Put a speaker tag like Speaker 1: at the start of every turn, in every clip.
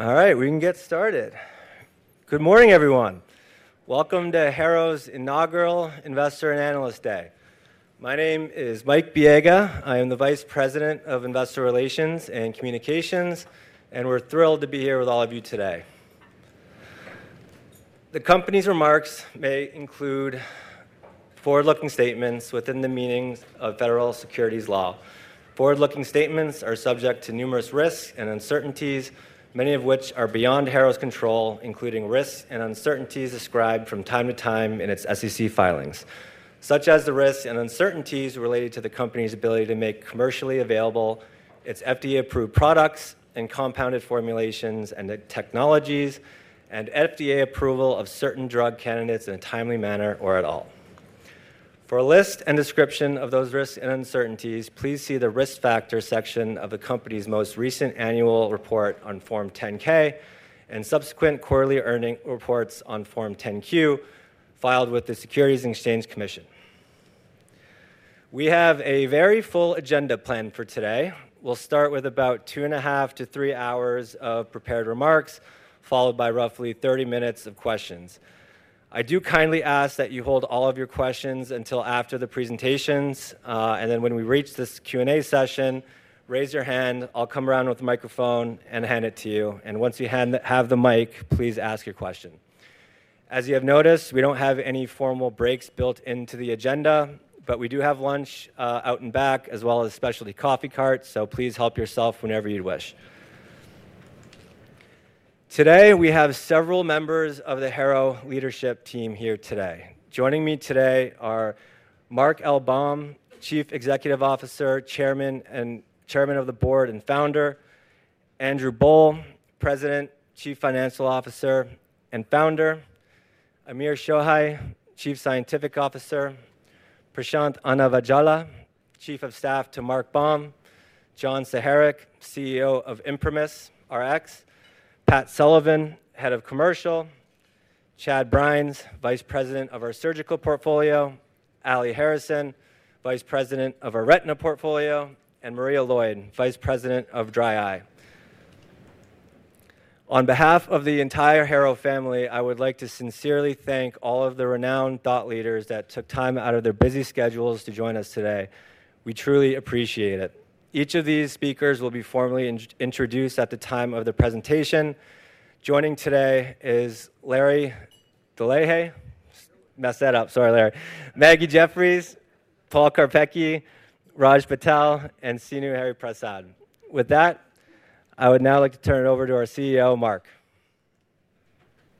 Speaker 1: All right, we can get started. Good morning, everyone. Welcome to Harrow's Inaugural Investor and Analyst Day. My name is Mike Biega. I am the Vice President of Investor Relations and Communications, and we're thrilled to be here with all of you today. The company's remarks may include forward-looking statements within the meanings of federal securities law. Forward-looking statements are subject to numerous risks and uncertainties, many of which are beyond Harrow's control, including risks and uncertainties ascribed from time to time in its SEC filings, such as the risks and uncertainties related to the company's ability to make commercially available its FDA-approved products and compounded formulations and technologies, and FDA approval of certain drug candidates in a timely manner or at all. For a list and description of those risks and uncertainties, please see the risk factor section of the company's most recent annual report on Form 10-K and subsequent quarterly earning reports on Form 10-Q filed with the Securities and Exchange Commission. We have a very full agenda planned for today. We'll start with about two and a half to three hours of prepared remarks, followed by roughly 30 minutes of questions. I do kindly ask that you hold all of your questions until after the presentations, and then when we reach this Q&A session, raise your hand. I'll come around with the microphone and hand it to you. Once you have the mic, please ask your question. As you have noticed, we don't have any formal breaks built into the agenda, but we do have lunch out and back, as well as specialty coffee carts, so please help yourself whenever you wish. Today, we have several members of the Harrow leadership team here today. Joining me today are Mark L. Baum, Chief Executive Officer, Chairman of the Board and Founder, Andrew Boll, President, Chief Financial Officer and Founder, Amir Shojaei, Chief Scientific Officer, Prashanth Annavajjhala, Chief of Staff to Mark L. Baum, John Saharek, CEO of ImprimisRx, Pat Sullivan, Head of Commercial, Chad Brines, Vice President of our Surgical Portfolio, Aly Harrison, Vice President of our Retina Portfolio, and Maria Lloyd, Vice President of Dry Eye. On behalf of the entire Harrow family, I would like to sincerely thank all of the renowned thought leaders that took time out of their busy schedules to join us today. We truly appreciate it. Each of these speakers will be formally introduced at the time of the presentation. Joining today is Larry Dillaha, sorry Larry, Maggie Jeffries, Tal Karpeki, Raj Patel, and Sinuhe Prasad. With that, I would now like to turn it over to our CEO, Mark.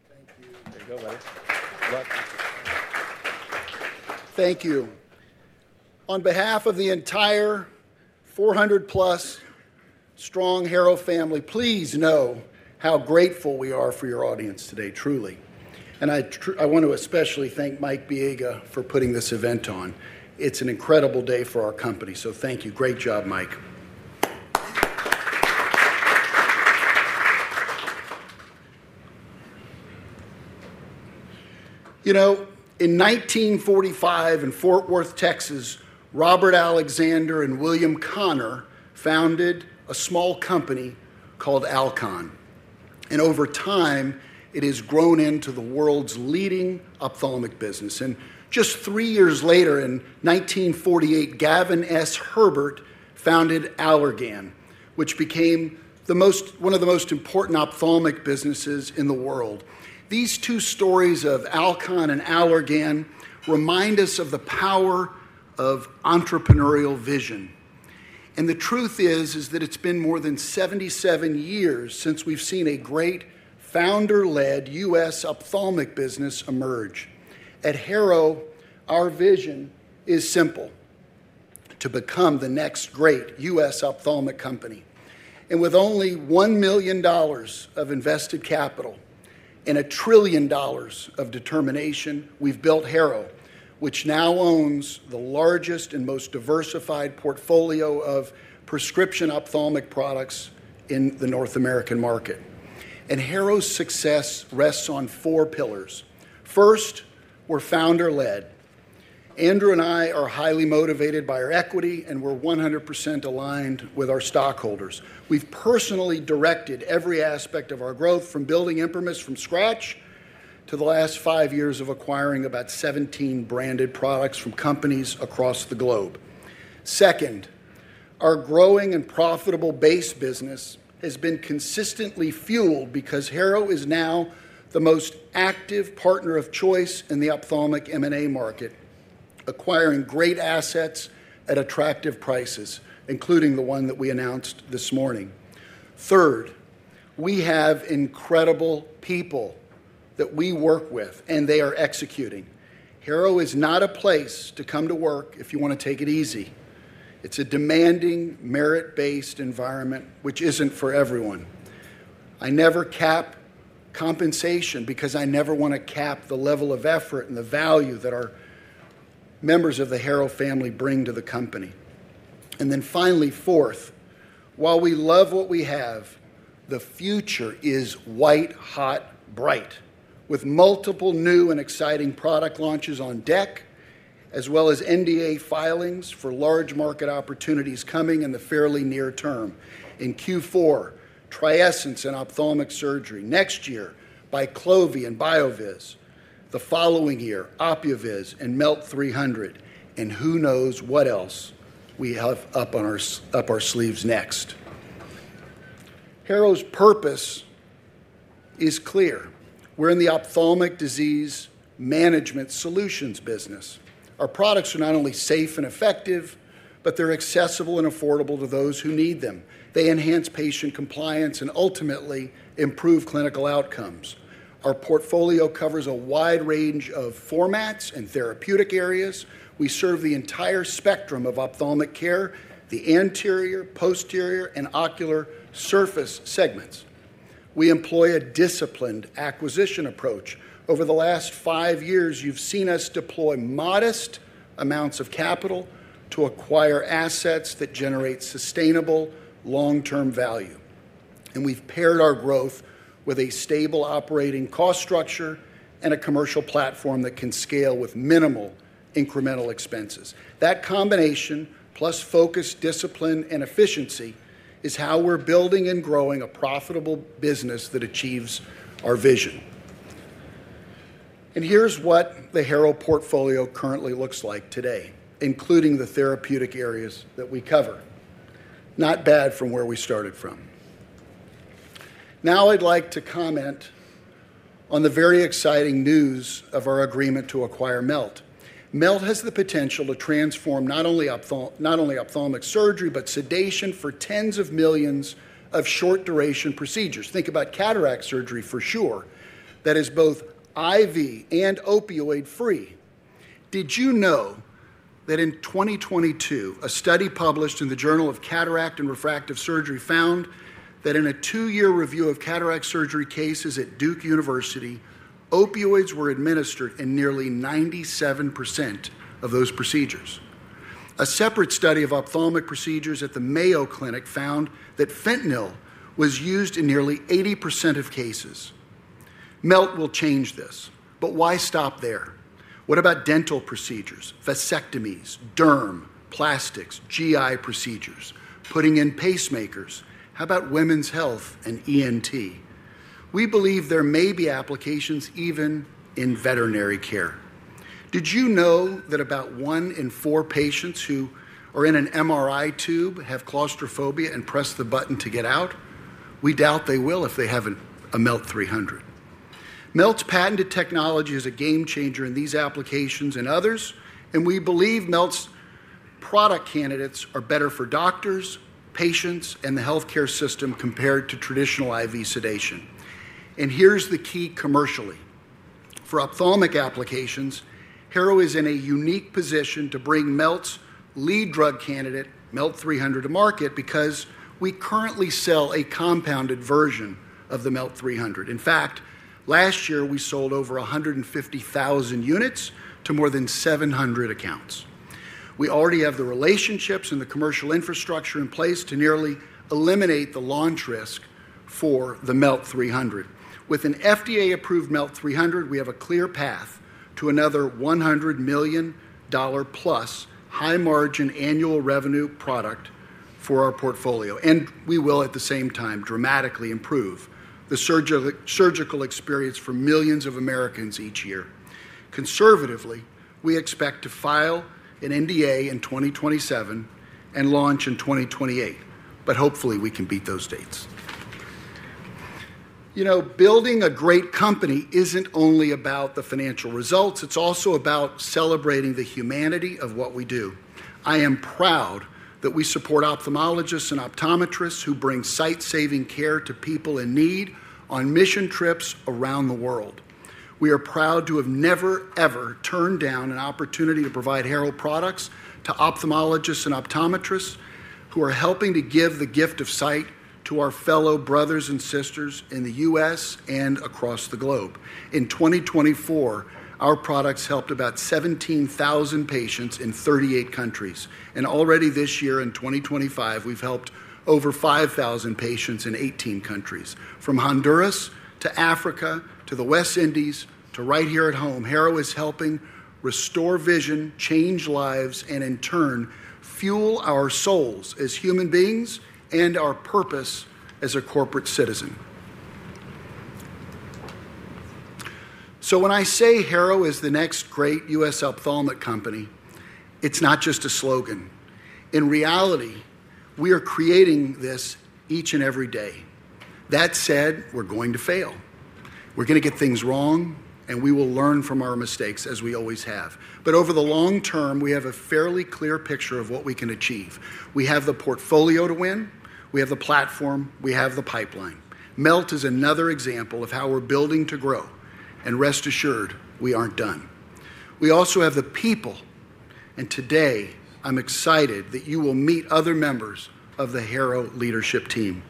Speaker 2: There you go, buddy. Thank you. On behalf of the entire 400+ strong Harrow family, please know how grateful we are for your audience today, truly. I want to especially thank Mike Biega for putting this event on. It's an incredible day for our company, so thank you. Great job, Mike. In 1945 in Fort Worth, Texas, Robert Alexander and William Connor founded a small company called Alcon. Over time, it has grown into the world's leading ophthalmic business. Just three years later, in 1948, Gavin S. Herbert founded Allergan, which became one of the most important ophthalmic businesses in the world. These two stories of Alcon and Allergan remind us of the power of entrepreneurial vision. The truth is that it's been more than 77 years since we've seen a great founder-led U.S. ophthalmic business emerge. At Harrow, our vision is simple: to become the next great U.S. ophthalmic company. With only $1 million of invested capital and $1 trillion of determination, we've built Harrow, which now owns the largest and most diversified portfolio of prescription ophthalmic products in the North American market. Harrow's success rests on four pillars. First, we're founder-led. Andrew and I are highly motivated by our equity, and we're 100% aligned with our stockholders. We've personally directed every aspect of our growth from building ImprimisRx from scratch to the last five years of acquiring about 17 branded products from companies across the globe. Second, our growing and profitable base business has been consistently fueled because Harrow is now the most active partner of choice in the ophthalmic M&A market, acquiring great assets at attractive prices, including the one that we announced this morning. Third, we have incredible people that we work with, and they are executing. Harrow is not a place to come to work if you want to take it easy. It's a demanding, merit-based environment, which isn't for everyone. I never cap compensation because I never want to cap the level of effort and the value that our members of the Harrow family bring to the company. Finally, fourth, while we love what we have, the future is white hot, bright, with multiple new and exciting product launches on deck, as well as NDA filings for large market opportunities coming in the fairly near term. In Q4, TRIESENCE in ophthalmic surgery, next year, BICLOVI and BioViz, the following year, Opuviz and Melt 300, and who knows what else we have up on our sleeves next. Harrow's purpose is clear. We're in the ophthalmic disease management solutions business. Our products are not only safe and effective, but they're accessible and affordable to those who need them. They enhance patient compliance and ultimately improve clinical outcomes. Our portfolio covers a wide range of formats and therapeutic areas. We serve the entire spectrum of ophthalmic care, the anterior, posterior, and ocular surface segments. We employ a disciplined acquisition approach. Over the last five years, you've seen us deploy modest amounts of capital to acquire assets that generate sustainable long-term value. We've paired our growth with a stable operating cost structure and a commercial platform that can scale with minimal incremental expenses. That combination, plus focused discipline and efficiency, is how we're building and growing a profitable business that achieves our vision. Here's what the Harrow portfolio currently looks like today, including the therapeutic areas that we cover. Not bad from where we started from. I'd like to comment on the very exciting news of our agreement to acquire Melt. Melt has the potential to transform not only ophthalmic surgery, but sedation for tens of millions of short-duration procedures. Think about cataract surgery for sure. That is both IV and opioid-free. Did you know that in 2022, a study published in the Journal of Cataract and Refractive Surgery found that in a two-year review of cataract surgery cases at Duke University, opioids were administered in nearly 97% of those procedures? A separate study of ophthalmic procedures at the Mayo Clinic found that fentanyl was used in nearly 80% of cases. Melt will change this. Why stop there? What about dental procedures, vasectomies, derm, plastics, GI procedures, putting in pacemakers? How about women's health and ENT? We believe there may be applications even in veterinary care. Did you know that about one in four patients who are in an MRI tube have claustrophobia and press the button to get out? We doubt they will if they have a Melt 300. Melt's patented technology is a game changer in these applications and others, and we believe Melt's product candidates are better for doctors, patients, and the healthcare system compared to traditional IV sedation. Here's the key commercially. For ophthalmic applications, Harrow is in a unique position to bring Melt's lead drug candidate, Melt 300, to market because we currently sell a compounded version of the Melt 300. In fact, last year we sold over 150,000 units to more than 700 accounts. We already have the relationships and the commercial infrastructure in place to nearly eliminate the launch risk for the Melt 300. With an FDA-approved Melt 300, we have a clear path to another $100 million-plus high-margin annual revenue product for our portfolio. We will, at the same time, dramatically improve the surgical experience for millions of Americans each year. Conservatively, we expect to file an NDA in 2027 and launch in 2028. Hopefully, we can beat those dates. You know, building a great company isn't only about the financial results, it's also about celebrating the humanity of what we do. I am proud that we support ophthalmologists and optometrists who bring sight-saving care to people in need on mission trips around the world. We are proud to have never, ever turned down an opportunity to provide Harrow products to ophthalmologists and optometrists who are helping to give the gift of sight to our fellow brothers and sisters in the U.S. and across the globe. In 2024, our products helped about 17,000 patients in 38 countries. Already this year, in 2025, we've helped over 5,000 patients in 18 countries. From Honduras to Africa to the West Indies to right here at home, Harrow is helping restore vision, change lives, and in turn, fuel our souls as human beings and our purpose as a corporate citizen. When I say Harrow is the next great U.S. ophthalmic company, it's not just a slogan. In reality, we are creating this each and every day. That said, we're going to fail. We're going to get things wrong, and we will learn from our mistakes, as we always have. Over the long term, we have a fairly clear picture of what we can achieve. We have the portfolio to win. We have the platform. We have the pipeline. Melt is another example of how we're building to grow. Rest assured, we aren't done. We also have the people. Today, I'm excited that you will meet other members of the Harrow leadership team.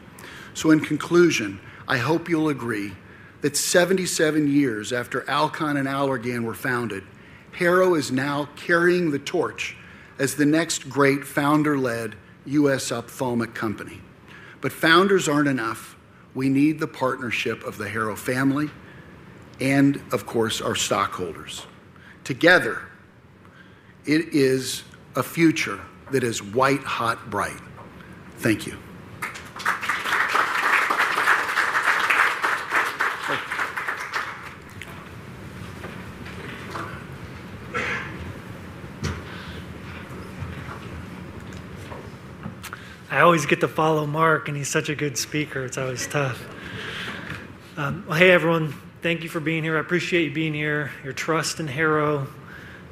Speaker 2: In conclusion, I hope you'll agree that 77 years after Alcon and Allergan were founded, Harrow is now carrying the torch as the next great founder-led U.S. ophthalmic company. Founders aren't enough. We need the partnership of the Harrow family and, of course, our stockholders. Together, it is a future that is white hot, bright. Thank you.
Speaker 3: I always get to follow Mark, and he's such a good speaker. It's always tough. Hey, everyone. Thank you for being here. I appreciate you being here, your trust in Harrow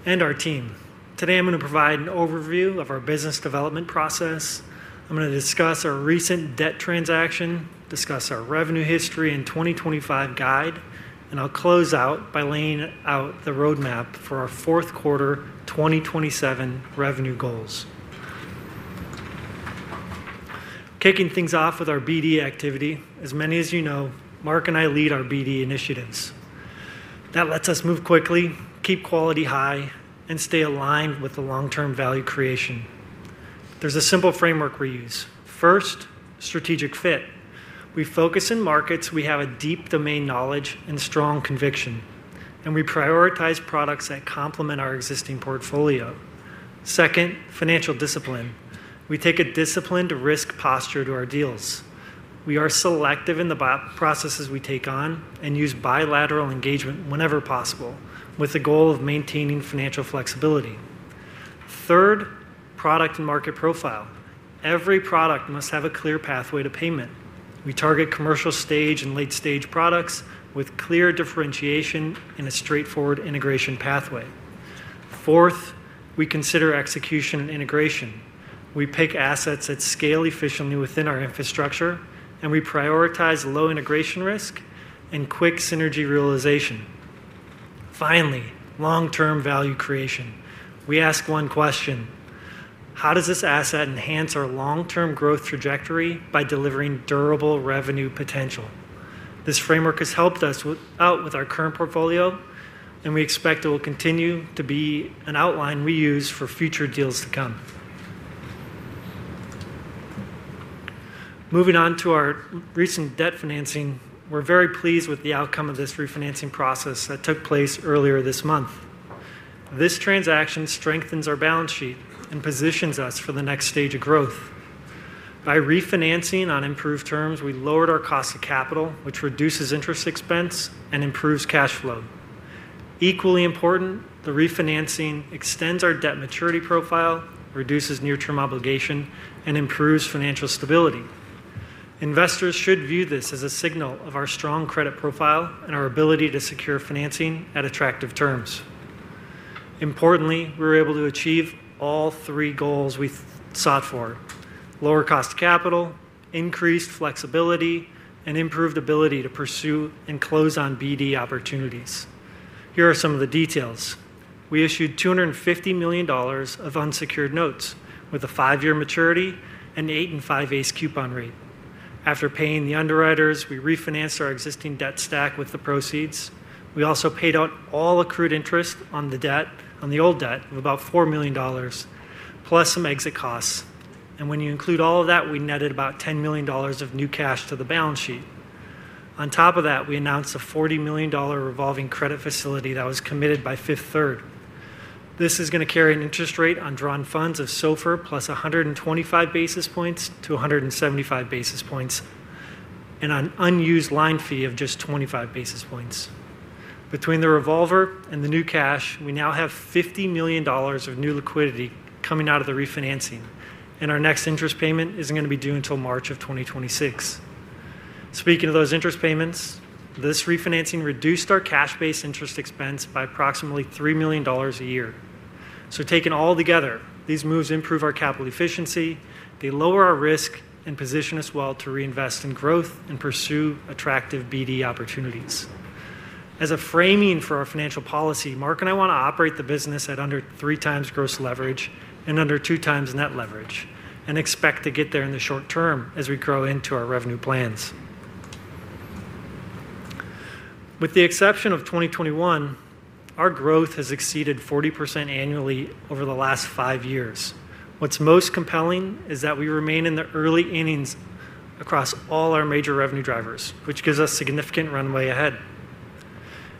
Speaker 3: and our team. Today, I'm going to provide an overview of our business development process. I'm going to discuss our recent debt transaction, discuss our revenue history and 2025 guide, and I'll close out by laying out the roadmap for our fourth quarter 2027 revenue goals. Kicking things off with our BD activity. As many of you know, Mark and I lead our BD initiatives. That lets us move quickly, keep quality high, and stay aligned with the long-term value creation. There's a simple framework we use. First, strategic fit. We focus in markets we have a deep domain knowledge and strong conviction, and we prioritize products that complement our existing portfolio. Second, financial discipline. We take a disciplined risk posture to our deals. We are selective in the processes we take on and use bilateral engagement whenever possible, with the goal of maintaining financial flexibility. Third, product and market profile. Every product must have a clear pathway to payment. We target commercial stage and late-stage products with clear differentiation in a straightforward integration pathway. Fourth, we consider execution and integration. We pick assets that scale efficiently within our infrastructure, and we prioritize low integration risk and quick synergy realization. Finally, long-term value creation. We ask one question: How does this asset enhance our long-term growth trajectory by delivering durable revenue potential? This framework has helped us out with our current portfolio, and we expect it will continue to be an outline we use for future deals to come. Moving on to our recent debt financing, we're very pleased with the outcome of this refinancing process that took place earlier this month. This transaction strengthens our balance sheet and positions us for the next stage of growth. By refinancing on improved terms, we lowered our cost of capital, which reduces interest expense and improves cash flow. Equally important, the refinancing extends our debt maturity profile, reduces near-term obligation, and improves financial stability. Investors should view this as a signal of our strong credit profile and our ability to secure financing at attractive terms. Importantly, we were able to achieve all three goals we sought for: lower cost of capital, increased flexibility, and improved ability to pursue and close on BD opportunities. Here are some of the details. We issued $250 million of unsecured notes with a five-year maturity and an 8.5% coupon rate. After paying the underwriters, we refinanced our existing debt stack with the proceeds. We also paid out all accrued interest on the old debt of about $4 million, plus some exit costs. When you include all of that, we netted about $10 million of new cash to the balance sheet. On top of that, we announced a $40 million revolving credit facility that was committed by Fifth Third. This is going to carry an interest rate on drawn funds of SOFR plus 125 basis points-175 basis points, and an unused line fee of just 25 basis points. Between the revolver and the new cash, we now have $50 million of new liquidity coming out of the refinancing, and our next interest payment isn't going to be due until March of 2026. Speaking of those interest payments, this refinancing reduced our cash-based interest expense by approximately $3 million a year. Taken all together, these moves improve our capital efficiency, they lower our risk, and position us well to reinvest in growth and pursue attractive BD opportunities. As a framing for our financial policy, Mark and I want to operate the business at under three times gross leverage and under two times net leverage and expect to get there in the short term as we grow into our revenue plans. With the exception of 2021, our growth has exceeded 40% annually over the last five years. What's most compelling is that we remain in the early innings across all our major revenue drivers, which gives us significant runway ahead.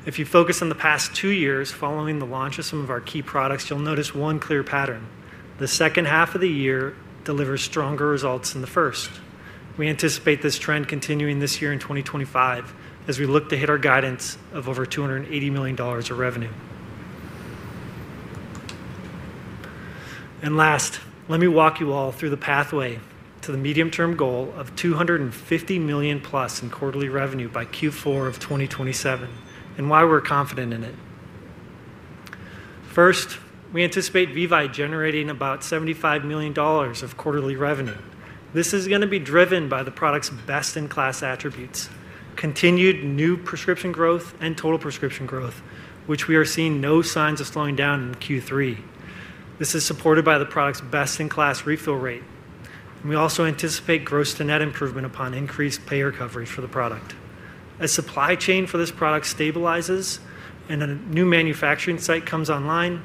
Speaker 3: If you focus on the past two years following the launch of some of our key products, you'll notice one clear pattern: the second half of the year delivers stronger results than the first. We anticipate this trend continuing this year in 2025 as we look to hit our guidance of over $280 million of revenue. Last, let me walk you all through the pathway to the medium-term goal of $250 million+ in quarterly revenue by Q4 of 2027 and why we're confident in it. First, we anticipate VEVYE generating about $75 million of quarterly revenue. This is going to be driven by the product's best-in-class attributes: continued new prescription growth and total prescription growth, which we are seeing no signs of slowing down in Q3. This is supported by the product's best-in-class refill rate. We also anticipate gross-to-net improvement upon increased payer coverage for the product. As supply chain for this product stabilizes and a new manufacturing site comes online,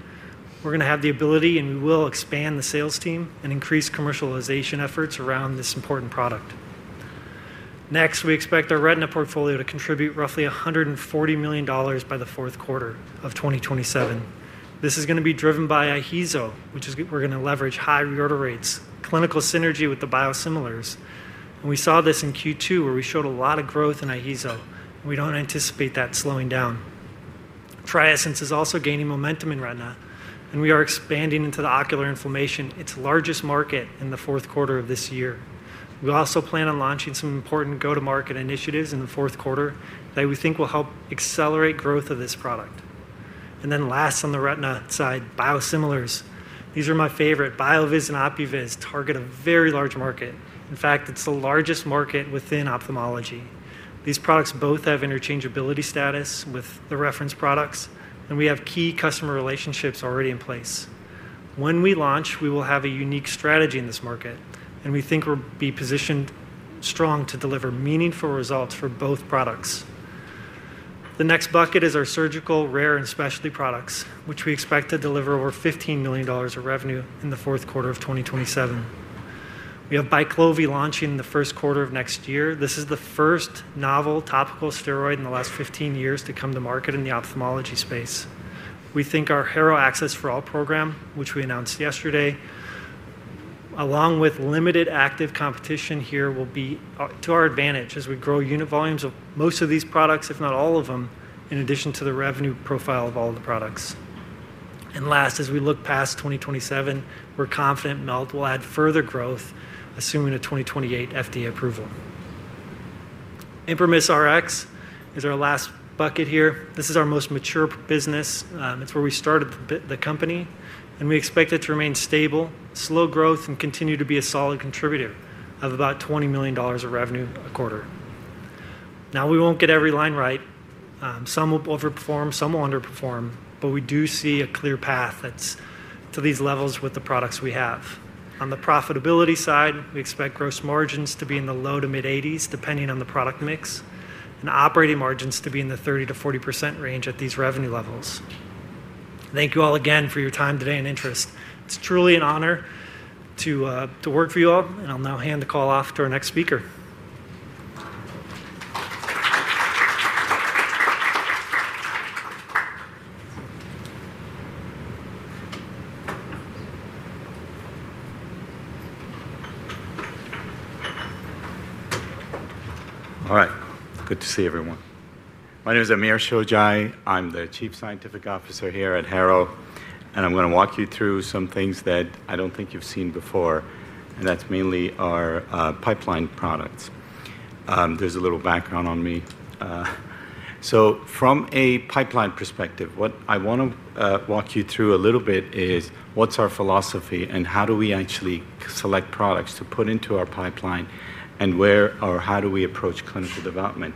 Speaker 3: we're going to have the ability, and we will expand the sales team and increase commercialization efforts around this important product. Next, we expect our retina portfolio to contribute roughly $140 million by the fourth quarter of 2027. This is going to be driven by IHEEZO, which is we're going to leverage high reorder rates, clinical synergy with the biosimilars. We saw this in Q2, where we showed a lot of growth in IHEEZO. We don't anticipate that slowing down. TRIESENCE is also gaining momentum in retina, and we are expanding into the ocular inflammation, its largest market, in the fourth quarter of this year. We also plan on launching some important go-to-market initiatives in the fourth quarter that we think will help accelerate growth of this product. Last on the retina side, biosimilars. These are my favorite. BioViz and Opuviz target a very large market. In fact, it's the largest market within ophthalmology. These products both have interchangeability status with the reference products, and we have key customer relationships already in place. When we launch, we will have a unique strategy in this market, and we think we'll be positioned strong to deliver meaningful results for both products. The next bucket is our surgical, rare, and specialty products, which we expect to deliver over $15 million of revenue in the fourth quarter of 2027. We have BICLOVI launching in the first quarter of next year. This is the first novel topical steroid in the last 15 years to come to market in the ophthalmology space. We think our Harrow Access for All program, which we announced yesterday, along with limited active competition here, will be to our advantage as we grow unit volumes of most of these products, if not all of them, in addition to the revenue profile of all of the products. As we look past 2027, we're confident Melt will add further growth, assuming a 2028 FDA approval. ImprimisRx is our last bucket here. This is our most mature business. It's where we started the company, and we expect it to remain stable, slow growth, and continue to be a solid contributor of about $20 million of revenue a quarter. Now, we won't get every line right. Some will overperform, some will underperform, but we do see a clear path to these levels with the products we have. On the profitability side, we expect gross margins to be in the low to mid-80s, depending on the product mix, and operating margins to be in the 30%-40% range at these revenue levels. Thank you all again for your time today and interest. It's truly an honor to work for you all, and I'll now hand the call off to our next speaker.
Speaker 4: All right. Good to see everyone. My name is Amir Shojaei. I'm the Chief Scientific Officer here at Harrow, and I'm going to walk you through some things that I don't think you've seen before, and that's mainly our pipeline products. There's a little background on me. From a pipeline perspective, what I want to walk you through a little bit is what's our philosophy and how do we actually select products to put into our pipeline and where or how do we approach clinical development.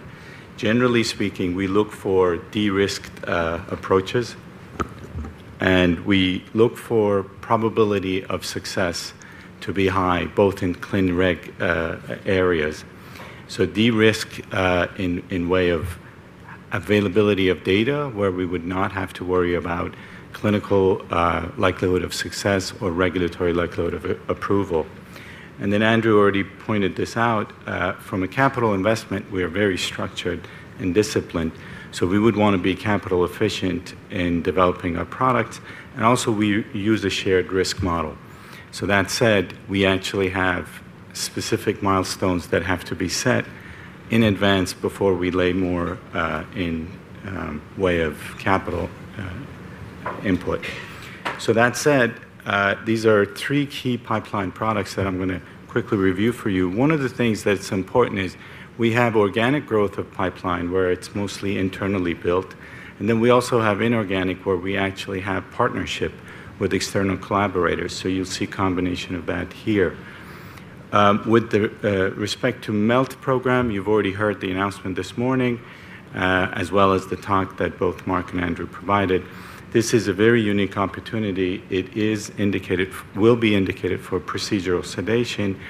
Speaker 4: Generally speaking, we look for de-risked approaches, and we look for probability of success to be high, both in clin-reg areas. De-risk in way of availability of data where we would not have to worry about clinical likelihood of success or regulatory likelihood of approval. Andrew already pointed this out. From a capital investment, we are very structured and disciplined, so we would want to be capital efficient in developing our products, and also we use a shared risk model. That said, we actually have specific milestones that have to be set in advance before we lay more in way of capital input. These are three key pipeline products that I'm going to quickly review for you. One of the things that's important is we have organic growth of pipeline where it's mostly internally built, and then we also have inorganic where we actually have partnership with external collaborators, so you'll see a combination of that here. With respect to Melt program, you've already heard the announcement this morning, as well as the talk that both Mark and Andrew provided. This is a very unique opportunity. It is indicated, will be indicated for procedural sedation.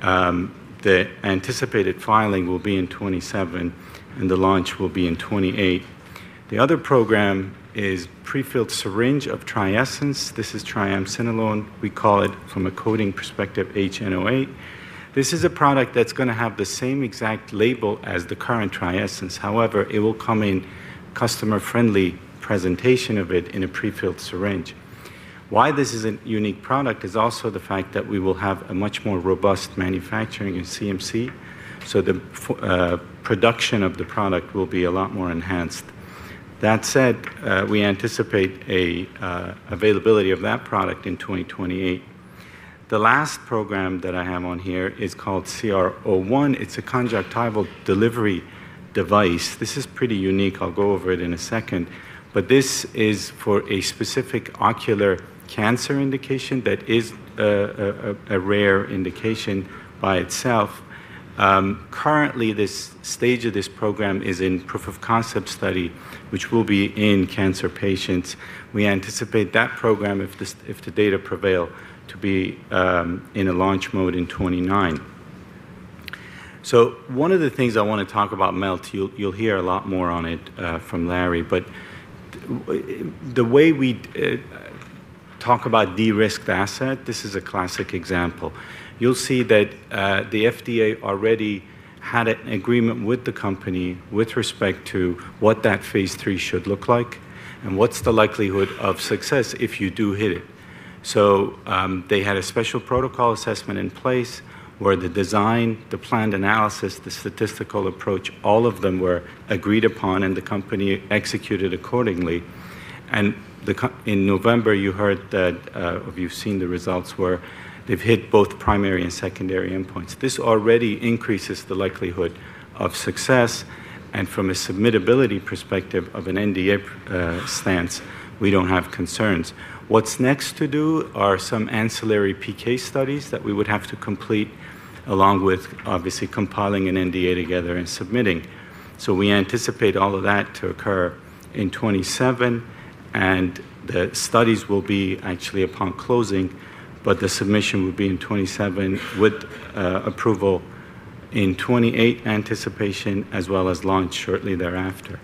Speaker 4: The anticipated filing will be in 2027, and the launch will be in 2028. The other program is prefilled syringe of TRIESENCE. This is triamcinolone. We call it, from a coding perspective, HNO8. This is a product that's going to have the same exact label as the current TRIESENCE. However, it will come in customer-friendly presentation of it in a prefilled syringe. Why this is a unique product is also the fact that we will have a much more robust manufacturing in CMC, so the production of the product will be a lot more enhanced. That said, we anticipate an availability of that product in 2028. The last program that I have on here is called CR01. It's a conjunctival delivery device. This is pretty unique. I'll go over it in a second, but this is for a specific ocular cancer indication that is a rare indication by itself. Currently, the stage of this program is in proof of concept study, which will be in cancer patients. We anticipate that program, if the data prevail, to be in a launch mode in 2029. One of the things I want to talk about is Melt. You'll hear a lot more on it from Larry, but the way we talk about de-risked asset, this is a classic example. You'll see that the FDA already had an agreement with the company with respect to what that phase three should look like and what's the likelihood of success if you do hit it. They had a special protocol assessment in place where the design, the planned analysis, the statistical approach, all of them were agreed upon, and the company executed accordingly. In November, you heard that, or you've seen the results where they've hit both primary and secondary endpoints. This already increases the likelihood of success, and from a submittability perspective of an NDA stance, we don't have concerns. Next to do are some ancillary PK studies that we would have to complete, along with obviously compiling an NDA together and submitting. We anticipate all of that to occur in 2027, and the studies will be actually upon closing, but the submission would be in 2027 with approval in 2028, anticipation, as well as launch shortly thereafter.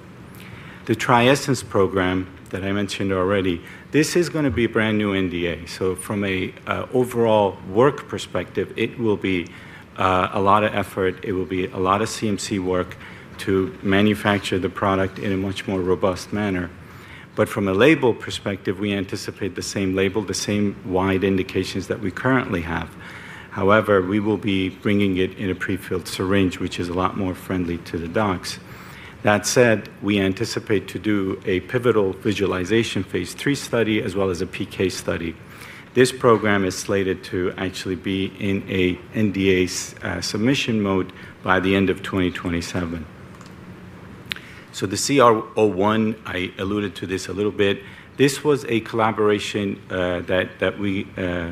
Speaker 4: The TRIESENCE program that I mentioned already, this is going to be a brand new NDA. From an overall work perspective, it will be a lot of effort. It will be a lot of CMC work to manufacture the product in a much more robust manner. From a label perspective, we anticipate the same label, the same wide indications that we currently have. However, we will be bringing it in a prefilled syringe, which is a lot more friendly to the docs. That said, we anticipate to do a pivotal visualization phase three study, as well as a PK study. This program is slated to actually be in an NDA submission mode by the end of 2027. The CR01, I alluded to this a little bit. This was a collaboration that we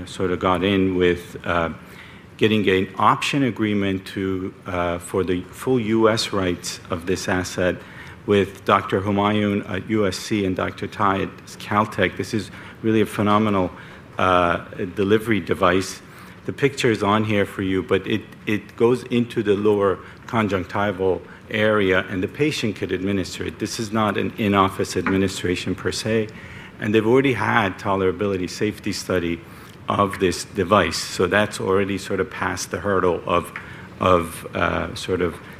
Speaker 4: sort of got in with getting an option agreement for the full U.S. rights of this asset with Dr. Humayun at USC and Dr. Tai at Caltech. This is really a phenomenal delivery device. The picture is on here for you, but it goes into the lower conjunctival area, and the patient could administer it. This is not an in-office administration per se, and they've already had a tolerability safety study of this device, so that's already sort of passed the hurdle of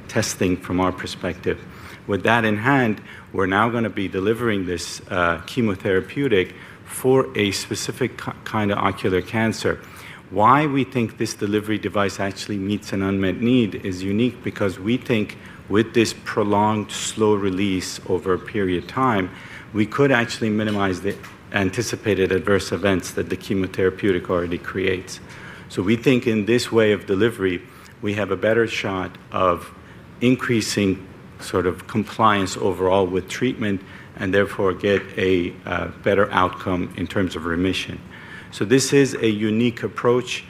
Speaker 4: testing from our perspective. With that in hand, we're now going to be delivering this chemotherapeutic for a specific kind of ocular cancer. Why we think this delivery device actually meets an unmet need is unique because we think with this prolonged slow release over a period of time, we could actually minimize the anticipated adverse events that the chemotherapeutic already creates. We think in this way of delivery, we have a better shot of increasing compliance overall with treatment and therefore get a better outcome in terms of remission. This is a unique approach.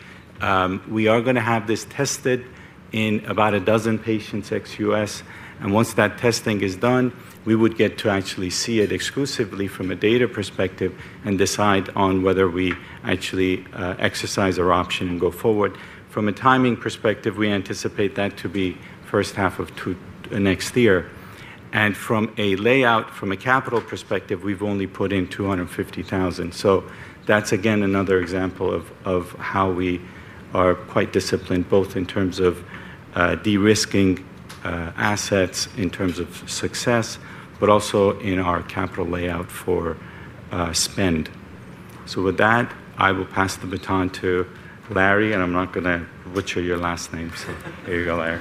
Speaker 4: We are going to have this tested in about a dozen patients ex-U.S., and once that testing is done, we would get to actually see it exclusively from a data perspective and decide on whether we actually exercise our option and go forward. From a timing perspective, we anticipate that to be the first half of next year. From a layout, from a capital perspective, we've only put in $250,000. That's again another example of how we are quite disciplined, both in terms of de-risking assets, in terms of success, but also in our capital layout for spend. With that, I will pass the baton to Larry, and I'm not going to butcher your last name. Here you go, Larry.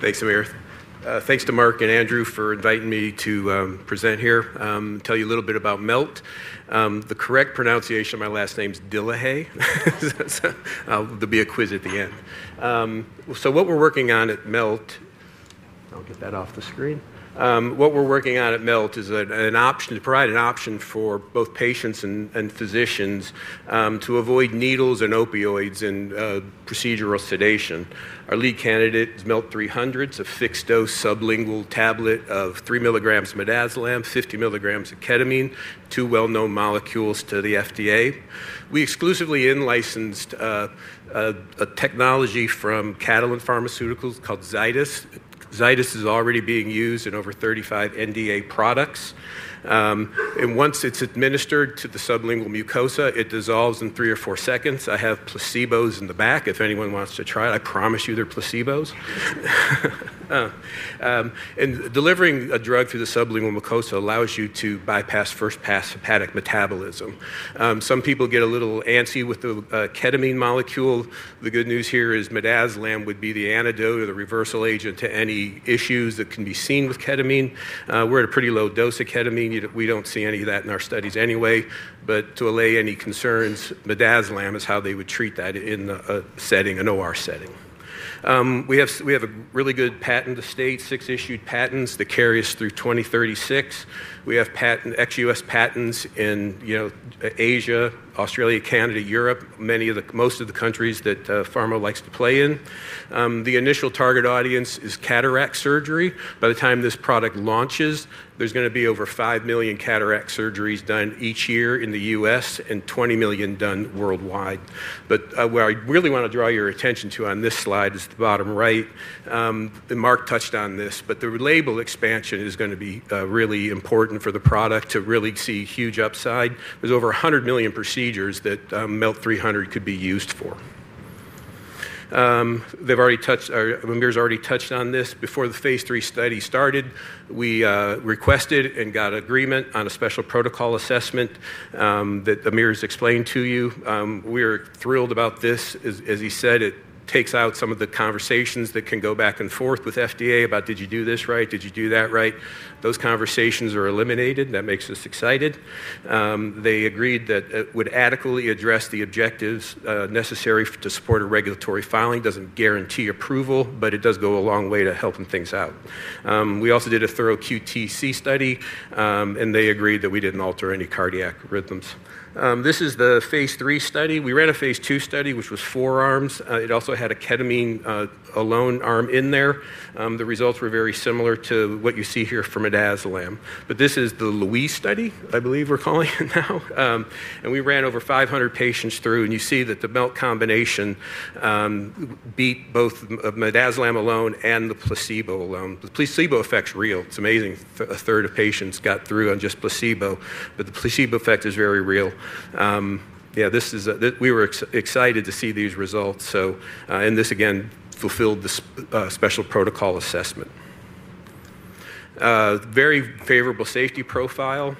Speaker 5: Thanks, Amir. Thanks to Mark and Andrew for inviting me to present here. Tell you a little bit about Melt. The correct pronunciation of my last name is Dillaha. There'll be a quiz at the end. What we're working on at Melt is an option to provide an option for both patients and physicians to avoid needles and opioids and procedural sedation. Our lead candidate is Melt 300, it's a fixed dose sublingual tablet of 3 mg midazolam, 50 mg of ketamine, two well-known molecules to the FDA. We exclusively licensed a technology from Catalent Pharmaceuticals called Zydis. Zydis is already being used in over 35 NDA products. Once it's administered to the sublingual mucosa, it dissolves in three or four seconds. I have placebos in the back. If anyone wants to try it, I promise you they're placebos. Delivering a drug through the sublingual mucosa allows you to bypass first pass hepatic metabolism. Some people get a little antsy with the ketamine molecule. The good news here is midazolam would be the antidote or the reversal agent to any issues that can be seen with ketamine. We're at a pretty low dose of ketamine. We don't see any of that in our studies anyway. To allay any concerns, midazolam is how they would treat that in a setting, an OR setting. We have a really good patent estate, six issued patents that carry us through 2036. We have ex-U.S. patents in Asia, Australia, Canada, Europe, many of the most of the countries that pharma likes to play in. The initial target audience is cataract surgery. By the time this product launches, there's going to be over 5 million cataract surgeries done each year in the U.S. and 20 million done worldwide. What I really want to draw your attention to on this slide is the bottom right. Mark touched on this, the label expansion is going to be really important for the product to really see huge upside. There's over 100 million procedures that Melt 300 could be used for. Amir's already touched on this. Before the phase 3 study started, we requested and got agreement on a special protocol assessment that Amir has explained to you. We are thrilled about this. As he said, it takes out some of the conversations that can go back and forth with FDA about, did you do this right? Did you do that right? Those conversations are eliminated. That makes us excited. They agreed that it would adequately address the objectives necessary to support a regulatory filing. It doesn't guarantee approval, but it does go a long way to helping things out. We also did a thorough QTc study, and they agreed that we didn't alter any cardiac rhythms. This is the phase three study. We ran a phase two study, which was four arms. It also had a ketamine alone arm in there. The results were very similar to what you see here for midazolam. This is the Louise study, I believe we're calling it now. We ran over 500 patients through, and you see that the Melt combination beat both midazolam alone and the placebo alone. The placebo effect is real. It's amazing. A third of patients got through on just placebo, but the placebo effect is very real. We were excited to see these results. This again fulfilled the special protocol assessment. Very favorable safety profile,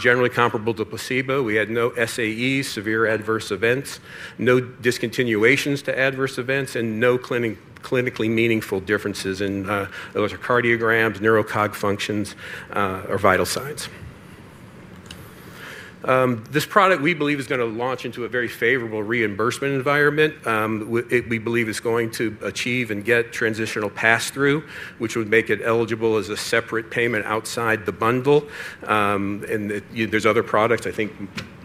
Speaker 5: generally comparable to placebo. We had no SAEs, severe adverse events, no discontinuations due to adverse events, and no clinically meaningful differences in electrocardiograms, neurocog functions, or vital signs. This product we believe is going to launch into a very favorable reimbursement environment. We believe it's going to achieve and get transitional pass-through, which would make it eligible as a separate payment outside the bundle. There are other products. I think,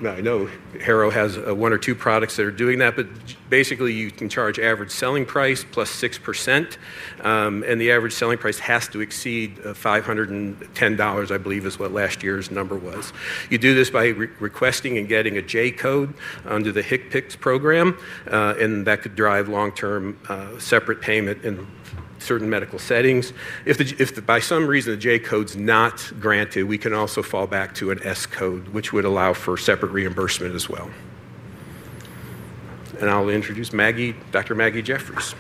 Speaker 5: I know Harrow has one or two products that are doing that, but basically you can charge average selling price plus 6%, and the average selling price has to exceed $510, I believe, is what last year's number was. You do this by requesting and getting a J code under the HCPCS program, and that could drive long-term separate payment in certain medical settings. If for some reason the J code's not granted, we can also fall back to an S code, which would allow for separate reimbursement as well. I'll introduce Dr. Maggie Jeffries.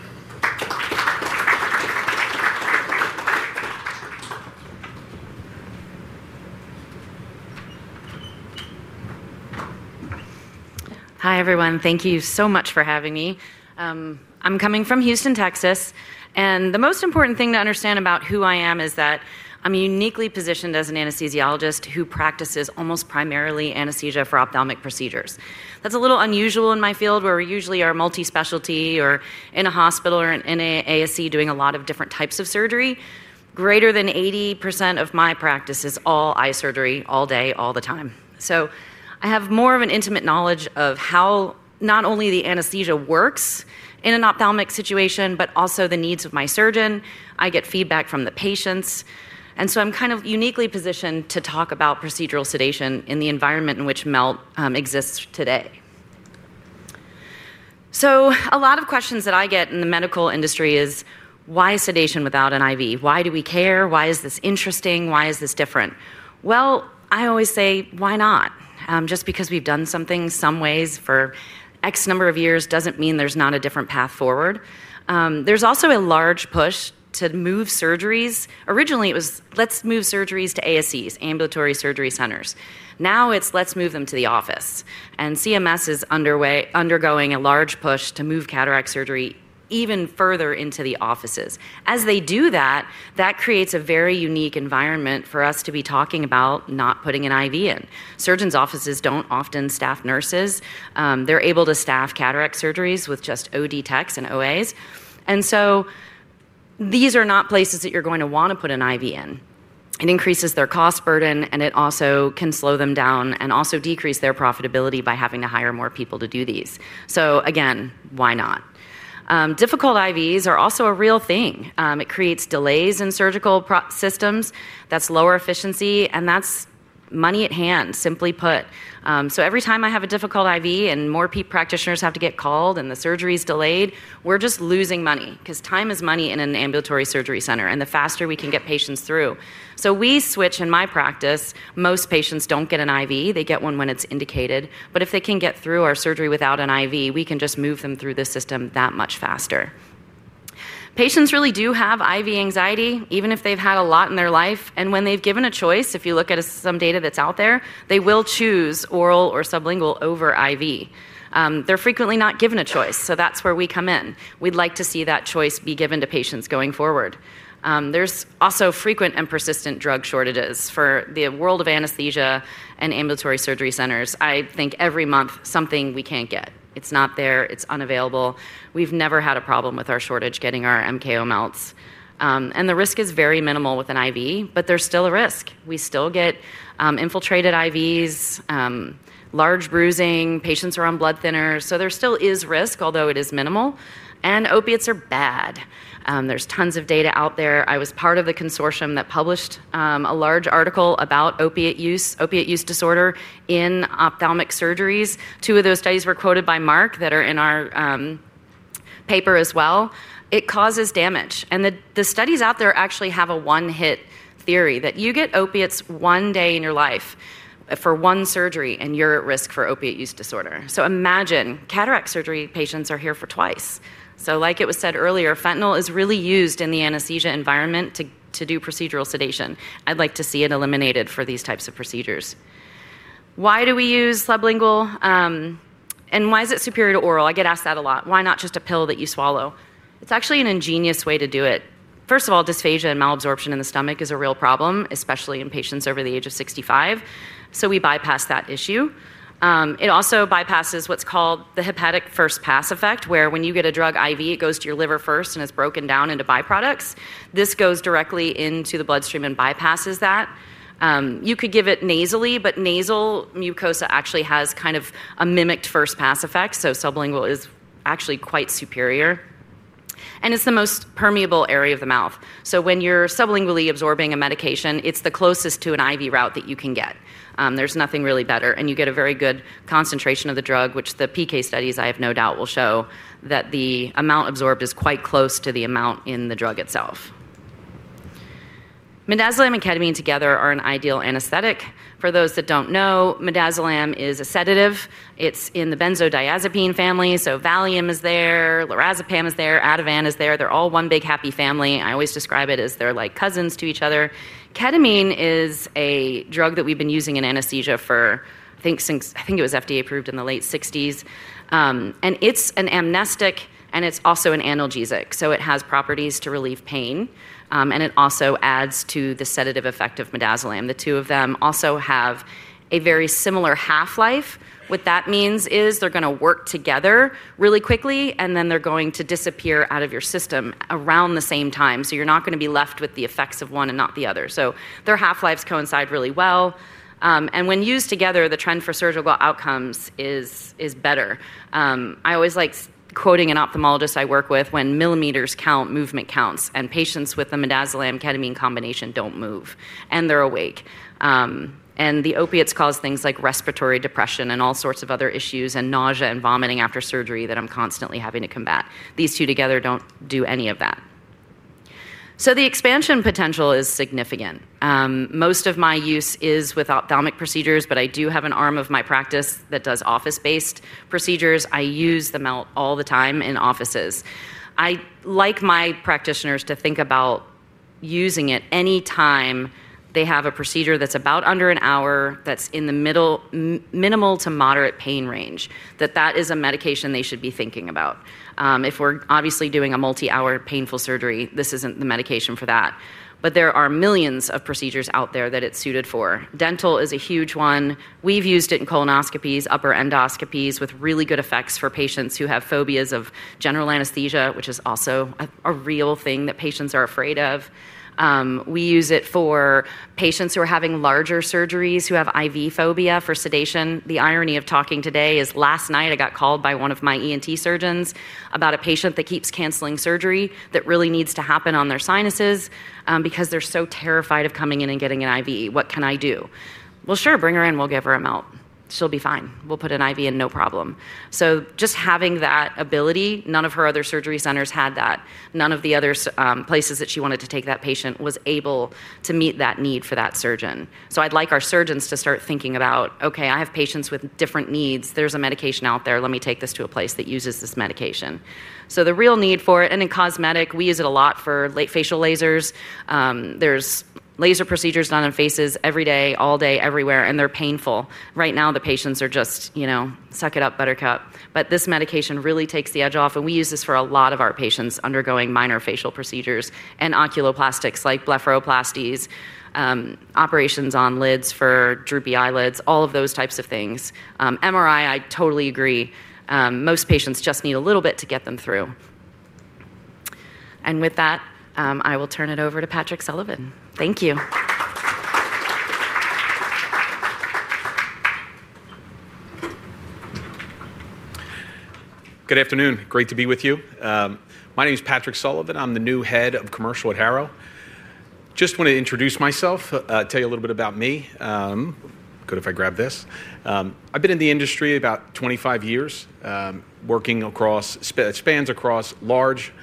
Speaker 6: Hi, everyone. Thank you so much for having me. I'm coming from Houston, Texas, and the most important thing to understand about who I am is that I'm uniquely positioned as an anesthesiologist who practices almost primarily anesthesia for ophthalmic procedures. That's a little unusual in my field where we usually are multi-specialty or in a hospital or in an ASC doing a lot of different types of surgery. Greater than 80% of my practice is all eye surgery, all day, all the time. I have more of an intimate knowledge of how not only the anesthesia works in an ophthalmic situation, but also the needs of my surgeon. I get feedback from the patients, and I'm kind of uniquely positioned to talk about procedural sedation in the environment in which Melt exists today. A lot of questions that I get in the medical industry is, why sedation without an IV? Why do we care? Why is this interesting? Why is this different? I always say, why not? Just because we've done something some ways for X number of years doesn't mean there's not a different path forward. There's also a large push to move surgeries. Originally, it was, let's move surgeries to ASCs, ambulatory surgery centers. Now it's, let's move them to the office. CMS is undergoing a large push to move cataract surgery even further into the offices. As they do that, that creates a very unique environment for us to be talking about not putting an IV in. Surgeons' offices don't often staff nurses. They're able to staff cataract surgeries with just OD techs and OAs. These are not places that you're going to want to put an IV in. It increases their cost burden, and it also can slow them down and also decrease their profitability by having to hire more people to do these. Again, why not? Difficult IVs are also a real thing. It creates delays in surgical systems. That's lower efficiency, and that's money at hand, simply put. Every time I have a difficult IV and more practitioners have to get called and the surgery is delayed, we're just losing money because time is money in an ambulatory surgery center, and the faster we can get patients through. We switch in my practice. Most patients don't get an IV. They get one when it's indicated. If they can get through our surgery without an IV, we can just move them through the system that much faster. Patients really do have IV anxiety, even if they've had a lot in their life. When they've given a choice, if you look at some data that's out there, they will choose oral or sublingual over IV. They're frequently not given a choice. That's where we come in. We'd like to see that choice be given to patients going forward. There's also frequent and persistent drug shortages for the world of anesthesia and ambulatory surgery centers. I think every month, something we can't get. It's not there. It's unavailable. We've never had a problem with our shortage getting our MKO Melts. The risk is very minimal with an IV, but there's still a risk. We still get infiltrated IVs, large bruising. Patients are on blood thinners. There still is risk, although it is minimal. Opiates are bad. There's tons of data out there. I was part of the consortium that published a large article about opiate use, opiate use disorder in ophthalmic surgeries. Two of those studies were quoted by Mark that are in our paper as well. It causes damage. The studies out there actually have a one-hit theory that you get opiates one day in your life for one surgery, and you're at risk for opiate use disorder. Imagine cataract surgery patients are here for twice. Like it was said earlier, fentanyl is really used in the anesthesia environment to do procedural sedation. I'd like to see it eliminated for these types of procedures. Why do we use sublingual? Why is it superior to oral? I get asked that a lot. Why not just a pill that you swallow? It's actually an ingenious way to do it. First of all, dysphagia and malabsorption in the stomach is a real problem, especially in patients over the age of 65. We bypass that issue. It also bypasses what's called the hepatic first pass effect, where when you get a drug IV, it goes to your liver first and is broken down into byproducts. This goes directly into the bloodstream and bypasses that. You could give it nasally, but nasal mucosa actually has kind of a mimicked first pass effect. Sublingual is actually quite superior. It's the most permeable area of the mouth. When you're sublingually absorbing a medication, it's the closest to an IV route that you can get. There's nothing really better. You get a very good concentration of the drug, which the PK studies I have no doubt will show that the amount absorbed is quite close to the amount in the drug itself. Midazolam and ketamine together are an ideal anesthetic. For those that don't know, midazolam is a sedative. It's in the benzodiazepine family. Valium is there. Lorazepam is there. Ativan is there. They're all one big happy family. I always describe it as they're like cousins to each other. Ketamine is a drug that we've been using in anesthesia since I think it was FDA approved in the late 1960s. It's an amnestic, and it's also an analgesic. It has properties to relieve pain. It also adds to the sedative effect of midazolam. The two of them also have a very similar half-life. What that means is they're going to work together really quickly, and then they're going to disappear out of your system around the same time. You're not going to be left with the effects of one and not the other. Their half-lives coincide really well. When used together, the trend for surgical outcomes is better. I always like quoting an ophthalmologist I work with: when millimeters count, movement counts, and patients with the midazolam-ketamine combination don't move, and they're awake. The opiates cause things like respiratory depression and all sorts of other issues and nausea and vomiting after surgery that I'm constantly having to combat. These two together don't do any of that. The expansion potential is significant. Most of my use is with ophthalmic procedures, but I do have an arm of my practice that does office-based procedures. I use the Melt all the time in offices. I like my practitioners to think about using it any time they have a procedure that's under an hour, that's in the minimal to moderate pain range, that that is a medication they should be thinking about. If we're obviously doing a multi-hour painful surgery, this isn't the medication for that. There are millions of procedures out there that it's suited for. Dental is a huge one. We've used it in colonoscopies, upper endoscopies with really good effects for patients who have phobias of general anesthesia, which is also a real thing that patients are afraid of. We use it for patients who are having larger surgeries, who have IV phobia for sedation. The irony of talking today is last night I got called by one of my ENT surgeons about a patient that keeps canceling surgery that really needs to happen on their sinuses because they're so terrified of coming in and getting an IV. What can I do? Sure, bring her in. We'll give her a Melt. She'll be fine. We'll put an IV in, no problem. Just having that ability, none of her other surgery centers had that. None of the other places that she wanted to take that patient was able to meet that need for that surgeon. I'd like our surgeons to start thinking about, OK, I have patients with different needs. There's a medication out there. Let me take this to a place that uses this medication. The real need for it, and in cosmetic, we use it a lot for late facial lasers. There are laser procedures done on faces every day, all day, everywhere, and they're painful. Right now, the patients are just, you know, suck it up, buttercup. This medication really takes the edge off, and we use this for a lot of our patients undergoing minor facial procedures and oculoplastics like blepharoplasties, operations on lids for droopy eyelids, all of those types of things. MRI, I totally agree. Most patients just need a little bit to get them through. With that, I will turn it over to Pat Sullivan. Thank you.
Speaker 7: Good afternoon. Great to be with you. My name is Pat Sullivan. I'm the new Head of Commercial at Harrow. I just want to introduce myself, tell you a little bit about me. Good if I grab this. I've been in the industry about 25 years, working across, it spans across large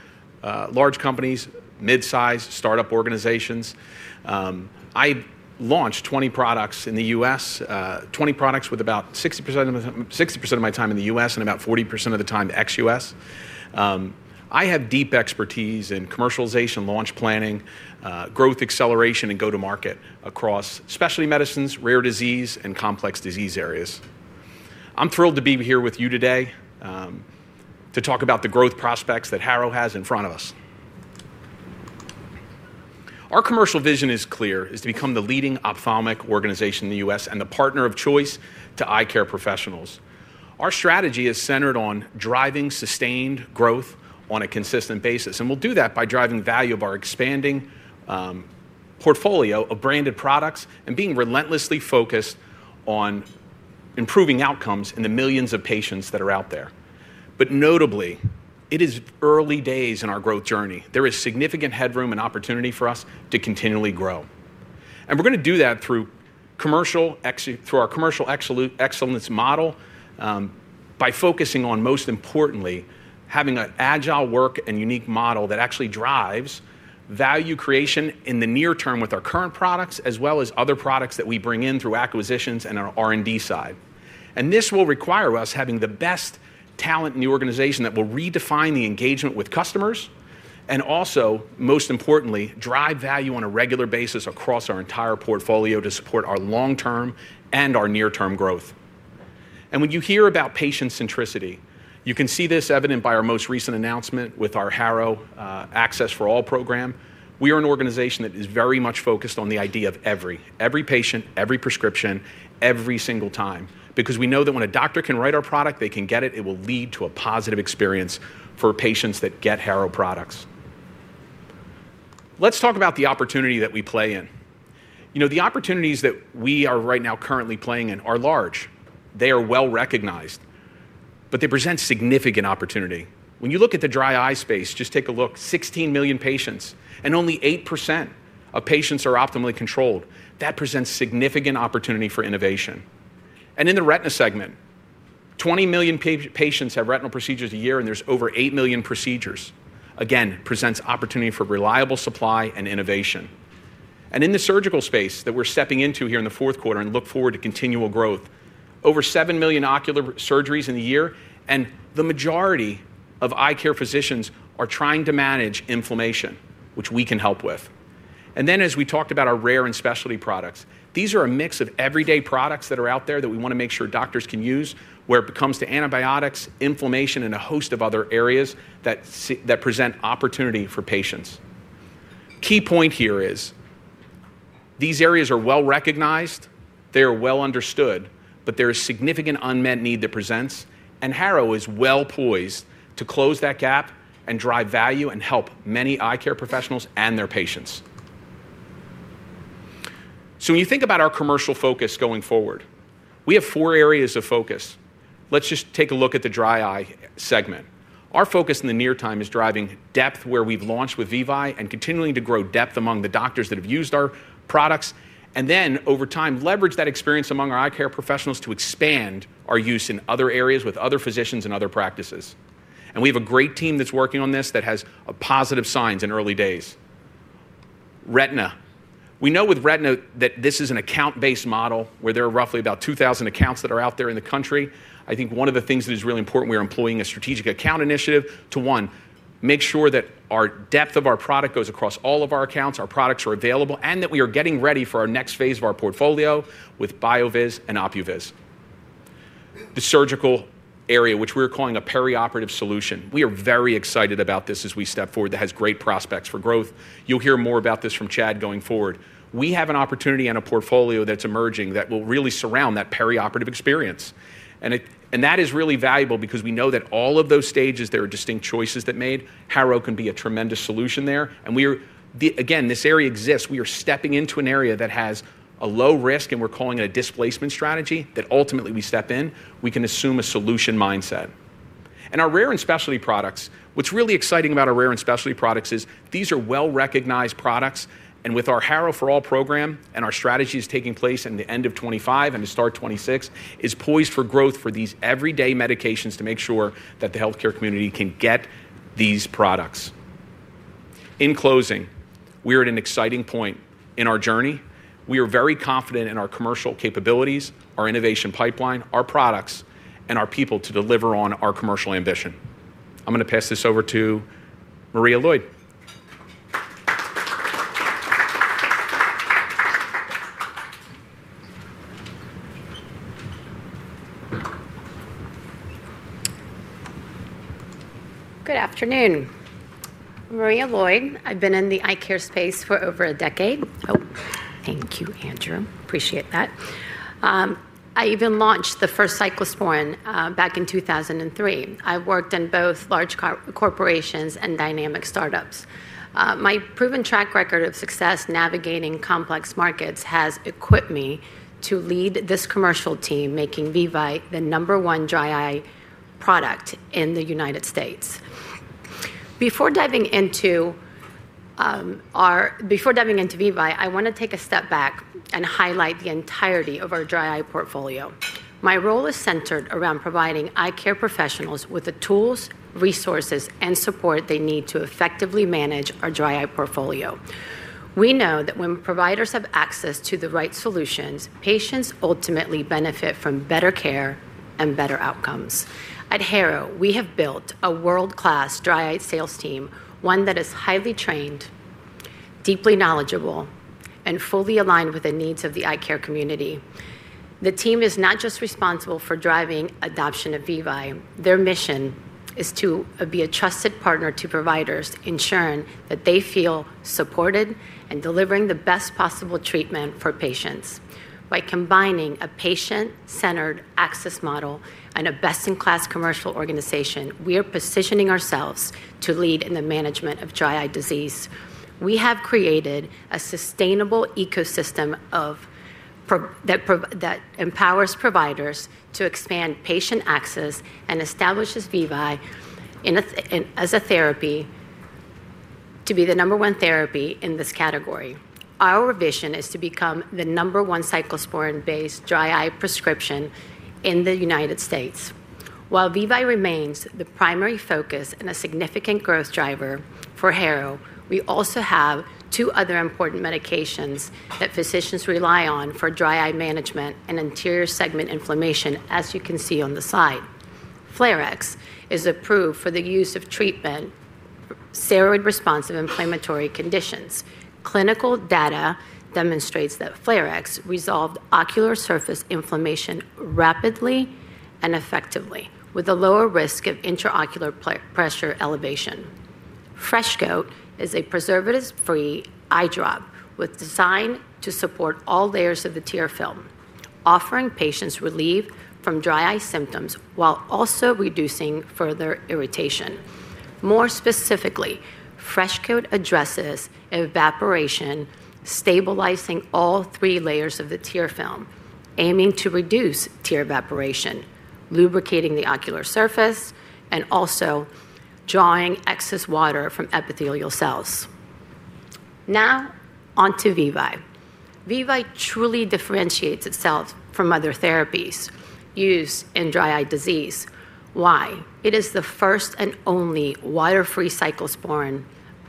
Speaker 7: companies, mid-sized, startup organizations. I launched 20 products in the U.S., 20 products with about 60% of my time in the U.S. and about 40% of the time to ex-U.S. I have deep expertise in commercialization, launch planning, growth acceleration, and go-to-market across specialty medicines, rare disease, and complex disease areas. I'm thrilled to be here with you today to talk about the growth prospects that Harrow has in front of us. Our commercial vision is clear, is to become the leading ophthalmic organization in the U.S. and the partner of choice to eye care professionals. Our strategy is centered on driving sustained growth on a consistent basis. We'll do that by driving value of our expanding portfolio of branded products and being relentlessly focused on improving outcomes in the millions of patients that are out there. Notably, it is early days in our growth journey. There is significant headroom and opportunity for us to continually grow. We're going to do that through our commercial excellence model by focusing on, most importantly, having an agile work and unique model that actually drives value creation in the near term with our current products, as well as other products that we bring in through acquisitions and our R&D side. This will require us having the best talent in the organization that will redefine the engagement with customers and also, most importantly, drive value on a regular basis across our entire portfolio to support our long-term and our near-term growth. When you hear about patient centricity, you can see this evident by our most recent announcement with our Harrow Access for All program. We are an organization that is very much focused on the idea of every, every patient, every prescription, every single time, because we know that when a doctor can write our product, they can get it. It will lead to a positive experience for patients that get Harrow products. Let's talk about the opportunity that we play in. The opportunities that we are right now currently playing in are large. They are well recognized, but they present significant opportunity. When you look at the dry eye space, just take a look, 16 million patients, and only 8% of patients are optimally controlled. That presents significant opportunity for innovation. In the retina segment, 20 million patients have retinal procedures a year, and there's over 8 million procedures. This again presents opportunity for reliable supply and innovation. In the surgical space that we're stepping into here in the fourth quarter, we look forward to continual growth, with over 7 million ocular surgeries in the year, and the majority of eye care physicians are trying to manage inflammation, which we can help with. As we talked about our rare and specialty products, these are a mix of everyday products that are out there that we want to make sure doctors can use where it comes to antibiotics, inflammation, and a host of other areas that present opportunity for patients. The key point here is these areas are well recognized. They are well understood, but there is significant unmet need that presents, and Harrow is well poised to close that gap and drive value and help many eye care professionals and their patients. When you think about our commercial focus going forward, we have four areas of focus. Let's just take a look at the dry eye segment. Our focus in the near term is driving depth where we've launched with VEVYE and continuing to grow depth among the doctors that have used our products, and then, over time, leverage that experience among our eye care professionals to expand our use in other areas with other physicians and other practices. We have a great team that's working on this that has positive signs in early days. Retina. We know with retina that this is an account-based model where there are roughly about 2,000 accounts that are out there in the country. I think one of the things that is really important, we are employing a strategic account initiative to, one, make sure that our depth of our product goes across all of our accounts, our products are available, and that we are getting ready for our next phase of our portfolio with BioViz and Opuviz. The surgical area, which we are calling a perioperative solution, we are very excited about this as we step forward. That has great prospects for growth. You'll hear more about this from Chad going forward. We have an opportunity and a portfolio that's emerging that will really surround that perioperative experience. That is really valuable because we know that at all of those stages, there are distinct choices that are made. Harrow can be a tremendous solution there. We are, again, this area exists. We are stepping into an area that has a low risk, and we're calling it a displacement strategy that ultimately we step in. We can assume a solution mindset. Our rare and specialty products, what's really exciting about our rare and specialty products is these are well recognized products. With our Harrow Access for All program and our strategies taking place at the end of 2025 and to start 2026, it is poised for growth for these everyday medications to make sure that the healthcare community can get these products. In closing, we are at an exciting point in our journey. We are very confident in our commercial capabilities, our innovation pipeline, our products, and our people to deliver on our commercial ambition. I'm going to pass this over to Maria Lloyd.
Speaker 8: Good afternoon. I'm Maria Lloyd. I've been in the eye care space for over a decade. Oh, thank you, Andrew. Appreciate that. I even launched the first cyclosporin back in 2003. I worked in both large corporations and dynamic startups. My proven track record of success navigating complex markets has equipped me to lead this commercial team, making VEVYE the number one dry eye product in the United States. Before diving into VEVYE, I want to take a step back and highlight the entirety of our dry eye portfolio. My role is centered around providing eye care professionals with the tools, resources, and support they need to effectively manage our dry eye portfolio. We know that when providers have access to the right solutions, patients ultimately benefit from better care and better outcomes. At Harrow, we have built a world-class dry eye sales team, one that is highly trained, deeply knowledgeable, and fully aligned with the needs of the eye care community. The team is not just responsible for driving adoption of VEVYE. Their mission is to be a trusted partner to providers, ensuring that they feel supported and delivering the best possible treatment for patients. By combining a patient-centered access model and a best-in-class commercial organization, we are positioning ourselves to lead in the management of dry eye disease. We have created a sustainable ecosystem that empowers providers to expand patient access and establishes VEVYE as a therapy to be the number one therapy in this category. Our vision is to become the number one cyclosporin-based dry eye prescription in the United States. While VEVYE remains the primary focus and a significant growth driver for Harrow, we also have two other important medications that physicians rely on for dry eye management and anterior segment inflammation, as you can see on the slide. Flarex is approved for the use of treatment for steroid-responsive inflammatory conditions. Clinical data demonstrates that Flarex resolved ocular surface inflammation rapidly and effectively, with a lower risk of intraocular pressure elevation. Freshkote is a preservative-free eye drop designed to support all layers of the tear film, offering patients relief from dry eye symptoms while also reducing further irritation. More specifically, Freshkote addresses evaporation, stabilizing all three layers of the tear film, aiming to reduce tear evaporation, lubricating the ocular surface, and also drawing excess water from epithelial cells. Now on to VEVYE. VEVYE truly differentiates itself from other therapies used in dry eye disease. Why? It is the first and only water-free cyclosporin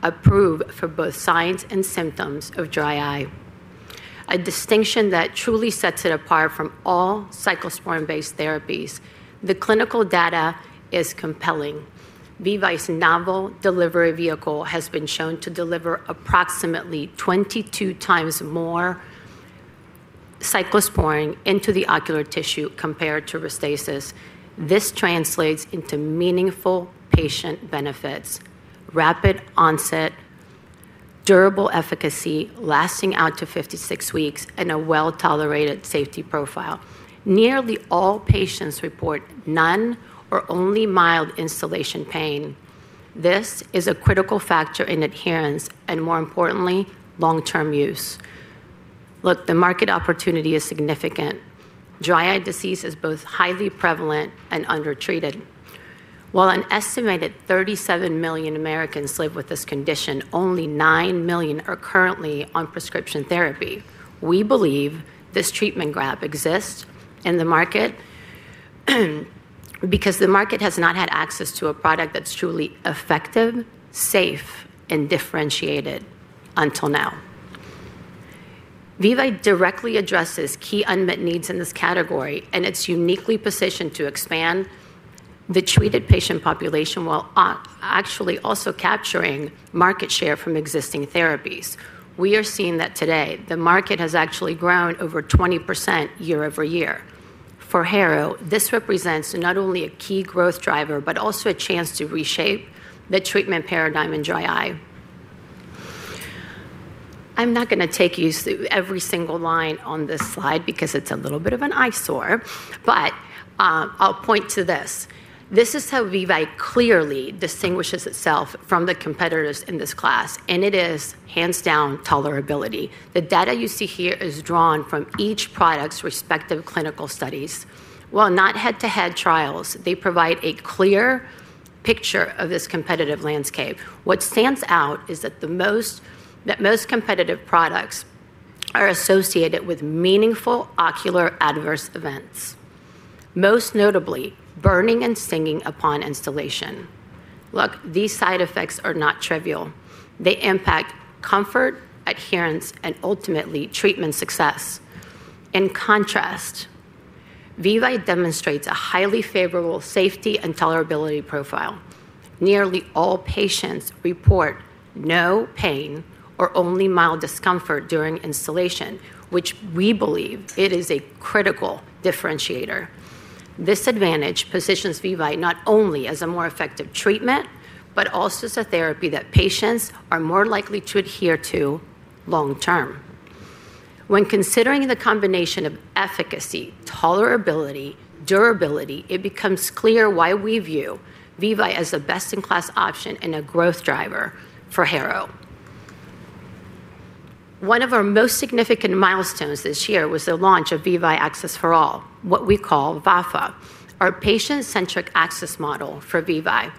Speaker 8: approved for both signs and symptoms of dry eye, a distinction that truly sets it apart from all cyclosporin-based therapies. The clinical data is compelling. VEVYE's novel delivery vehicle has been shown to deliver approximately 22 times more cyclosporin into the ocular tissue compared to Restasis. This translates into meaningful patient benefits, rapid onset, durable efficacy, lasting out to 56 weeks, and a well-tolerated safety profile. Nearly all patients report none or only mild instillation pain. This is a critical factor in adherence and, more importantly, long-term use. Look, the market opportunity is significant. Dry eye disease is both highly prevalent and undertreated. While an estimated 37 million Americans live with this condition, only 9 million are currently on prescription therapy. We believe this treatment gap exists in the market because the market has not had access to a product that's truly effective, safe, and differentiated until now. VEVYE directly addresses key unmet needs in this category, and it's uniquely positioned to expand the treated patient population while actually also capturing market share from existing therapies. We are seeing that today. The market has actually grown over 20% year over year. For Harrow, this represents not only a key growth driver but also a chance to reshape the treatment paradigm in dry eye. I'm not going to take you through every single line on this slide because it's a little bit of an eyesore, but I'll point to this. This is how VEVYE clearly distinguishes itself from the competitors in this class, and it is hands-down tolerability. The data you see here is drawn from each product's respective clinical studies. While not head-to-head trials, they provide a clear picture of this competitive landscape. What stands out is that most competitive products are associated with meaningful ocular adverse events, most notably burning and stinging upon instillation. Look, these side effects are not trivial. They impact comfort, adherence, and ultimately treatment success. In contrast, VEVYE demonstrates a highly favorable safety and tolerability profile. Nearly all patients report no pain or only mild discomfort during instillation, which we believe is a critical differentiator. This advantage positions VEVYE not only as a more effective treatment but also as a therapy that patients are more likely to adhere to long term. When considering the combination of efficacy, tolerability, and durability, it becomes clear why we view VEVYE as a best-in-class option and a growth driver for Harrow. One of our most significant milestones this year was the launch of VEVYE Access for All, what we call VAFA, our patient-centric access model for VEVYE.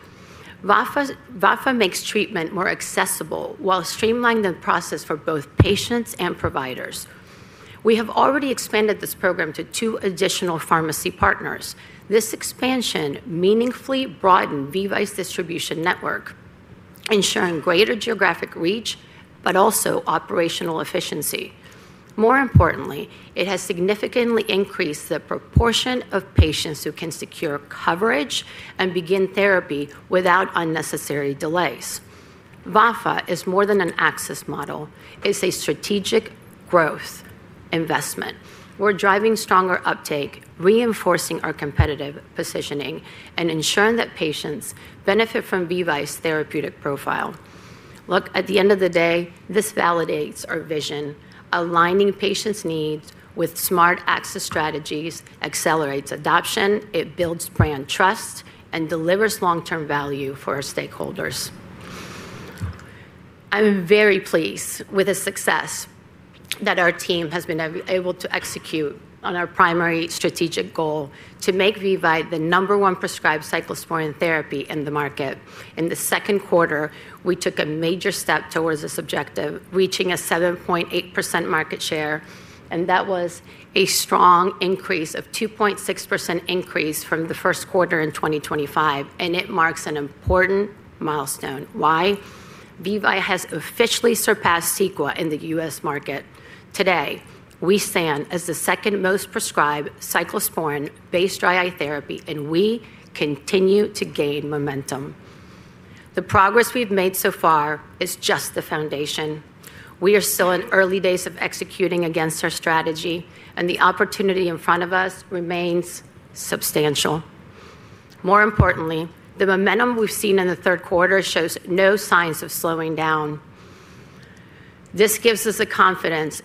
Speaker 8: VAFA makes treatment more accessible while streamlining the process for both patients and providers. We have already expanded this program to two additional pharmacy partners. This expansion meaningfully broadened VEVYE's distribution network, ensuring greater geographic reach but also operational efficiency. More importantly, it has significantly increased the proportion of patients who can secure coverage and begin therapy without unnecessary delays. VAFA is more than an access model. It's a strategic growth investment. We're driving stronger uptake, reinforcing our competitive positioning, and ensuring that patients benefit from VEVYE's therapeutic profile. Look, at the end of the day, this validates our vision. Aligning patients' needs with smart access strategies accelerates adoption. It builds brand trust and delivers long-term value for our stakeholders. I'm very pleased with the success that our team has been able to execute on our primary strategic goal to make VEVYE the number one prescribed cyclosporin therapy in the market. In the second quarter, we took a major step towards this objective, reaching a 7.8% market share, and that was a strong increase of 2.6% from the first quarter in 2025. It marks an important milestone. Why? VEVYE has officially surpassed CEQUA in the U.S. market. Today, we stand as the second most prescribed cyclosporin-based dry eye therapy, and we continue to gain momentum. The progress we've made so far is just the foundation. We are still in early days of executing against our strategy, and the opportunity in front of us remains substantial. More importantly, the momentum we've seen in the third quarter shows no signs of slowing down. This gives us the confidence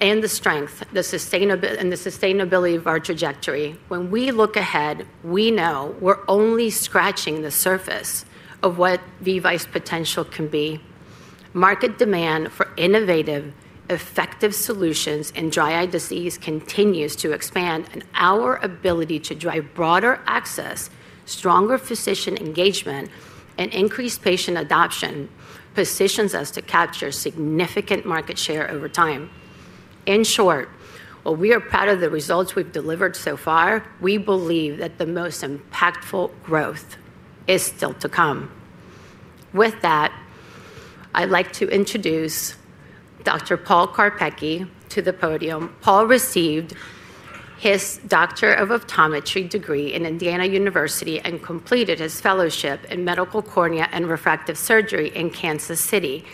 Speaker 8: and the strength and the sustainability of our trajectory. When we look ahead, we know we're only scratching the surface of what VEVYE's potential can be. Market demand for innovative, effective solutions in dry eye disease continues to expand, and our ability to drive broader access, stronger physician engagement, and increase patient adoption positions us to capture significant market share over time. In short, while we are proud of the results we've delivered so far, we believe that the most impactful growth is still to come. With that, I'd like to introduce Dr. Paul Karpecki to the podium. Paul received his Doctor of Optometry degree at Indiana University and completed his fellowship in medical cornea and refractive surgery in Kansas City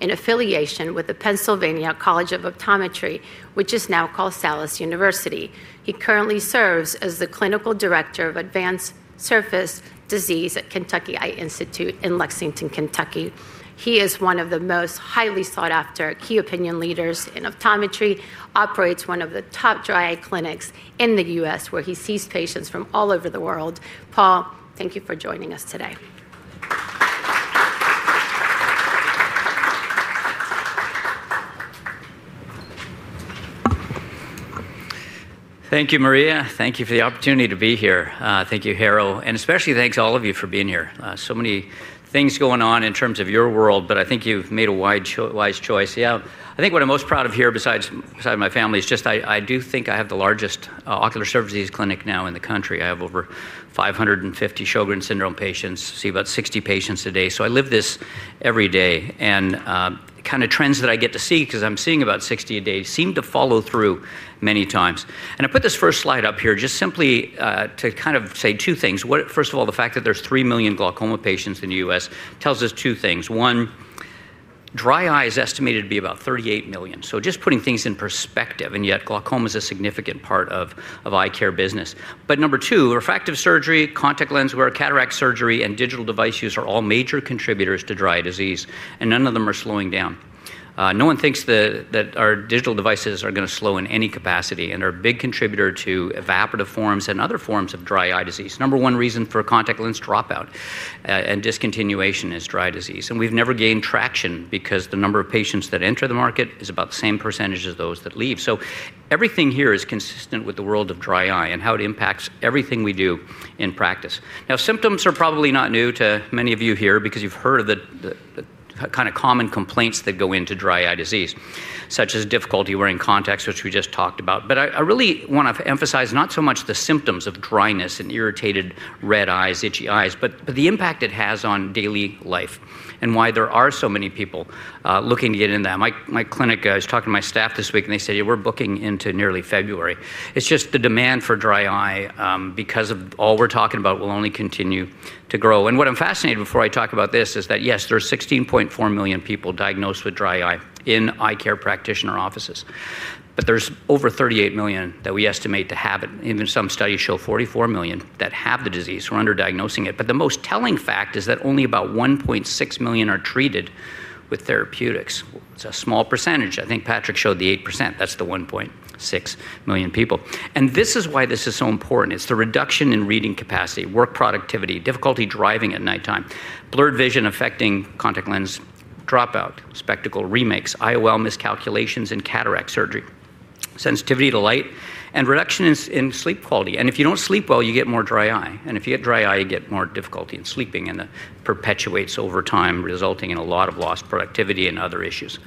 Speaker 8: in affiliation with the Pennsylvania College of Optometry, which is now called Salus University. He currently serves as the Clinical Director of Advanced Surface Disease at Kentucky Eye Institute in Lexington, Kentucky. He is one of the most highly sought-after key opinion leaders in optometry and operates one of the top dry eye clinics in the U.S., where he sees patients from all over the world. Paul, thank you for joining us today.
Speaker 9: Thank you, Maria. Thank you for the opportunity to be here. Thank you, Harrow, and especially thanks to all of you for being here. There are so many things going on in terms of your world, but I think you've made a wise choice. I think what I'm most proud of here besides my family is just I do think I have the largest ocular surface clinic now in the country. I have over 550 Sjogren's syndrome patients, see about 60 patients a day. I live this every day, and the kind of trends that I get to see, because I'm seeing about 60 a day, seem to follow through many times. I put this first slide up here just simply to kind of say two things. First of all, the fact that there's 3 million glaucoma patients in the U.S. tells us two things. One, dry eye is estimated to be about 38 million. Just putting things in perspective, and yet glaucoma is a significant part of eye care business. Number two, refractive surgery, contact lens wear, cataract surgery, and digital device use are all major contributors to dry eye disease, and none of them are slowing down. No one thinks that our digital devices are going to slow in any capacity and are a big contributor to evaporative forms and other forms of dry eye disease. Number one reason for contact lens dropout and discontinuation is dry eye disease. We've never gained traction because the number of patients that enter the market is about the same percentage as those that leave. Everything here is consistent with the world of dry eye and how it impacts everything we do in practice. Now, symptoms are probably not new to many of you here because you've heard of the kind of common complaints that go into dry eye disease, such as difficulty wearing contacts, which we just talked about. I really want to emphasize not so much the symptoms of dryness and irritated red eyes, itchy eyes, but the impact it has on daily life and why there are so many people looking to get in there. My clinic, I was talking to my staff this week, and they said, yeah, we're booking into nearly February. It's just the demand for dry eye because of all we're talking about will only continue to grow. What I'm fascinated about before I talk about this is that, yes, there are 16.4 million people diagnosed with dry eye in eye care practitioner offices, but there's over 38 million that we estimate to have it. Even some studies show 44 million that have the disease who are under diagnosing it. The most telling fact is that only about 1.6 million are treated with therapeutics. It's a small percentage. I think Patrick showed the 8%. That's the 1.6 million people. This is why this is so important. It's the reduction in reading capacity, work productivity, difficulty driving at nighttime, blurred vision affecting contact lens dropout, spectacle remakes, IOL miscalculations, and cataract surgery, sensitivity to light, and reduction in sleep quality. If you don't sleep well, you get more dry eye. If you get dry eye, you get more difficulty in sleeping, and it perpetuates over time, resulting in a lot of lost productivity and other issues.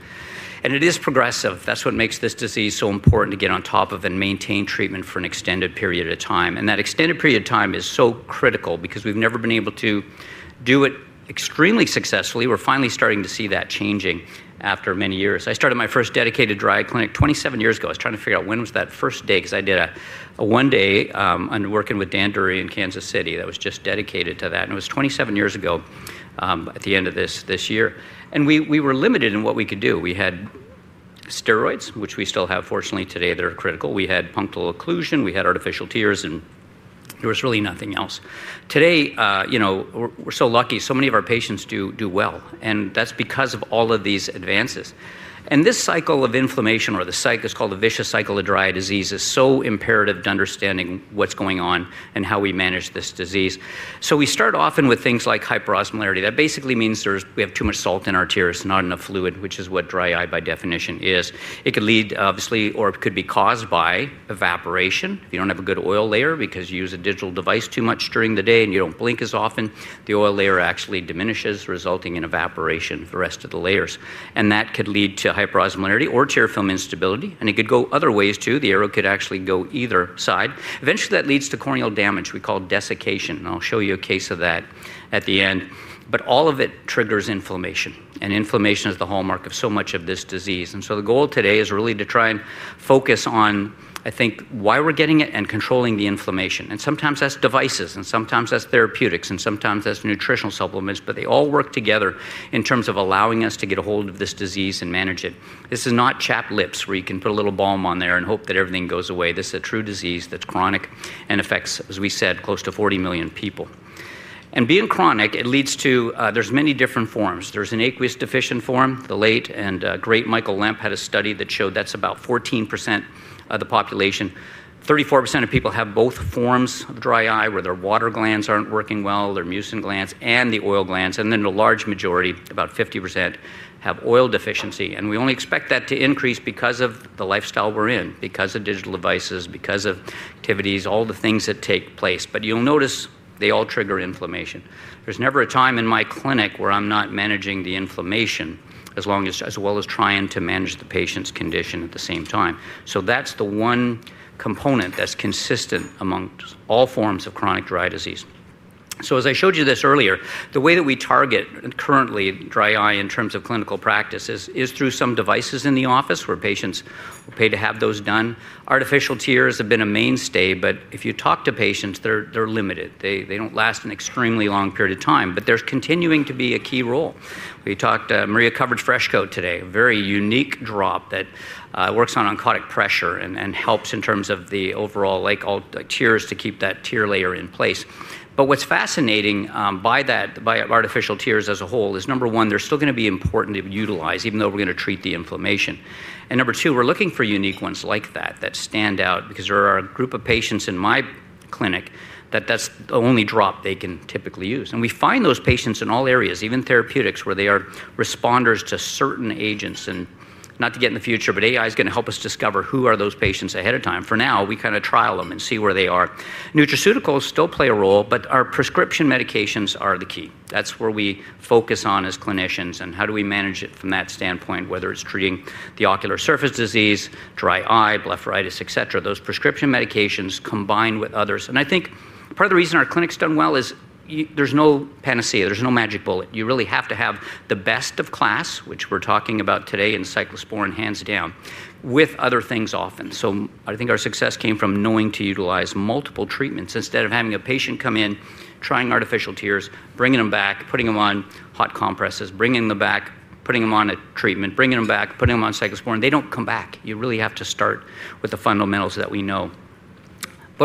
Speaker 9: It is progressive. That's what makes this disease so important to get on top of and maintain treatment for an extended period of time. That extended period of time is so critical because we've never been able to do it extremely successfully. We're finally starting to see that changing after many years. I started my first dedicated dry eye clinic 27 years ago. I was trying to figure out when was that first day because I did a one-day working with Danduri in Kansas City that was just dedicated to that. It was 27 years ago at the end of this year. We were limited in what we could do. We had steroids, which we still have, fortunately, today that are critical. We had punctal occlusion. We had artificial tears, and there was really nothing else. Today, you know, we're so lucky. So many of our patients do well, and that's because of all of these advances. This cycle of inflammation, or the cycle is called a vicious cycle of dry eye disease, is so imperative to understanding what's going on and how we manage this disease. We start often with things like hyperosmolarity. That basically means we have too much salt in our tears, not enough fluid, which is what dry eye by definition is. It could lead, obviously, or it could be caused by evaporation. If you don't have a good oil layer because you use a digital device too much during the day and you don't blink as often, the oil layer actually diminishes, resulting in evaporation for the rest of the layers. That could lead to hyperosmolarity or tear film instability. It could go other ways, too. The arrow could actually go either side. Eventually, that leads to corneal damage we call desiccation. I'll show you a case of that at the end. All of it triggers inflammation. Inflammation is the hallmark of so much of this disease. The goal today is really to try and focus on, I think, why we're getting it and controlling the inflammation. Sometimes that's devices, sometimes that's therapeutics, and sometimes that's nutritional supplements. They all work together in terms of allowing us to get a hold of this disease and manage it. This is not chapped lips where you can put a little balm on there and hope that everything goes away. This is a true disease that's chronic and affects, as we said, close to 40 million people. Being chronic, it leads to many different forms. There's an aqueous deficient form. The late and great Michael Lemp had a study that showed that's about 14% of the population. 34% of people have both forms of dry eye where their water glands aren't working well, their mucin glands, and the oil glands. The large majority, about 50%, have oil deficiency. We only expect that to increase because of the lifestyle we're in, because of digital devices, because of activities, all the things that take place. You'll notice they all trigger inflammation. There's never a time in my clinic where I'm not managing the inflammation as well as trying to manage the patient's condition at the same time. That's the one component that's consistent amongst all forms of chronic dry eye disease. As I showed you this earlier, the way that we target currently dry eye in terms of clinical practice is through some devices in the office where patients pay to have those done. Artificial tears have been a mainstay, but if you talk to patients, they're limited. They don't last an extremely long period of time. There's continuing to be a key role. Maria covered Freshcoat today, a very unique drop that works on oncotic pressure and helps in terms of the overall tears to keep that tear layer in place. What's fascinating by that, by artificial tears as a whole, is number one, they're still going to be important to utilize, even though we're going to treat the inflammation. Number two, we're looking for unique ones like that that stand out because there are a group of patients in my clinic that that's the only drop they can typically use. We find those patients in all areas, even therapeutics, where they are responders. To certain agents, and not to get in the future, but AI is going to help us discover who are those patients ahead of time. For now, we kind of trial them and see where they are. Nutraceuticals still play a role, but our prescription medications are the key. That's where we focus on as clinicians, and how do we manage it from that standpoint, whether it's treating the ocular surface disease, dry eye, blepharitis, et cetera. Those prescription medications combined with others. I think part of the reason our clinic's done well is there's no panacea. There's no magic bullet. You really have to have the best of class, which we're talking about today in cyclosporin hands down, with other things often. I think our success came from knowing to utilize multiple treatments instead of having a patient come in, trying artificial tears, bringing them back, putting them on hot compresses, bringing them back, putting them on a treatment, bringing them back, putting them on cyclosporin. They don't come back. You really have to start with the fundamentals that we know.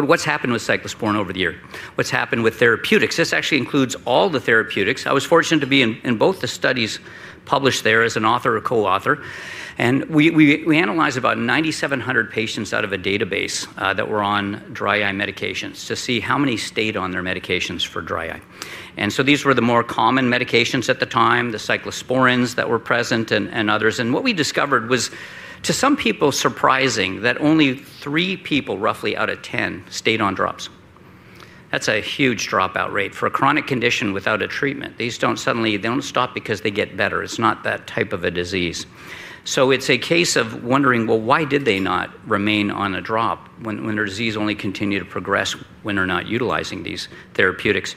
Speaker 9: What's happened with cyclosporin over the year? What's happened with therapeutics? This actually includes all the therapeutics. I was fortunate to be in both the studies published there as an author or co-author. We analyzed about 9,700 patients out of a database that were on dry eye medications to see how many stayed on their medications for dry eye. These were the more common medications at the time, the cyclosporins that were present and others. What we discovered was, to some people surprising, that only three people roughly out of 10 stayed on drops. That's a huge dropout rate for a chronic condition without a treatment. These don't suddenly stop because they get better. It's not that type of a disease. It's a case of wondering, why did they not remain on a drop when their disease only continued to progress when they're not utilizing these therapeutics?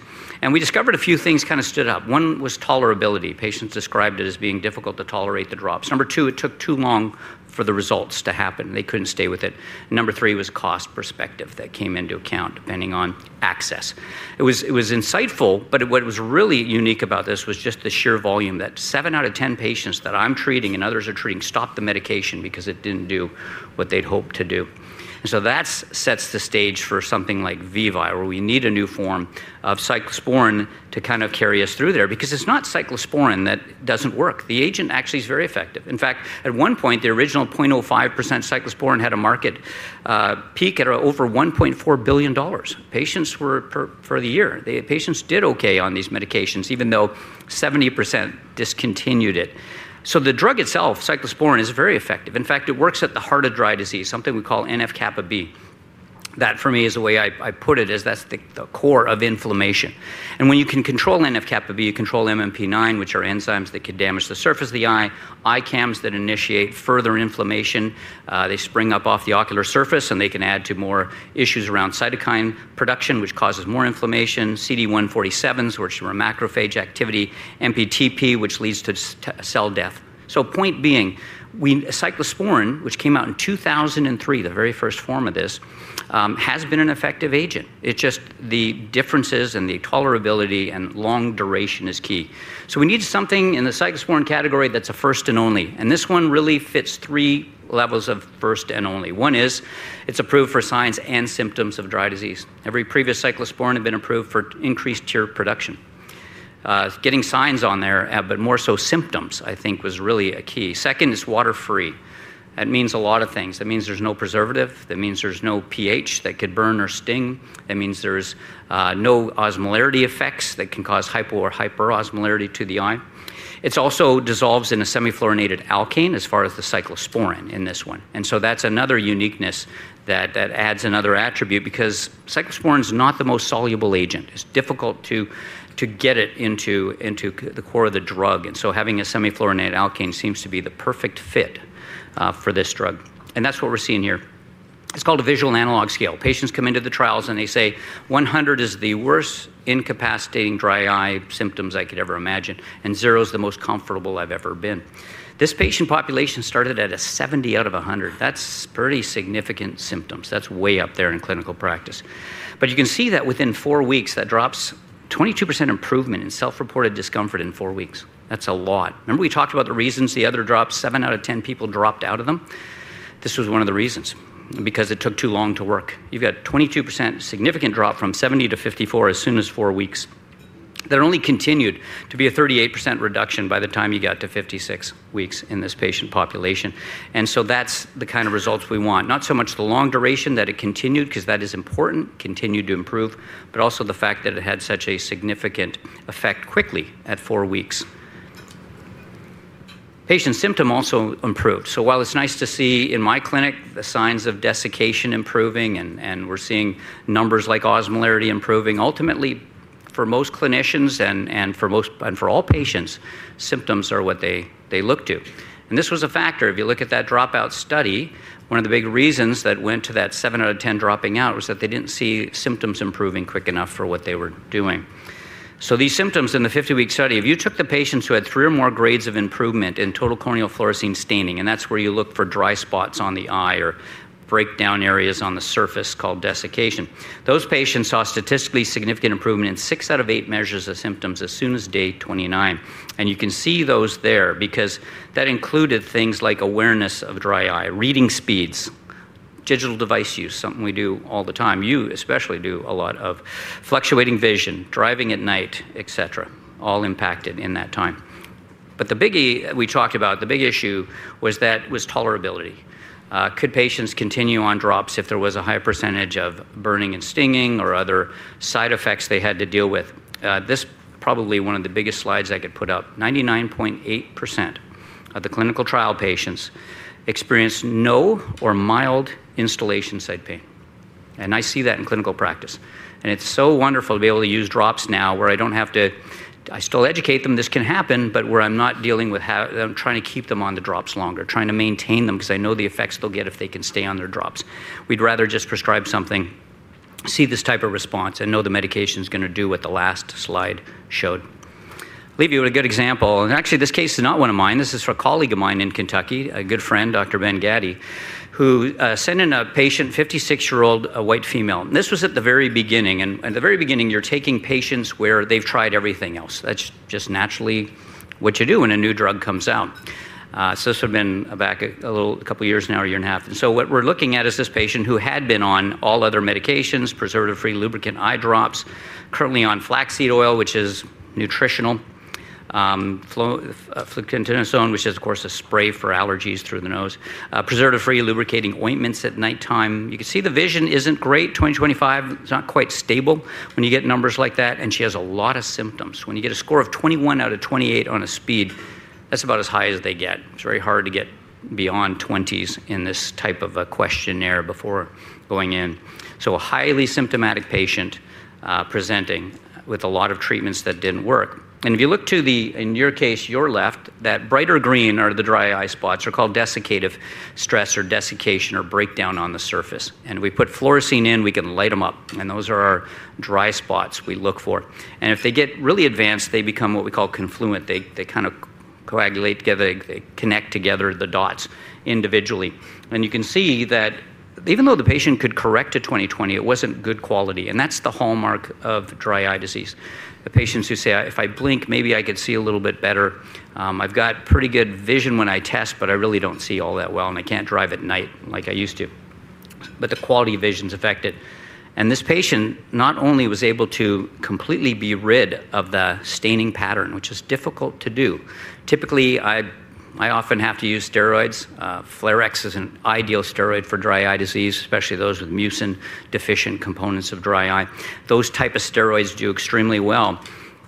Speaker 9: We discovered a few things kind of stood out. One was tolerability. Patients described it as being difficult to tolerate the drops. Number two, it took too long for the results to happen. They couldn't stay with it. Number three was cost perspective that came into account, depending on access. It was insightful, but what was really unique about this was just the sheer volume, that seven out of 10 patients that I'm treating and others are treating stopped the medication because it didn't do what they'd hoped to do. That sets the stage for something like VEVYE, where we need a new form of cyclosporin to kind of carry us through there. Because it's not cyclosporin that doesn't work. The agent actually is very effective. In fact, at one point, the original 0.05% cyclosporin had a market peak at over $1.4 billion for the year. Patients did OK on these medications, even though 70% discontinued it. The drug itself, cyclosporin, is very effective. In fact, it works at the heart of dry eye disease, something we call NF-kappa B. That, for me, is the way I put it, as that's the core of inflammation. When you can control NF-kappa B, you control MMP9, which are enzymes that could damage the surface of the eye, ICAMs that initiate further inflammation. They spring up off the ocular surface, and they can add to more issues around cytokine production, which causes more inflammation, CD147s, which are macrophage activity, MPTP, which leads to cell death. Point being, cyclosporin, which came out in 2003, the very first form of this, has been an effective agent. It's just the differences in the tolerability and long duration is key. We need something in the cyclosporin category that's a first and only. This one really fits three levels of first and only. One is it's approved for signs and symptoms of dry eye disease. Every previous cyclosporin had been approved for increased tear production. Getting signs on there, but more so symptoms, I think, was really a key. Second is water-free. That means a lot of things. That means there's no preservative. That means there's no pH that could burn or sting. That means there's no osmolarity effects that can cause hypo or hyperosmolarity to the eye. It also dissolves in a semi-fluorinated alkane as far as the cyclosporin in this one. That's another uniqueness that adds another attribute because cyclosporin is not the most soluble agent. It's difficult to get it into the core of the drug. Having a semi-fluorinated alkane seems to be the perfect fit for this drug. That's what we're seeing here. It's called a visual analog scale. Patients come into the trials, and they say, "100 is the worst incapacitating dry eye symptoms I could ever imagine, and 0 is the most comfortable I've ever been." This patient population started at a 70/100. That's pretty significant symptoms. That's way up there in clinical practice. You can see that within four weeks, that drops, 22% improvement in self-reported discomfort in four weeks. That's a lot. Remember we talked about the reasons the other drops? Seven out of 10 people dropped out of them. This was one of the reasons, because it took too long to work. You've got a 22% significant drop from 70-54 as soon as four weeks. That only continued to be a 38% reduction by the time you got to 56 weeks in this patient population. That's the kind of results we want. Not so much the long duration that it continued, because that is important, continued to improve, but also the fact that it had such a significant effect quickly at four weeks. Patient symptoms also improved. While it's nice to see in my clinic the signs of desiccation improving, and we're seeing numbers like osmolarity improving, ultimately, for most clinicians and for all patients, symptoms are what they look to. This was a factor. If you look at that dropout study, one of the big reasons that went to that 7/10 dropping out was that they didn't see symptoms improving quick enough for what they were doing. These symptoms in the 50-week study, if you took the patients who had three or more grades of improvement in total corneal fluorescein staining, and that's where you look for dry spots on the eye or breakdown areas on the surface called desiccation, those patients saw statistically significant improvement in six out of eight measures of symptoms as soon as day 29. You can see those there because that included things like awareness of dry eye, reading speeds, digital device use, something we do all the time. You especially do a lot of fluctuating vision, driving at night, et cetera, all impacted in that time. The biggie we talked about, the big issue was that tolerability. Could patients continue on drops if there was a high percentage of burning and stinging or other side effects they had to deal with? This is probably one of the biggest slides I could put up. 99.8% of the clinical trial patients experienced no or mild instillation site pain. I see that in clinical practice. It is so wonderful to be able to use drops now where I do not have to—I still educate them this can happen, but where I am not dealing with trying to keep them on the drops longer, trying to maintain them because I know the effects they will get if they can stay on their drops. We would rather just prescribe something, see this type of response, and know the medication is going to do what the last slide showed. I will leave you with a good example. Actually, this case is not one of mine. This is for a colleague of mine in Kentucky, a good friend, Dr. Ben Gaddy, who sent in a patient, a 56-year-old white female. This was at the very beginning. At the very beginning, you are taking patients where they have tried everything else. That is just naturally what you do when a new drug comes out. This would have been back a couple of years now, a year and a half. What we are looking at is this patient who had been on all other medications, preservative-free lubricant eye drops, currently on flaxseed oil, which is nutritional, fluconazole, which is, of course, a spray for allergies through the nose, preservative-free lubricating ointments at nighttime. You can see the vision is not great. 20/25, it is not quite stable when you get numbers like that. She has a lot of symptoms. When you get a score of 21/28 on a speed, that is about as high as they get. It is very hard to get beyond 20s in this type of a questionnaire before going in. A highly symptomatic patient presenting with a lot of treatments that did not work. If you look to your left, that brighter green are the dry eye spots. They are called desiccative stress or desiccation or breakdown on the surface. We put fluorescein in. We can light them up. Those are our dry spots we look for. If they get really advanced, they become what we call confluent. They kind of coagulate together. They connect together the dots individually. You can see that even though the patient could correct to 20/20, it was not good quality. That is the hallmark of dry eye disease. The patients who say, "If I blink, maybe I could see a little bit better. I have got pretty good vision when I test, but I really do not see all that well. I cannot drive at night like I used to." The quality of vision is affected. This patient not only was able to completely be rid of the staining pattern, which is difficult to do. Typically, I often have to use steroids. Flarex is an ideal steroid for dry eye disease, especially those with mucin-deficient components of dry eye. Those types of steroids do extremely well.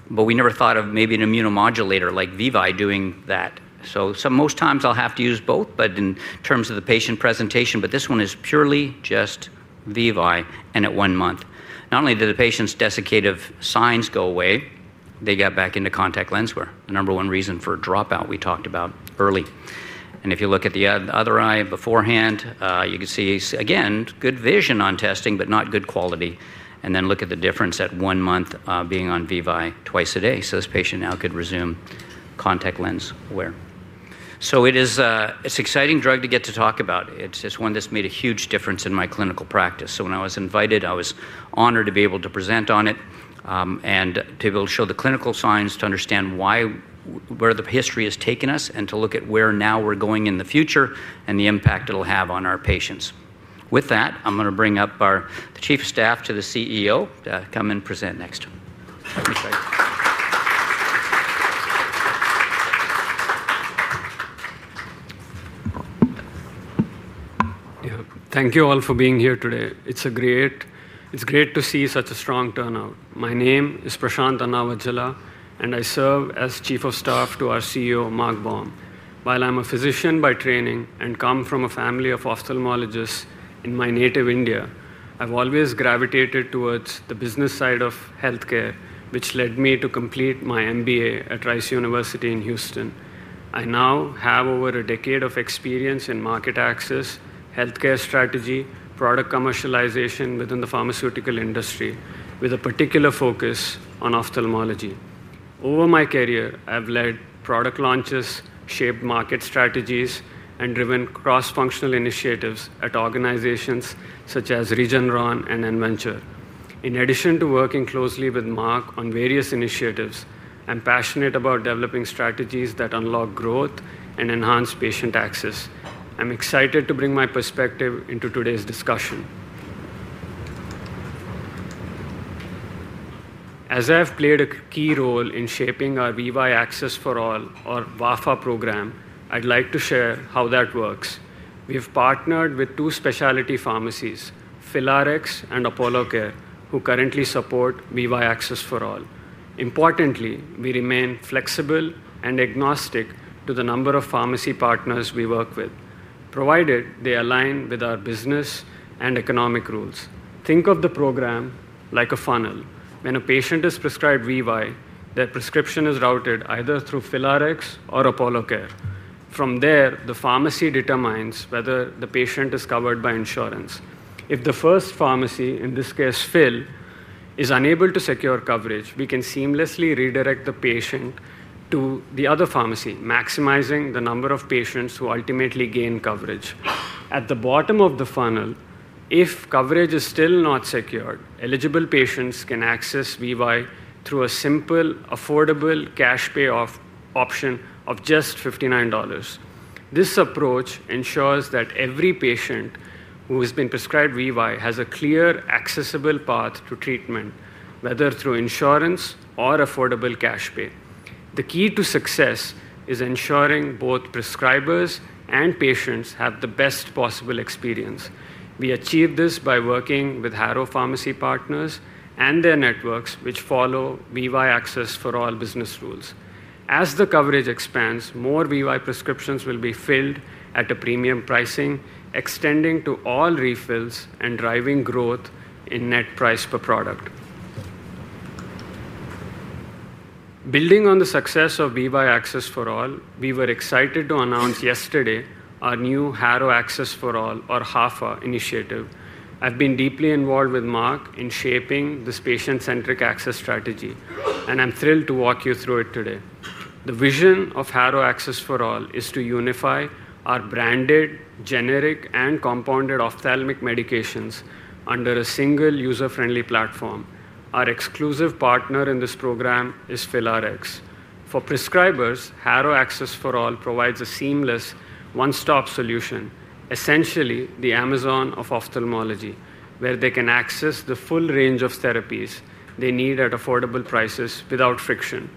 Speaker 9: We never thought of maybe an immunomodulator like VEVYE doing that. Most times, I'll have to use both, but in terms of the patient presentation, this one is purely just VEVYE and at one month. Not only did the patient's desiccative signs go away, they got back into contact lens wear, the number one reason for dropout we talked about early. If you look at the other eye beforehand, you can see, again, good vision on testing, but not good quality. Look at the difference at one month being on VEVYE twice a day. This patient now could resume contact lens wear. It's an exciting drug to get to talk about. It's one that's made a huge difference in my clinical practice. When I was invited, I was honored to be able to present on it and to be able to show the clinical signs to understand where the history has taken us and to look at where now we're going in the future and the impact it'll have on our patients. With that, I'm going to bring up our Chief of Staff to the CEO to come and present next.
Speaker 10: Thank you all for being here today. It's great to see such a strong turnout. My name is Prashanth Annavajjhala, and I serve as Chief of Staff to our CEO, Mark L. Baum. While I'm a physician by training and come from a family of ophthalmologists in my native India, I've always gravitated towards the business side of health care, which led me to complete my MBA at Rice University in Houston. I now have over a decade of experience in market access, health care strategy, product commercialization within the pharmaceutical industry, with a particular focus on ophthalmology. Over my career, I've led product launches, shaped market strategies, and driven cross-functional initiatives at organizations such as Regeneron and NVenture. In addition to working closely with Mark on various initiatives, I'm passionate about developing strategies that unlock growth and enhance patient access. I'm excited to bring my perspective into today's discussion. As I have played a key role in shaping our VEVYE Access for All, our VAFA program, I'd like to share how that works. We've partnered with two specialty pharmacies, Philarx and Apollo Care, who currently support VEVYE Access for All. Importantly, we remain flexible and agnostic to the number of pharmacy partners we work with, provided they align with our business and economic rules. Think of the program like a funnel. When a patient is prescribed VEVYE, their prescription is routed either through Philarx or Apollo Care. From there, the pharmacy determines whether the patient is covered by insurance. If the first pharmacy, in this case, Phil, is unable to secure coverage, we can seamlessly redirect the patient to the other pharmacy, maximizing the number of patients who ultimately gain coverage. At the bottom of the funnel, if coverage is still not secured, eligible patients can access VEVYE through a simple, affordable cash pay option of just $59. This approach ensures that every patient who has been prescribed VEVYE has a clear, accessible path to treatment, whether through insurance or affordable cash pay. The key to success is ensuring both prescribers and patients have the best possible experience. We achieve this by working with Harrow pharmacy partners and their networks, which follow VEVYE Access for All business rules. As the coverage expands, more VEVYE prescriptions will be filled at a premium pricing, extending to all refills and driving growth in net price per product. Building on the success of VAFA, we were excited to announce yesterday our new Harrow Access for All, or HAFA, initiative. I've been deeply involved with Mark in shaping this patient-centric access strategy, and I'm thrilled to walk you through it today. The vision of Harrow Access for All is to unify our branded, generic, and compounded ophthalmic medications under a single user-friendly platform. Our exclusive partner in this program is Philarx. For prescribers, Harrow Access for All provides a seamless one-stop solution, essentially the Amazon of ophthalmology, where they can access the full range of therapies they need at affordable prices without friction.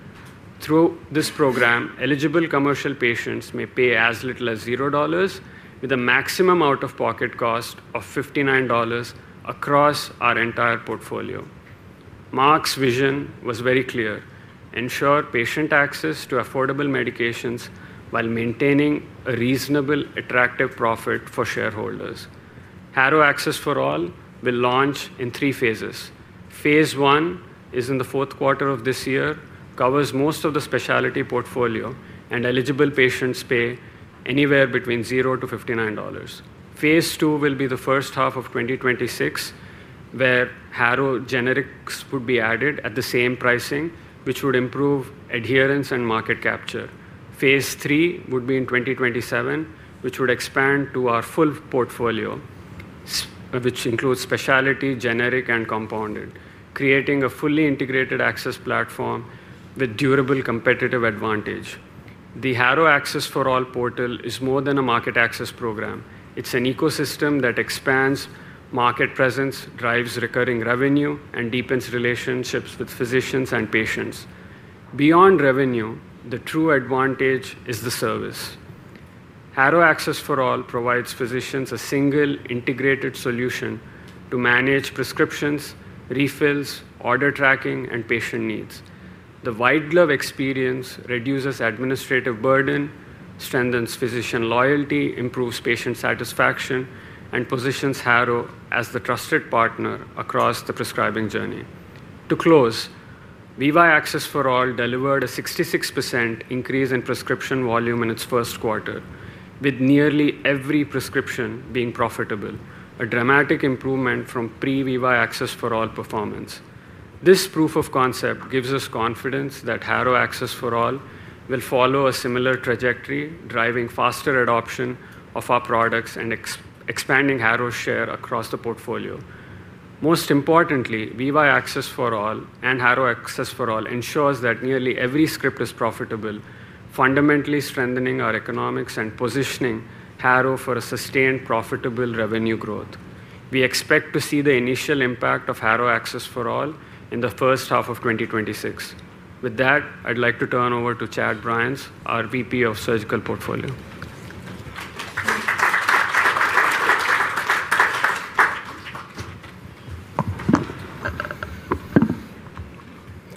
Speaker 10: Through this program, eligible commercial patients may pay as little as $0, with a maximum out-of-pocket cost of $59 across our entire portfolio. Mark's vision was very clear: ensure patient access to affordable medications while maintaining a reasonable, attractive profit for shareholders. Harrow Access for All will launch in three phases. Phase one is in the fourth quarter of this year, covers most of the specialty portfolio, and eligible patients pay anywhere between $0-$59. Phase two will be the first half of 2026, where Harrow generics would be added at the same pricing, which would improve adherence and market capture. Phase three would be in 2027, which would expand to our full portfolio, which includes specialty, generic, and compounded, creating a fully integrated access platform with durable competitive advantage. The Harrow Access for All portal is more than a market access program. It's an ecosystem that expands market presence, drives recurring revenue, and deepens relationships with physicians and patients. Beyond revenue, the true advantage is the service. Harrow Access for All provides physicians a single integrated solution to manage prescriptions, refills, order tracking, and patient needs. The white glove experience reduces administrative burden, strengthens physician loyalty, improves patient satisfaction, and positions Harrow as the trusted partner across the prescribing journey. To close, VAFA delivered a 66% increase in prescription volume in its first quarter, with nearly every prescription being profitable, a dramatic improvement from pre-VAFA performance. This proof of concept gives us confidence that HAFA will follow a similar trajectory, driving faster adoption of our products and expanding Harrow's share across the portfolio. Most importantly, VAFA and HAFA ensure that nearly every script is profitable, fundamentally strengthening our economics and positioning Harrow for sustained, profitable revenue growth. We expect to see the initial impact of HAFA in the first half of 2026. With that, I'd like to turn over to Chad Brines, our VP of Surgical Portfolio.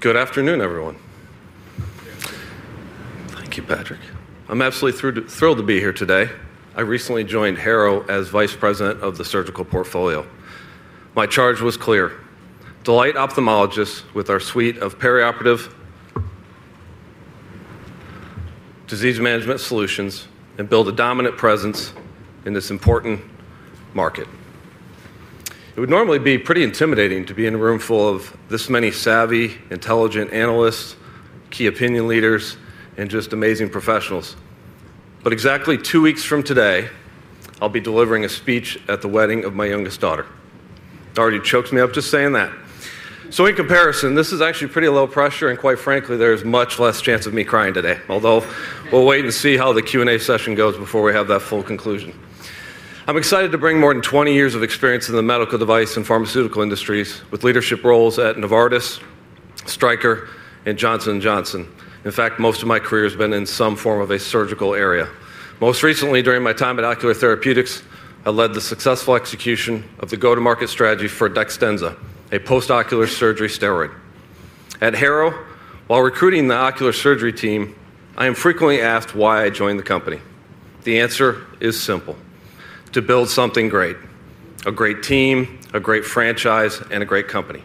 Speaker 11: Good afternoon, everyone. Thank you, Patrick. I'm absolutely thrilled to be here today. I recently joined Harrow as Vice President of the Surgical Portfolio. My charge was clear: delight ophthalmologists with our suite of perioperative disease management solutions and build a dominant presence in this important market. It would normally be pretty intimidating to be in a room full of this many savvy, intelligent analysts, key opinion leaders, and just amazing professionals. Exactly two weeks from today, I'll be delivering a speech at the wedding of my youngest daughter. It already chokes me up just saying that. In comparison, this is actually pretty low pressure. Quite frankly, there is much less chance of me crying today, although we'll wait and see how the Q&A session goes before we have that full conclusion. I'm excited to bring more than 20 years of experience in the medical device and pharmaceutical industries, with leadership roles at Novartis, Stryker, and Johnson & Johnson. In fact, most of my career has been in some form of a surgical area. Most recently, during my time at Ocular Therapeutics, I led the successful execution of the go-to-market strategy for Dextenza, a post-ocular surgery steroid. At Harrow, while recruiting the ocular surgery team, I am frequently asked why I joined the company. The answer is simple: to build something great, a great team, a great franchise, and a great company,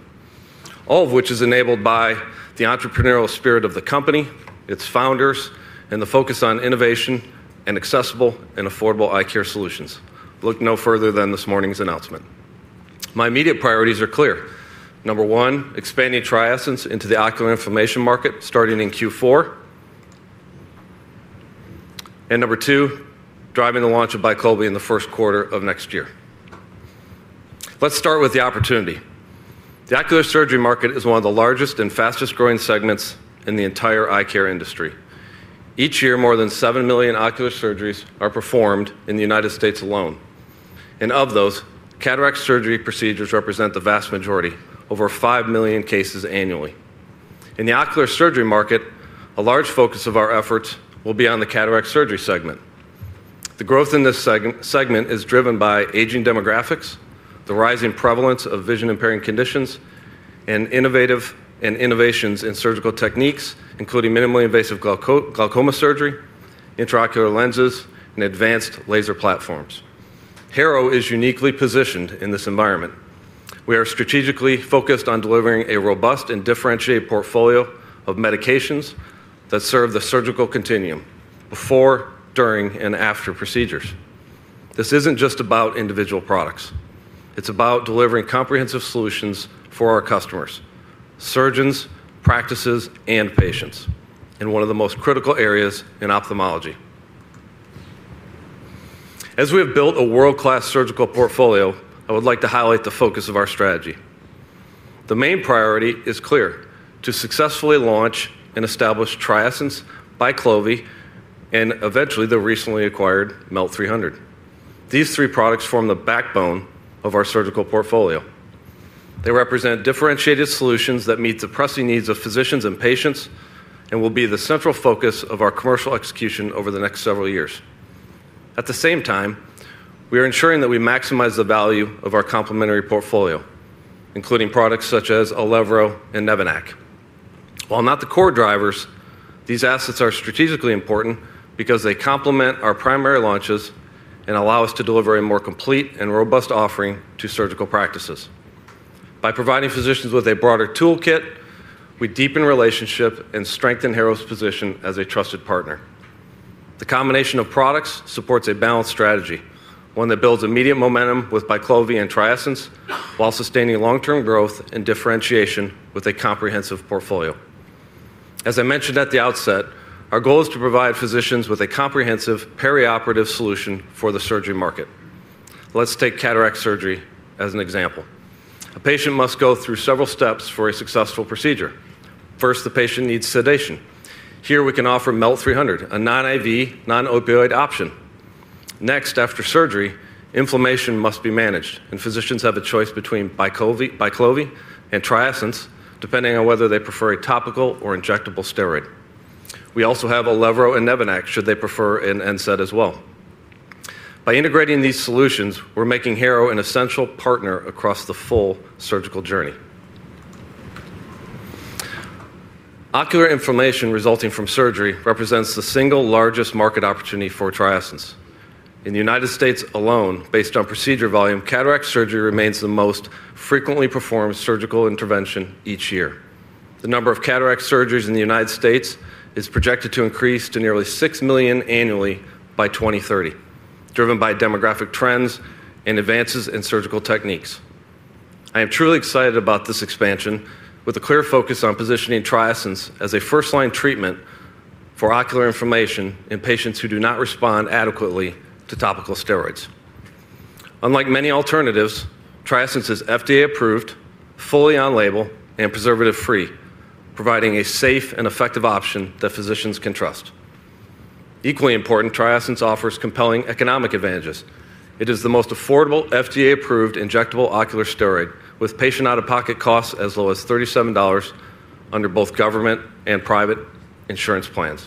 Speaker 11: all of which is enabled by the entrepreneurial spirit of the company, its founders, and the focus on innovation and accessible and affordable eye care solutions. Look no further than this morning's announcement. My immediate priorities are clear. Number one, expanding TRIESENCE into the ocular inflammation market, starting in Q4. Number two, driving the launch of BICLOVI in the first quarter of next year. Let's start with the opportunity. The ocular surgery market is one of the largest and fastest-growing segments in the entire eye care industry. Each year, more than 7 million ocular surgeries are performed in the United States alone. Of those, cataract surgery procedures represent the vast majority, over 5 million cases annually. In the ocular surgery market, a large focus of our efforts will be on the cataract surgery segment. The growth in this segment is driven by aging demographics, the rising prevalence of vision-impaired conditions, and innovations in surgical techniques, including minimally invasive glaucoma surgery, intraocular lenses, and advanced laser platforms. Harrow is uniquely positioned in this environment. We are strategically focused on delivering a robust and differentiated portfolio of medications that serve the surgical continuum before, during, and after procedures. This isn't just about individual products. It's about delivering comprehensive solutions for our customers, surgeons, practices, and patients in one of the most critical areas in ophthalmology. As we have built a world-class surgical portfolio, I would like to highlight the focus of our strategy. The main priority is clear: to successfully launch and establish TRIESENCE, BICLOVI, and eventually the recently acquired Melt 300. These three products form the backbone of our surgical portfolio. They represent differentiated solutions that meet the pressing needs of physicians and patients and will be the central focus of our commercial execution over the next several years. At the same time, we are ensuring that we maximize the value of our complementary portfolio, including products such as ELEVRO and Nevanac. While not the core drivers, these assets are strategically important because they complement our primary launches and allow us to deliver a more complete and robust offering to surgical practices. By providing physicians with a broader toolkit, we deepen relationships and strengthen Harrow's position as a trusted partner. The combination of products supports a balanced strategy, one that builds immediate momentum with BICLOVI and TRIESENCE, while sustaining long-term growth and differentiation with a comprehensive portfolio. As I mentioned at the outset, our goal is to provide physicians with a comprehensive perioperative solution for the surgery market. Let's take cataract surgery as an example. A patient must go through several steps for a successful procedure. First, the patient needs sedation. Here, we can offer Melt 300, a non-IV, non-opioid option. Next, after surgery, inflammation must be managed, and physicians have a choice between BICLOVI and TRIESENCE, depending on whether they prefer a topical or injectable steroid. We also have ELEVRO and Nevanac should they prefer an NSAID as well. By integrating these solutions, we're making Harrow an essential partner across the full surgical journey. Ocular inflammation resulting from surgery represents the single largest market opportunity for TRIESENCE. In the United States alone, based on procedure volume, cataract surgery remains the most frequently performed surgical intervention each year. The number of cataract surgeries in the United States is projected to increase to nearly 6 million annually by 2030, driven by demographic trends and advances in surgical techniques. I am truly excited about this expansion, with a clear focus on positioning TRIESENCE as a first-line treatment for ocular inflammation in patients who do not respond adequately to topical steroids. Unlike many alternatives, TRIESENCE is FDA-approved, fully on-label, and preservative-free, providing a safe and effective option that physicians can trust. Equally important, TRIESENCE offers compelling economic advantages. It is the most affordable FDA-approved injectable ocular steroid, with patient out-of-pocket costs as low as $37 under both government and private insurance plans.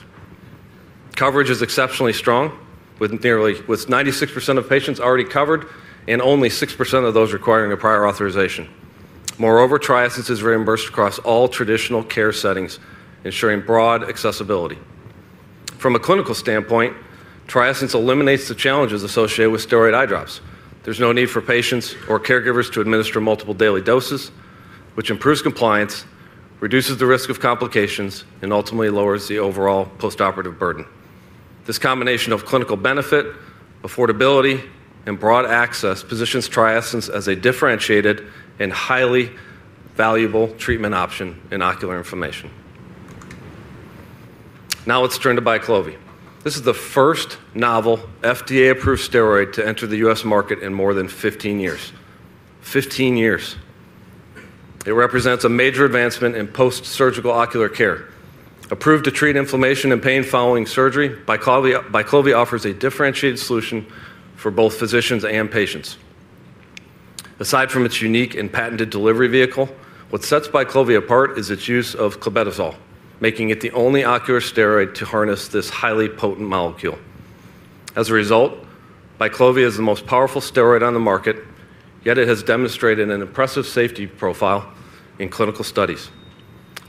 Speaker 11: Coverage is exceptionally strong, with 96% of patients already covered and only 6% of those requiring a prior authorization. Moreover, TRIESENCE is reimbursed across all traditional care settings, ensuring broad accessibility. From a clinical standpoint, TRIESENCE eliminates the challenges associated with steroid eye drops. There's no need for patients or caregivers to administer multiple daily doses, which improves compliance, reduces the risk of complications, and ultimately lowers the overall postoperative burden. This combination of clinical benefit, affordability, and broad access positions TRIESENCE as a differentiated and highly valuable treatment option in ocular inflammation. Now let's turn to BICLOVI. This is the first novel FDA-approved steroid to enter the U.S. market in more than 15 years. 15 years. It represents a major advancement in post-surgical ocular care. Approved to treat inflammation and pain following surgery, BICLOVI offers a differentiated solution for both physicians and patients. Aside from its unique and patented delivery vehicle, what sets BICLOVI apart is its use of clobetasol, making it the only ocular steroid to harness this highly potent molecule. As a result, BICLOVI is the most powerful steroid on the market, yet it has demonstrated an impressive safety profile in clinical studies,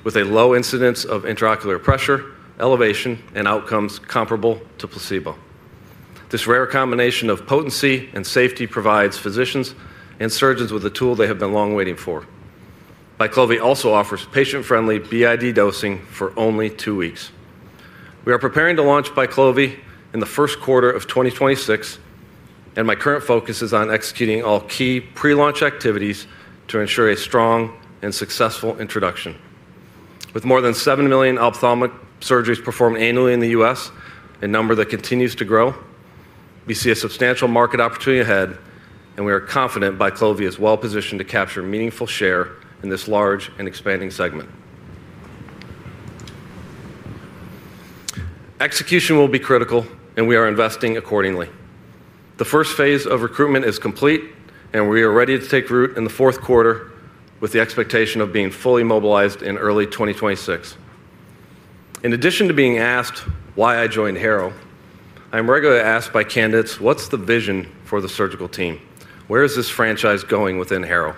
Speaker 11: with a low incidence of intraocular pressure elevation and outcomes comparable to placebo. This rare combination of potency and safety provides physicians and surgeons with a tool they have been long waiting for. BICLOVI also offers patient-friendly b.i.d. dosing for only two weeks. We are preparing to launch BICLOVI in the first quarter of 2026, and my current focus is on executing all key pre-launch activities to ensure a strong and successful introduction. With more than 7 million ophthalmic surgeries performed annually in the U.S., a number that continues to grow, we see a substantial market opportunity ahead, and we are confident BICLOVI is well positioned to capture meaningful share in this large and expanding segment. Execution will be critical, and we are investing accordingly. The first phase of recruitment is complete, and we are ready to take root in the fourth quarter, with the expectation of being fully mobilized in early 2026. In addition to being asked why I joined Harrow, I'm regularly asked by candidates, what's the vision for the surgical team? Where is this franchise going within Harrow?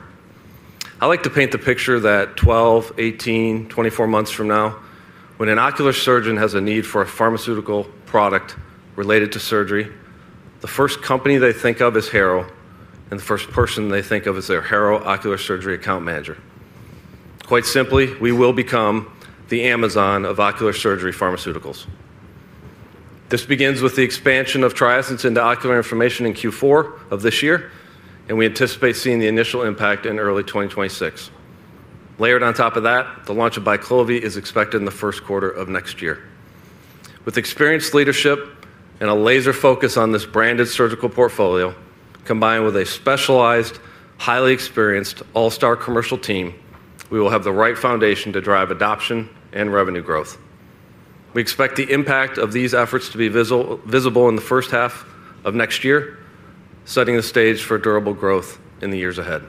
Speaker 11: I like to paint the picture that 12, 18, 24 months from now, when an ocular surgeon has a need for a pharmaceutical product related to surgery, the first company they think of is Harrow, and the first person they think of is their Harrow Ocular Surgery Account Manager. Quite simply, we will become the Amazon of ocular surgery pharmaceuticals. This begins with the expansion of TRIESENCE into ocular inflammation in Q4 of this year, and we anticipate seeing the initial impact in early 2026. Layered on top of that, the launch of BICLOVI is expected in the first quarter of next year. With experienced leadership and a laser focus on this branded surgical portfolio, combined with a specialized, highly experienced all-star commercial team, we will have the right foundation to drive adoption and revenue growth. We expect the impact of these efforts to be visible in the first half of next year, setting the stage for durable growth in the years ahead.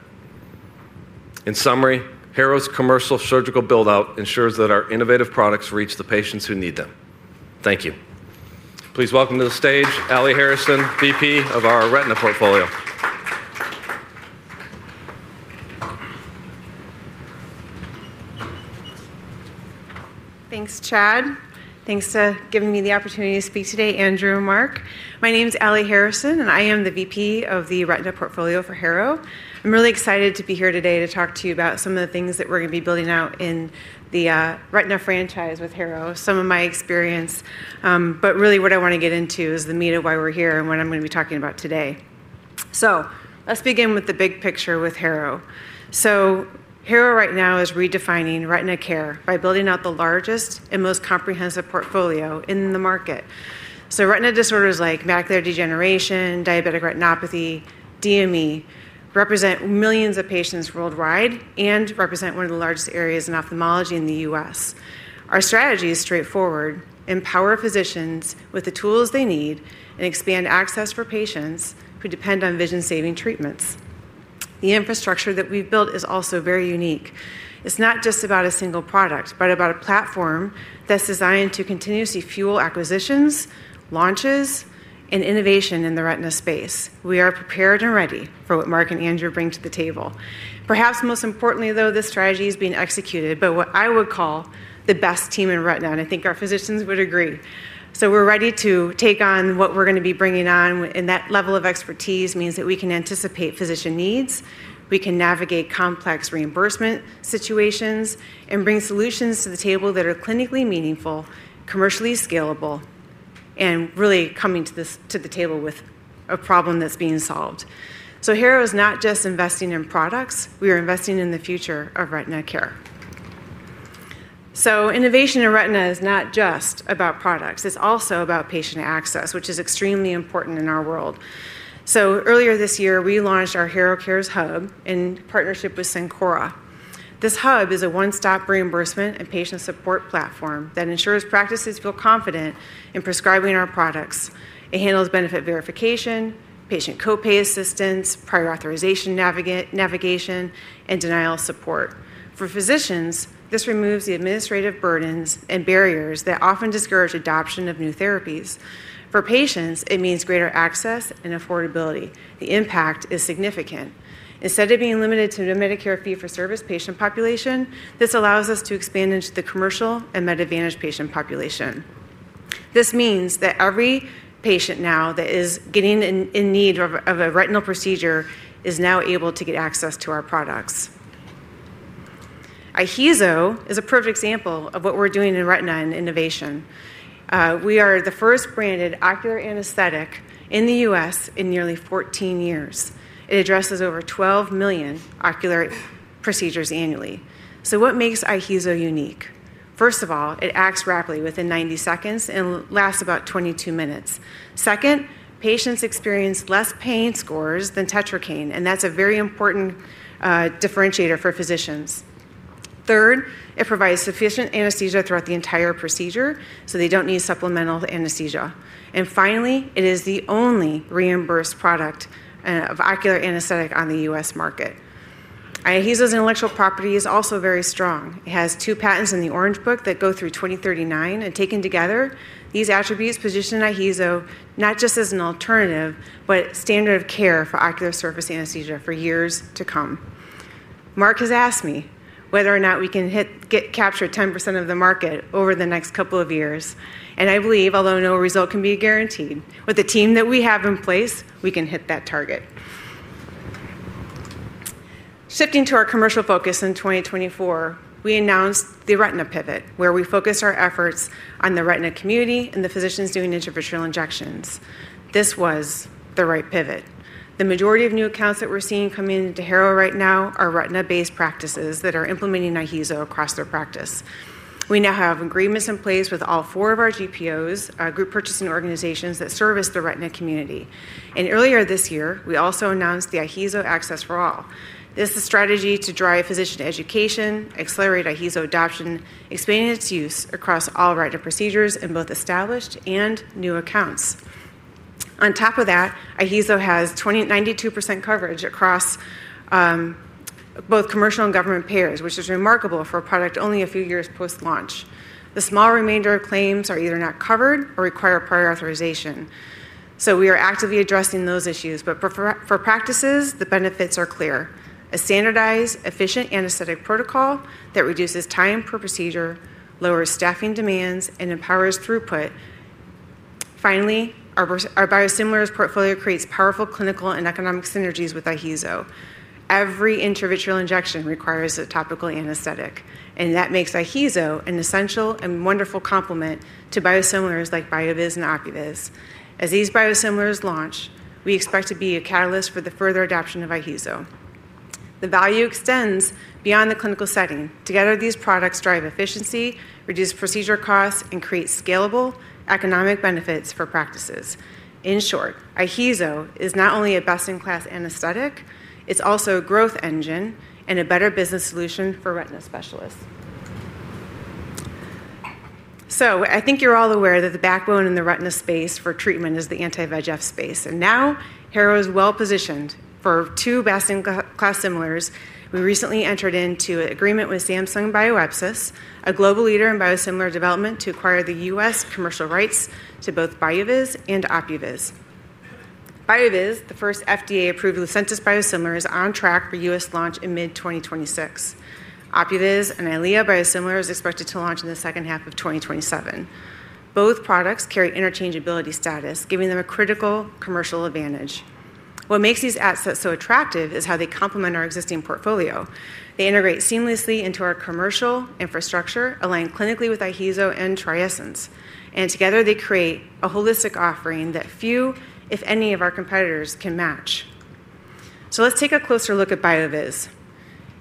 Speaker 11: In summary, Harrow's commercial surgical build-out ensures that our innovative products reach the patients who need them. Thank you. Please welcome to the stage Aly Harrison, VP of our Retina Portfolio.
Speaker 12: Thanks, Chad. Thanks for giving me the opportunity to speak today, Andrew and Mark. My name is Aly Harrison, and I am the VP of the Retina Portfolio for Harrow. I'm really excited to be here today to talk to you about some of the things that we're going to be building out in the Retina franchise with Harrow, some of my experience. What I want to get into is the meat of why we're here and what I'm going to be talking about today. Let's begin with the big picture with Harrow. Harrow right now is redefining retina care by building out the largest and most comprehensive portfolio in the market. Retina disorders like macular degeneration, diabetic retinopathy, DME represent millions of patients worldwide and represent one of the largest areas in ophthalmology in the U.S. Our strategy is straightforward: empower physicians with the tools they need and expand access for patients who depend on vision-saving treatments. The infrastructure that we've built is also very unique. It's not just about a single product, but about a platform that's designed to continuously fuel acquisitions, launches, and innovation in the retina space. We are prepared and ready for what Mark and Andrew bring to the table. Perhaps most importantly, though, this strategy is being executed by what I would call the best team in retina, and I think our physicians would agree. We're ready to take on what we're going to be bringing on, and that level of expertise means that we can anticipate physician needs. We can navigate complex reimbursement situations and bring solutions to the table that are clinically meaningful, commercially scalable, and really coming to the table with a problem that's being solved. Harrow is not just investing in products. We are investing in the future of retina care. Innovation in retina is not just about products. It's also about patient access, which is extremely important in our world. Earlier this year, we launched our Harrow Cares Hub in partnership with Syncora. This hub is a one-stop reimbursement and patient support platform that ensures practices feel confident in prescribing our products. It handles benefit verification, patient copay assistance, prior authorization navigation, and denial support. For physicians, this removes the administrative burdens and barriers that often discourage adoption of new therapies. For patients, it means greater access and affordability. The impact is significant. Instead of being limited to the Medicare fee-for-service patient population, this allows us to expand into the commercial and MedAdvantage patient population. This means that every patient now that is getting in need of a retinal procedure is now able to get access to our products. IHEEZO is a perfect example of what we're doing in retina and innovation. We are the first branded ocular anesthetic in the U.S. in nearly 14 years. It addresses over 12 million ocular procedures annually. What makes IHEEZO unique? First of all, it acts rapidly within 90 seconds and lasts about 22 minutes. Patients experience less pain scores than tetracaine, and that's a very important differentiator for physicians. It provides sufficient anesthesia throughout the entire procedure, so they don't need supplemental anesthesia. Finally, it is the only reimbursed product of ocular anesthetic on the U.S. market. IHEEZO's intellectual property is also very strong. It has two patents in the Orange Book that go through 2039, and taken together, these attributes position IHEEZO not just as an alternative, but a standard of care for ocular surface anesthesia for years to come. Mark has asked me whether or not we can capture 10% of the market over the next couple of years, and I believe, although no result can be guaranteed, with the team that we have in place, we can hit that target. Shifting to our commercial focus in 2024, we announced the Retina Pivot, where we focused our efforts on the retina community and the physicians doing intravitreal injections. This was the right pivot. The majority of new accounts that we're seeing coming into Harrow right now are retina-based practices that are implementing IHEEZO across their practice. We now have agreements in place with all four of our GPOs, group purchasing organizations that service the retina community. Earlier this year, we also announced the IHEEZO Access for All. This is a strategy to drive physician education, accelerate IHEEZO adoption, expanding its use across all retina procedures in both established and new accounts. On top of that, IHEEZO has 92% coverage across both commercial and government payers, which is remarkable for a product only a few years post-launch. The small remainder of claims are either not covered or require prior authorization. We are actively addressing those issues. For practices, the benefits are clear: a standardized, efficient anesthetic protocol that reduces time per procedure, lowers staffing demands, and empowers throughput. Finally, our biosimilars portfolio creates powerful clinical and economic synergies with IHEEZO. Every intravitreal injection requires a topical anesthetic, and that makes IHEEZO an essential and wonderful complement to biosimilars like BioViz and OPUViz. As these biosimilars launch, we expect to be a catalyst for the further adoption of IHEEZO. The value extends beyond the clinical setting. Together, these products drive efficiency, reduce procedure costs, and create scalable economic benefits for practices. In short, IHEEZO is not only a best-in-class anesthetic, it's also a growth engine and a better business solution for retina specialists. I think you're all aware that the backbone in the retina space for treatment is the anti-VEGF market. Harrow is well positioned for two best-in-class biosimilars. We recently entered into an agreement with Samsung Bioepis, a global leader in biosimilar development, to acquire the U.S. commercial rights to both BioViz and OPUViz. BioViz, the first FDA-approved Lucentis biosimilar, is on track for U.S. launch in mid-2026. OPUViz and Eylea biosimilars are expected to launch in the second half of 2027. Both products carry interchangeability status, giving them a critical commercial advantage. What makes these assets so attractive is how they complement our existing portfolio. They integrate seamlessly into our commercial infrastructure, aligning clinically with IHEEZO and TRIESENCE. Together, they create a holistic offering that few, if any, of our competitors can match. Let's take a closer look at BioViz.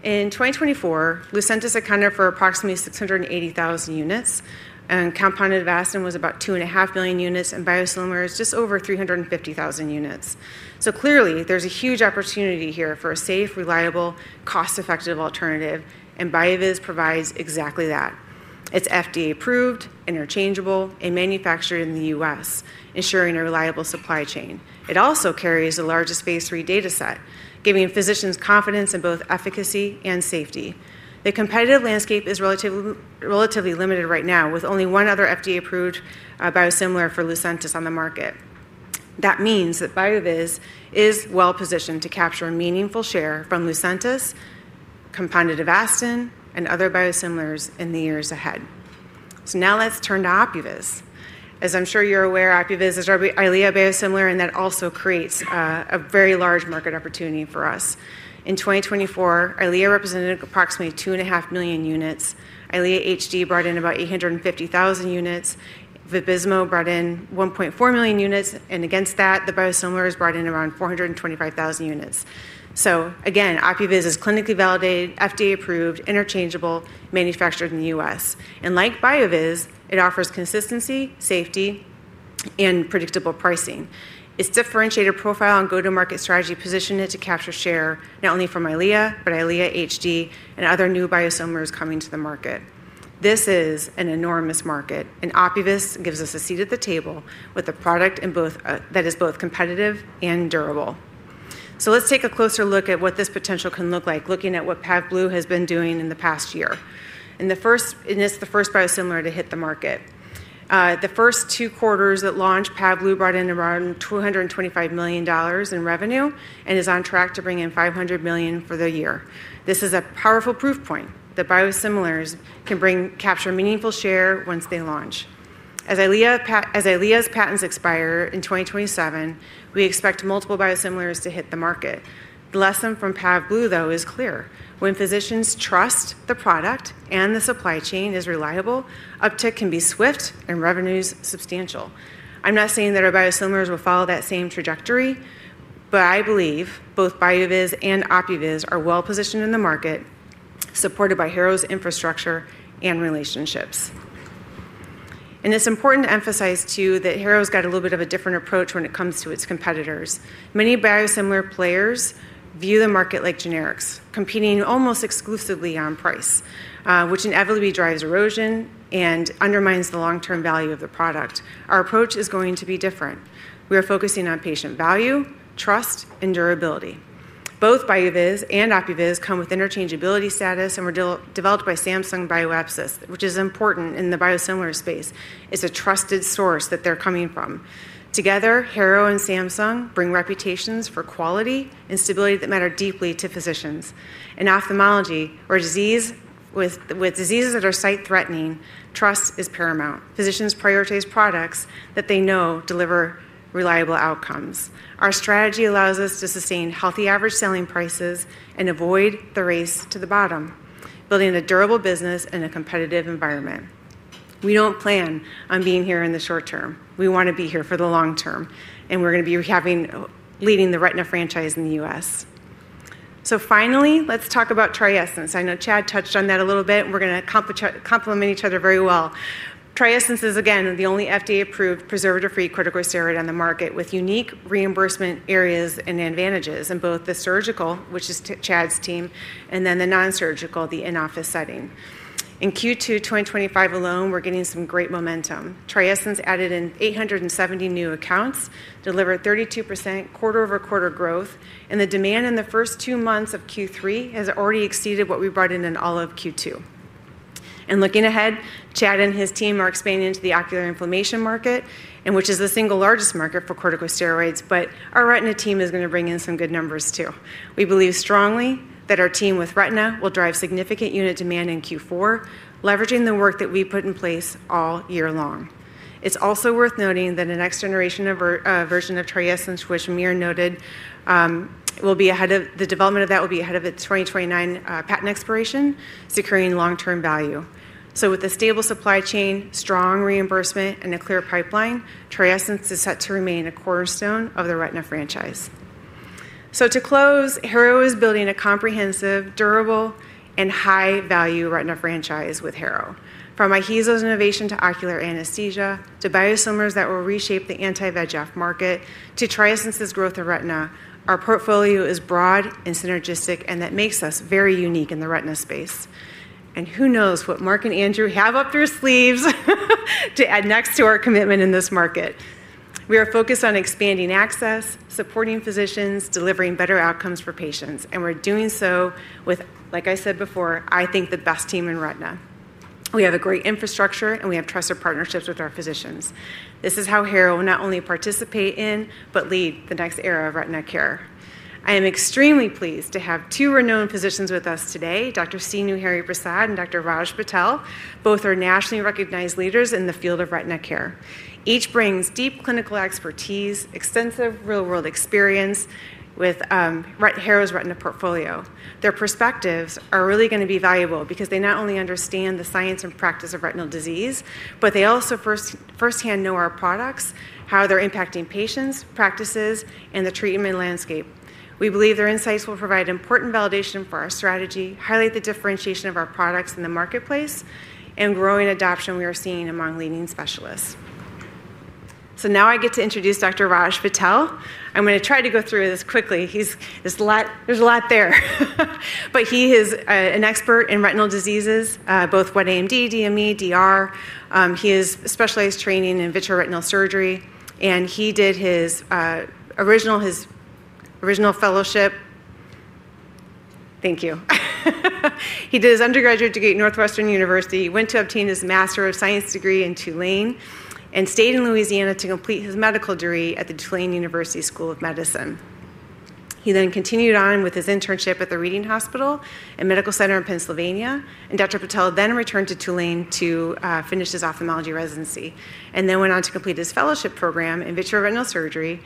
Speaker 12: In 2024, Lucentis accounted for approximately 680,000 units, and compounded Avastin was about 2.5 million units, and biosimilars just over 350,000 units. Clearly, there's a huge opportunity here for a safe, reliable, cost-effective alternative, and BioViz provides exactly that. It's FDA-approved, interchangeable, and manufactured in the U.S., ensuring a reliable supply chain. It also carries the largest phase three data set, giving physicians confidence in both efficacy and safety. The competitive landscape is relatively limited right now, with only one other FDA-approved biosimilar for Lucentis on the market. That means that BioViz is well positioned to capture a meaningful share from Lucentis, compounded Avastin, and other biosimilars in the years ahead. Now let's turn to Opuviz. As I'm sure you're aware, Opuviz is our Eylea biosimilar, and that also creates a very large market opportunity for us. In 2024, Eylea represented approximately 2.5 million units. Eylea HD brought in about 850,000 units. Vabysmo brought in 1.4 million units, and against that, the biosimilars brought in around 425,000 units. Again, Opuviz is clinically validated, FDA-approved, interchangeable, manufactured in the U.S. Like BioViz, it offers consistency, safety, and predictable pricing. Its differentiated profile and go-to-market strategy position it to capture share not only from Eylea, but Eylea HD and other new biosimilars coming to the market. This is an enormous market, and Opuviz gives us a seat at the table with a product that is both competitive and durable. Let's take a closer look at what this potential can look like, looking at what Byooviz has been doing in the past year. It's the first biosimilar to hit the market. The first two quarters at launch, Byooviz brought in around $225 million in revenue and is on track to bring in $500 million for the year. This is a powerful proof point that biosimilars can capture meaningful share once they launch. As Eylea's patents expire in 2027, we expect multiple biosimilars to hit the market. The lesson from Byooviz, though, is clear. When physicians trust the product and the supply chain is reliable, uptake can be swift and revenues substantial. I'm not saying that our biosimilars will follow that same trajectory, but I believe both BioViz and Opuviz are well positioned in the market, supported by Harrow's infrastructure and relationships. It's important to emphasize, too, that Harrow's got a little bit of a different approach when it comes to its competitors. Many biosimilar players view the market like generics, competing almost exclusively on price, which inevitably drives erosion and undermines the long-term value of the product. Our approach is going to be different. We are focusing on patient value, trust, and durability. Both BioViz and Opuviz come with interchangeability status and were developed by Samsung Bioepis, which is important in the biosimilar space. It's a trusted source that they're coming from. Together, Harrow and Samsung bring reputations for quality and stability that matter deeply to physicians. In ophthalmology or with diseases that are sight-threatening, trust is paramount. Physicians prioritize products that they know deliver reliable outcomes. Our strategy allows us to sustain healthy average selling prices and avoid the race to the bottom, building a durable business in a competitive environment. We don't plan on being here in the short term. We want to be here for the long term, and we're going to be leading the retina franchise in the U.S. Finally, let's talk about TRIESENCE. I know Chad touched on that a little bit. We're going to complement each other very well. TRIESENCE is, again, the only FDA-approved preservative-free corticosteroid on the market with unique reimbursement areas and advantages in both the surgical, which is Chad's team, and then the non-surgical, the in-office setting. In Q2 2025 alone, we're getting some great momentum. TRIESENCE added 870 new accounts, delivered 32% quarter-over-quarter growth, and the demand in the first two months of Q3 has already exceeded what we brought in in all of Q2. Looking ahead, Chad and his team are expanding into the ocular inflammation market, which is the single largest market for corticosteroids, but our retina team is going to bring in some good numbers, too. We believe strongly that our team with retina will drive significant unit demand in Q4, leveraging the work that we put in place all year long. It's also worth noting that the next generation version of TRIESENCE, which Amir noted, will be ahead of the development of that, will be ahead of its 2029 patent expiration, securing long-term value. With a stable supply chain, strong reimbursement, and a clear pipeline, TRIESENCE is set to remain a cornerstone of the retina franchise. To close, Harrow is building a comprehensive, durable, and high-value retina franchise. From IHEEZO's innovation to ocular anesthesia to biosimilars that will reshape the anti-VEGF market to TRIESENCE's growth of retina, our portfolio is broad and synergistic, and that makes us very unique in the retina space. Who knows what Mark and Andrew have up their sleeves to add next to our commitment in this market. We are focused on expanding access, supporting physicians, delivering better outcomes for patients, and we're doing so with, like I said before, I think the best team in retina. We have a great infrastructure, and we have trusted partnerships with our physicians. This is how Harrow will not only participate in but lead the next era of retina care. I am extremely pleased to have two renowned physicians with us today, Dr. Seenu Hariprasad and Dr. Raj Patel. Both are nationally recognized leaders in the field of retina care. Each brings deep clinical expertise, extensive real-world experience with Harrow's retina portfolio. Their perspectives are really going to be valuable because they not only understand the science and practice of retinal disease, but they also firsthand know our products, how they're impacting patients, practices, and the treatment landscape. We believe their insights will provide important validation for our strategy, highlight the differentiation of our products in the marketplace, and growing adoption we are seeing among leading specialists. Now I get to introduce Dr. Raj Patel. I'm going to try to go through this quickly. There's a lot there. He is an expert in retinal diseases, both wet AMD, DME, DR. He has specialized training in vitreoretinal surgery, and he did his original fellowship. Thank you. He did his undergraduate degree at Northwestern University. He went to obtain his Master of Science degree in Tulane and stayed in Louisiana to complete his medical degree at the Tulane University School of Medicine. He then continued on with his internship at the Reading Hospital and Medical Center in Pennsylvania, and Dr. Patel then returned to Tulane to finish his ophthalmology residency and then went on to complete his fellowship program in vitreoretinal surgery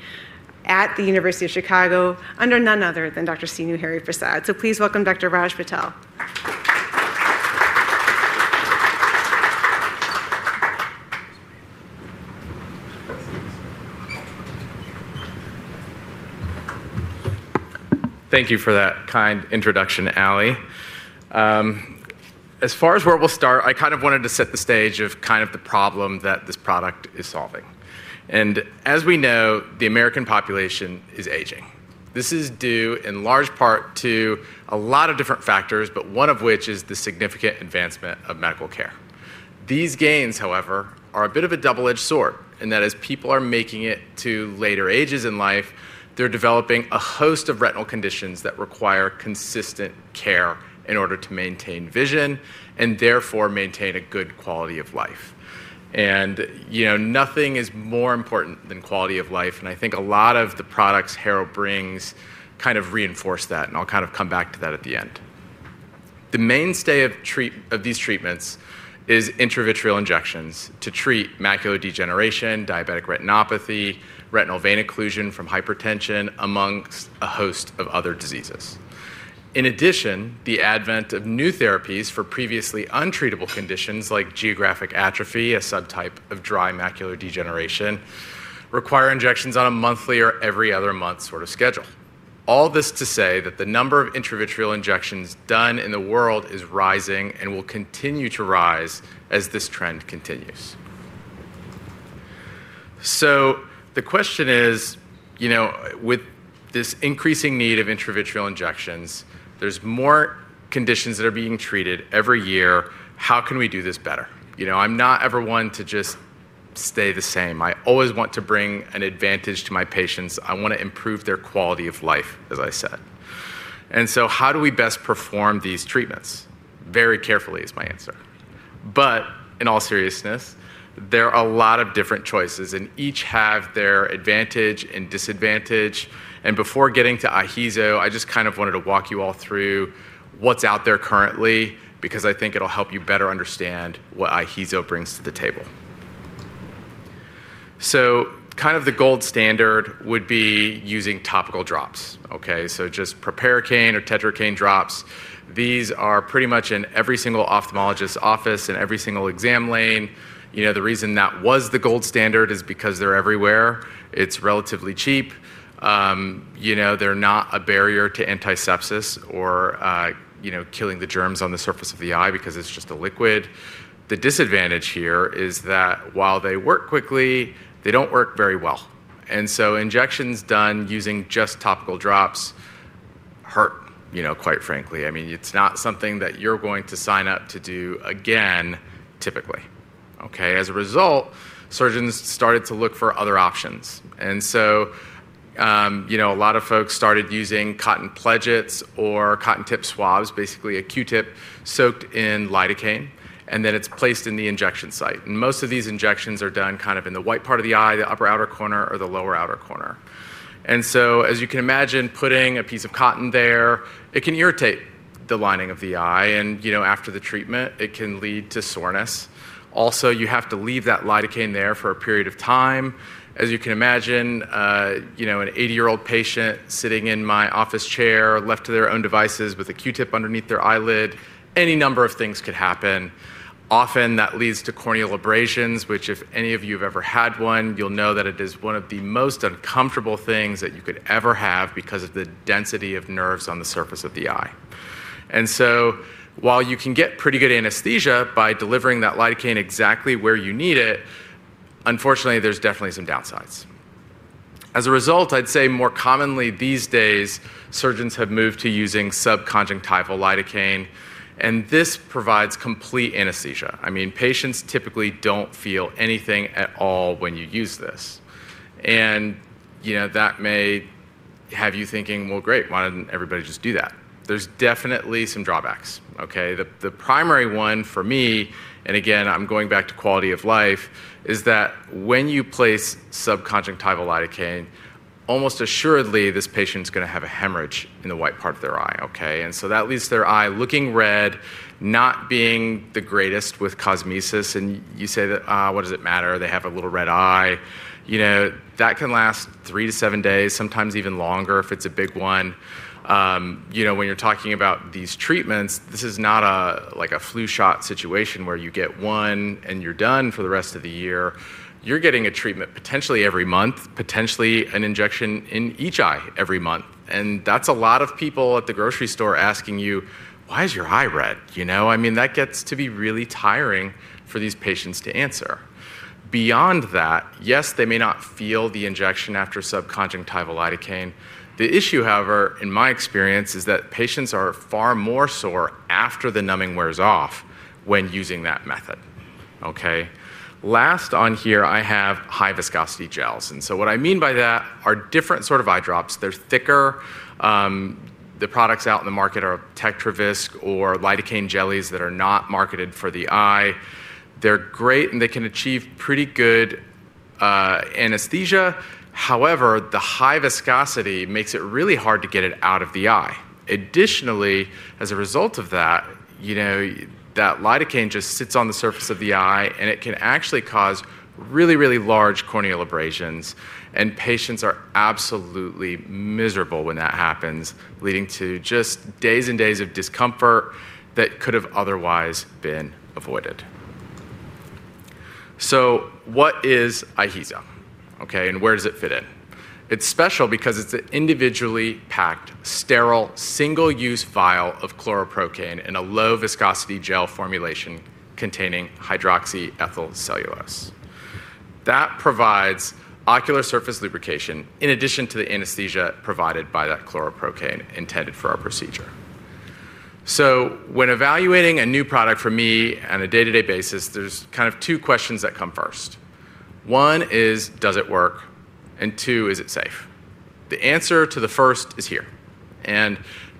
Speaker 12: at the University of Chicago under none other than Dr. Seenu Hariprasad. Please welcome Dr. Raj Patel.
Speaker 13: Thank you for that kind introduction, Aly. As far as where we'll start, I kind of wanted to set the stage of the problem that this product is solving. As we know, the American population is aging. This is due in large part to a lot of different factors, but one of which is the significant advancement of medical care. These gains, however, are a bit of a double-edged sword, in that as people are making it to later ages in life, they're developing a host of retinal conditions that require consistent care in order to maintain vision and therefore maintain a good quality of life. Nothing is more important than quality of life, and I think a lot of the products Harrow brings reinforce that, and I'll come back to that at the end. The mainstay of these treatments is intravitreal injections to treat macular degeneration, diabetic retinopathy, retinal vein occlusion from hypertension, amongst a host of other diseases. In addition, the advent of new therapies for previously untreatable conditions like geographic atrophy, a subtype of dry macular degeneration, require injections on a monthly or every other month sort of schedule. All this to say that the number of intravitreal injections done in the world is rising and will continue to rise as this trend continues. The question is, with this increasing need of intravitreal injections, there's more conditions that are being treated every year. How can we do this better? I'm not ever one to just stay the same. I always want to bring an advantage to my patients. I want to improve their quality of life, as I said. How do we best perform these treatments? Very carefully is my answer. In all seriousness, there are a lot of different choices, and each have their advantage and disadvantage. Before getting to IHEEZO, I just wanted to walk you all through what's out there currently because I think it'll help you better understand what IHEEZO brings to the table. The gold standard would be using topical drops. OK, so just proparacaine or tetracaine drops. These are pretty much in every single ophthalmologist's office, in every single exam lane. The reason that was the gold standard is because they're everywhere. It's relatively cheap. They're not a barrier to antisepsis or killing the germs on the surface of the eye because it's just a liquid. The disadvantage here is that while they work quickly, they don't work very well. Injections done using just topical drops hurt, you know, quite frankly. I mean, it's not something that you're going to sign up to do again, typically. As a result, surgeons started to look for other options. A lot of folks started using cotton pledgets or cotton-tipped swabs, basically a Q-tip soaked in lidocaine, and then it's placed in the injection site. Most of these injections are done in the white part of the eye, the upper outer corner, or the lower outer corner. As you can imagine, putting a piece of cotton there can irritate the lining of the eye, and after the treatment, it can lead to soreness. Also, you have to leave that lidocaine there for a period of time. As you can imagine, an 80-year-old patient sitting in my office chair, left to their own devices with a Q-tip underneath their eyelid, any number of things could happen. Often, that leads to corneal abrasions, which if any of you have ever had one, you'll know that it is one of the most uncomfortable things that you could ever have because of the density of nerves on the surface of the eye. While you can get pretty good anesthesia by delivering that lidocaine exactly where you need it, unfortunately, there's definitely some downsides. As a result, I'd say more commonly these days, surgeons have moved to using subconjunctival lidocaine, and this provides complete anesthesia. Patients typically don't feel anything at all when you use this. That may have you thinking, great, why didn't everybody just do that? There's definitely some drawbacks. The primary one for me, and again, I'm going back to quality of life, is that when you place subconjunctival lidocaine, almost assuredly, this patient's going to have a hemorrhage in the white part of their eye. That leaves their eye looking red, not being the greatest with cosmesis. You say that, what does it matter? They have a little red eye. That can last three to seven days, sometimes even longer if it's a big one. When you're talking about these treatments, this is not like a flu shot situation where you get one and you're done for the rest of the year. You're getting a treatment potentially every month, potentially an injection in each eye every month. That's a lot of people at the grocery store asking you, why is your eye red? You know, that gets to be really tiring for these patients to answer. Beyond that, yes, they may not feel the injection after subconjunctival lidocaine. The issue, however, in my experience, is that patients are far more sore after the numbing wears off when using that method. Last on here, I have high-viscosity gels. What I mean by that are different sort of eye drops. They're thicker. The products out in the market are TetraVisc or lidocaine jellies that are not marketed for the eye. They're great, and they can achieve pretty good anesthesia. However, the high viscosity makes it really hard to get it out of the eye. Additionally, as a result of that, you know that lidocaine just sits on the surface of the eye, and it can actually cause really, really large corneal abrasions. Patients are absolutely miserable when that happens, leading to just days and days of discomfort that could have otherwise been avoided. What is IHEEZO, and where does it fit in? It's special because it's an individually packed, sterile, single-use vial of chloroprocaine in a low-viscosity gel formulation containing hydroxyethylcellulose. That provides ocular surface lubrication in addition to the anesthesia provided by that chloroprocaine intended for our procedure. When evaluating a new product for me on a day-to-day basis, there's kind of two questions that come first. One is, does it work? Two, is it safe? The answer to the first is here.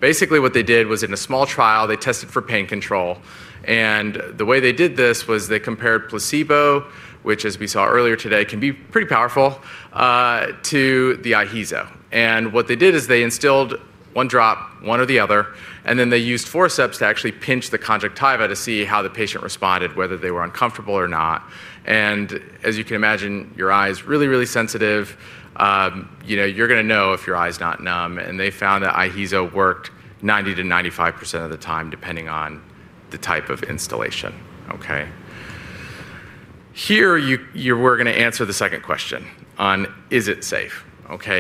Speaker 13: Basically, what they did was in a small trial, they tested for pain control. The way they did this was they compared placebo, which, as we saw earlier today, can be pretty powerful, to the IHEEZO. What they did is they instilled one drop, one or the other, and then they used forceps to actually pinch the conjunctiva to see how the patient responded, whether they were uncomfortable or not. As you can imagine, your eye is really, really sensitive. You know you're going to know if your eye is not numb. They found that IHEEZO worked 90%-95% of the time, depending on the type of instillation. Here we're going to answer the second question on, is it safe?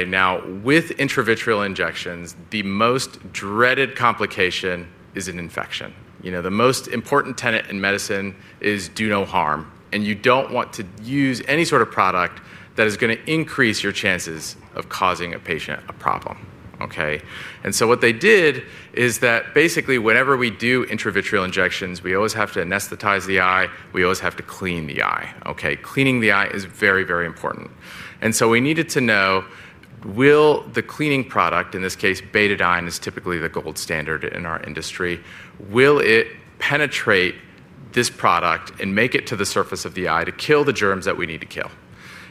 Speaker 13: Now with intravitreal injections, the most dreaded complication is an infection. The most important tenet in medicine is do no harm. You don't want to use any sort of product that is going to increase your chances of causing a patient a problem. OK, and so what they did is that basically, whenever we do intravitreal injections, we always have to anesthetize the eye. We always have to clean the eye. Cleaning the eye is very, very important. We needed to know, will the cleaning product, in this case, Betadine, which is typically the gold standard in our industry, penetrate this product and make it to the surface of the eye to kill the germs that we need to kill?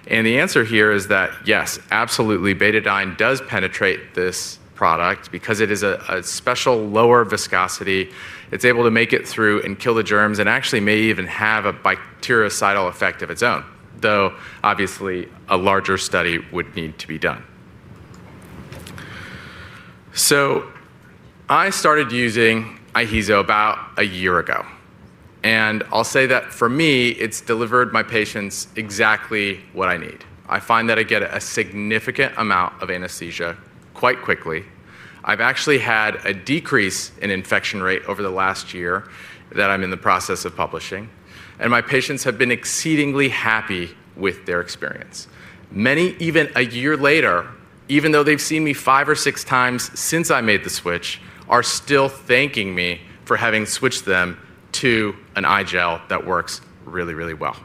Speaker 13: The answer here is that, yes, absolutely, Betadine does penetrate this product because it is a special lower viscosity. It's able to make it through and kill the germs and actually may even have a bactericidal effect of its own, though obviously a larger study would need to be done. I started using IHEEZO about a year ago. I'll say that for me, it's delivered my patients exactly what I need. I find that I get a significant amount of anesthesia quite quickly. I've actually had a decrease in infection rate over the last year that I'm in the process of publishing. My patients have been exceedingly happy with their experience. Many, even a year later, even though they've seen me five or six times since I made the switch, are still thanking me for having switched them to an eye gel that works really, really well.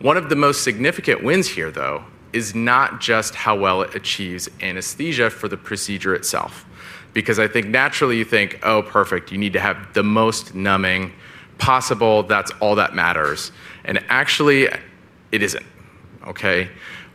Speaker 13: One of the most significant wins here, though, is not just how well it achieves anesthesia for the procedure itself. I think naturally, you think, oh, perfect, you need to have the most numbing possible. That's all that matters. Actually, it isn't.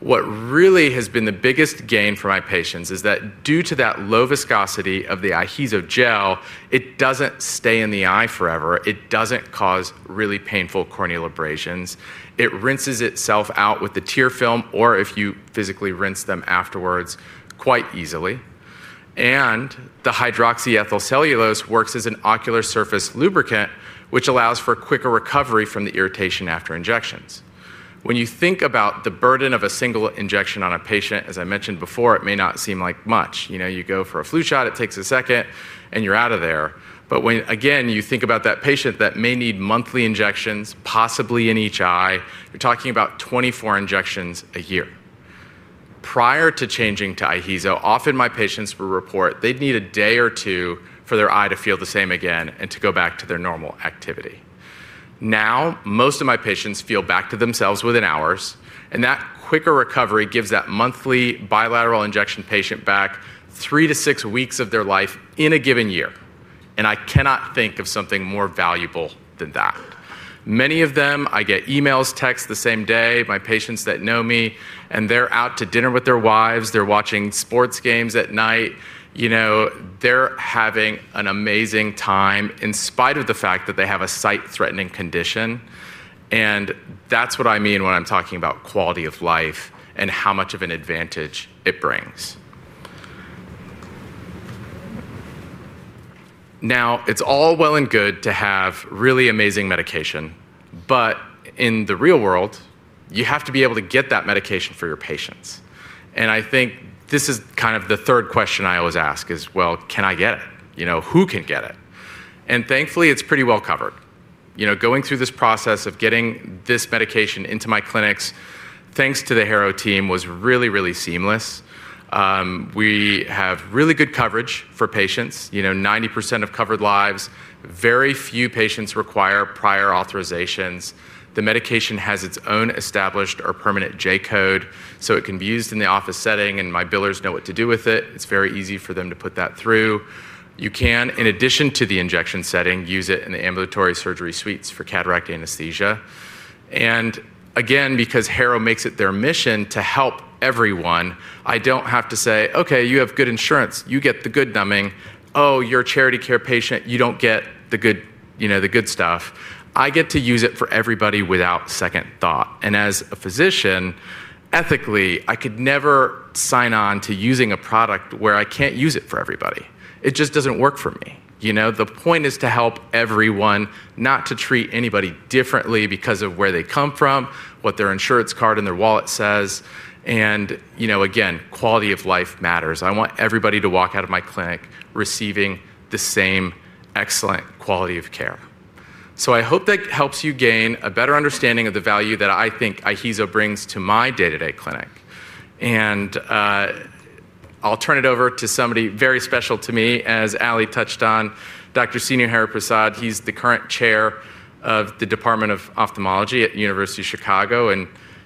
Speaker 13: What really has been the biggest gain for my patients is that due to that low viscosity of the IHEEZO gel, it doesn't stay in the eye forever. It doesn't cause really painful corneal abrasions. It rinses itself out with the tear film, or if you physically rinse them afterwards, quite easily. The hydroxyethyl cellulose works as an ocular surface lubricant, which allows for quicker recovery from the irritation after injections. When you think about the burden of a single injection on a patient, as I mentioned before, it may not seem like much. You know, you go for a flu shot, it takes a second, and you're out of there. When again, you think about that patient that may need monthly injections, possibly in each eye, you're talking about 24 injections a year. Prior to changing to IHEEZO, often my patients would report they'd need a day or two for their eye to feel the same again and to go back to their normal activity. Now, most of my patients feel back to themselves within hours. That quicker recovery gives that monthly bilateral injection patient back three to six weeks of their life in a given year. I cannot think of something more valuable than that. Many of them, I get emails, texts the same day, my patients that know me, and they're out to dinner with their wives. They're watching sports games at night. They're having an amazing time in spite of the fact that they have a sight-threatening condition. That's what I mean when I'm talking about quality of life and how much of an advantage it brings. It's all well and good to have really amazing medication. In the real world, you have to be able to get that medication for your patients. I think this is kind of the third question I always ask is, can I get it? Who can get it? Thankfully, it's pretty well covered. Going through this process of getting this medication into my clinics, thanks to the Harrow team, was really, really seamless. We have really good coverage for patients. 90% of covered lives, very few patients require prior authorizations. The medication has its own established or permanent J code, so it can be used in the office setting, and my billers know what to do with it. It's very easy for them to put that through. You can, in addition to the injection setting, use it in the ambulatory surgery suites for cataract anesthesia. Again, because Harrow makes it their mission to help everyone, I don't have to say, OK, you have good insurance, you get the good numbing. Oh, you're a charity care patient, you don't get the good stuff. I get to use it for everybody without second thought. As a physician, ethically, I could never sign on to using a product where I can't use it for everybody. It just doesn't work for me. The point is to help everyone, not to treat anybody differently because of where they come from, what their insurance card and their wallet says. Again, quality of life matters. I want everybody to walk out of my clinic receiving the same excellent quality of care. I hope that helps you gain a better understanding of the value that I think IHEEZO brings to my day-to-day clinic. I'll turn it over to somebody very special to me, as Aly touched on, Dr. Seenu Hariprasad. He's the current Chair of the Department of Ophthalmology at the University of Chicago.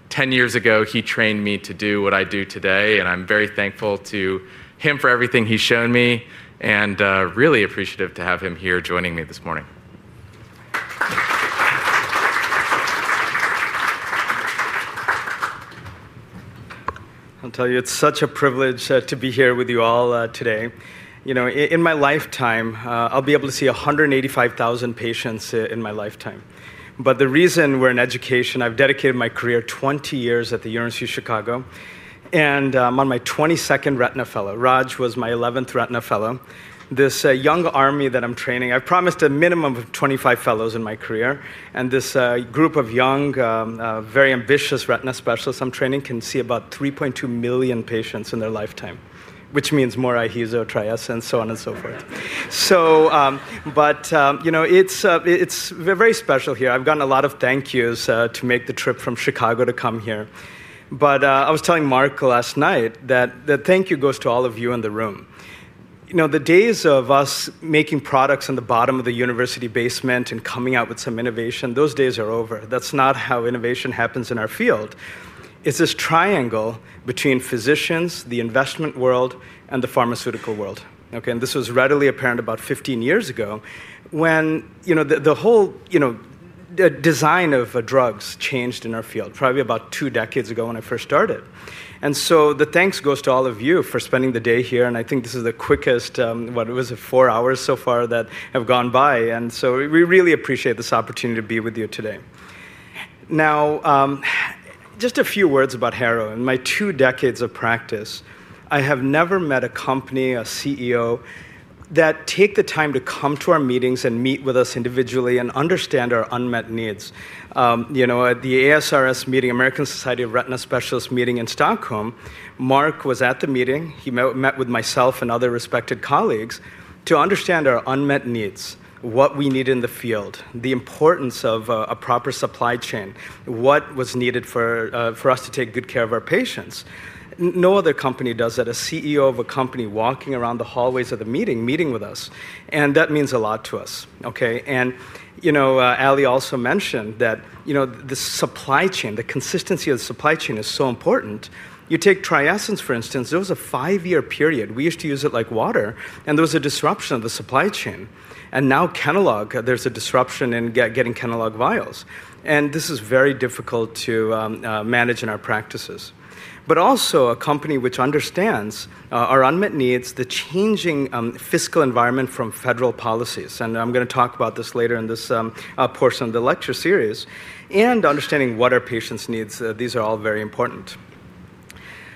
Speaker 13: Ten years ago, he trained me to do what I do today. I'm very thankful to him for everything he's shown me and really appreciative to have him here joining me this morning.
Speaker 14: I'll tell you, it's such a privilege to be here with you all today. You know, in my lifetime, I'll be able to see 185,000 patients in my lifetime. The reason we're in education, I've dedicated my career 20 years at the University of Chicago, and I'm on my 22nd Retina Fellow. Raj was my 11th Retina Fellow. This young army that I'm training, I promised a minimum of 25 fellows in my career. This group of young, very ambitious retina specialists I'm training can see about 3.2 million patients in their lifetime, which means more IHEEZO, TRIESENCE, so on and so forth. It's very special here. I've gotten a lot of thank yous to make the trip from Chicago to come here. I was telling Mark last night that the thank you goes to all of you in the room. The days of us making products on the bottom of the university basement and coming out with some innovation, those days are over. That's not how innovation happens in our field. It's this triangle between physicians, the investment world, and the pharmaceutical world. This was readily apparent about 15 years ago when the whole design of drugs changed in our field, probably about two decades ago when I first started. The thanks go to all of you for spending the day here. I think this is the quickest, what was it, four hours so far that have gone by. We really appreciate this opportunity to be with you today. Now, just a few words about Harrow and my two decades of practice. I have never met a company, a CEO, that takes the time to come to our meetings and meet with us individually and understand our unmet needs. At the ASRS meeting, American Society of Retina Specialists meeting in Stockholm, Mark was at the meeting. He met with myself and other respected colleagues to understand our unmet needs, what we need in the field, the importance of a proper supply chain, what was needed for us to take good care of our patients. No other company does that, a CEO of a company walking around the hallways of the meeting, meeting with us. That means a lot to us. Aly also mentioned that the supply chain, the consistency of the supply chain is so important. You take TRIESENCE, for instance, there was a five-year period. We used to use it like water, and there was a disruption of the supply chain. Now Kenalog, there's a disruption in getting Kenalog vials. This is very difficult to manage in our practices. A company which understands our unmet needs, the changing fiscal environment from federal policies. I'm going to talk about this later in this portion of the lecture series. Understanding what our patients' needs are, these are all very important.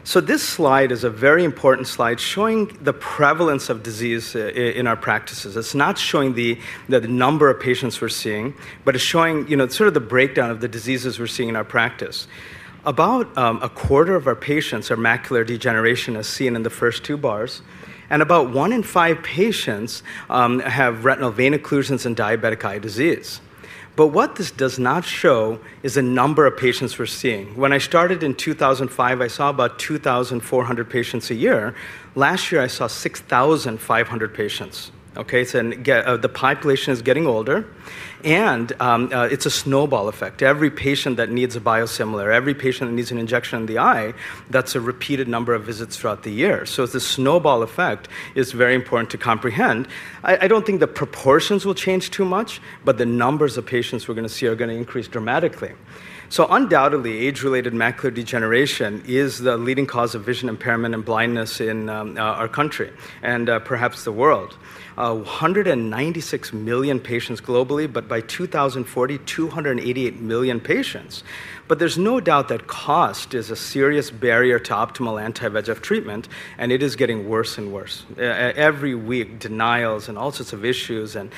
Speaker 14: This slide is a very important slide showing the prevalence of disease in our practices. It's not showing the number of patients we're seeing, but it's showing the breakdown of the diseases we're seeing in our practice. About a quarter of our patients are macular degeneration, as seen in the first two bars. About one in five patients have retinal vein occlusions and diabetic eye disease. What this does not show is the number of patients we're seeing. When I started in 2005, I saw about 2,400 patients a year. Last year, I saw 6,500 patients. The population is getting older. It's a snowball effect. Every patient that needs a biosimilar, every patient that needs an injection in the eye, that's a repeated number of visits throughout the year. It's a snowball effect. It's very important to comprehend. I don't think the proportions will change too much, but the numbers of patients we're going to see are going to increase dramatically. Undoubtedly, age-related macular degeneration is the leading cause of vision impairment and blindness in our country and perhaps the world. 196 million patients globally, but by 2040, 288 million patients. There is no doubt that cost is a serious barrier to optimal anti-VEGF treatment, and it is getting worse and worse. Every week, denials and all sorts of issues and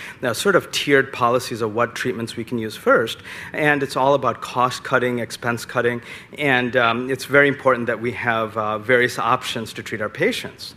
Speaker 14: tiered policies of what treatments we can use first. It's all about cost cutting, expense cutting. It's very important that we have various options to treat our patients.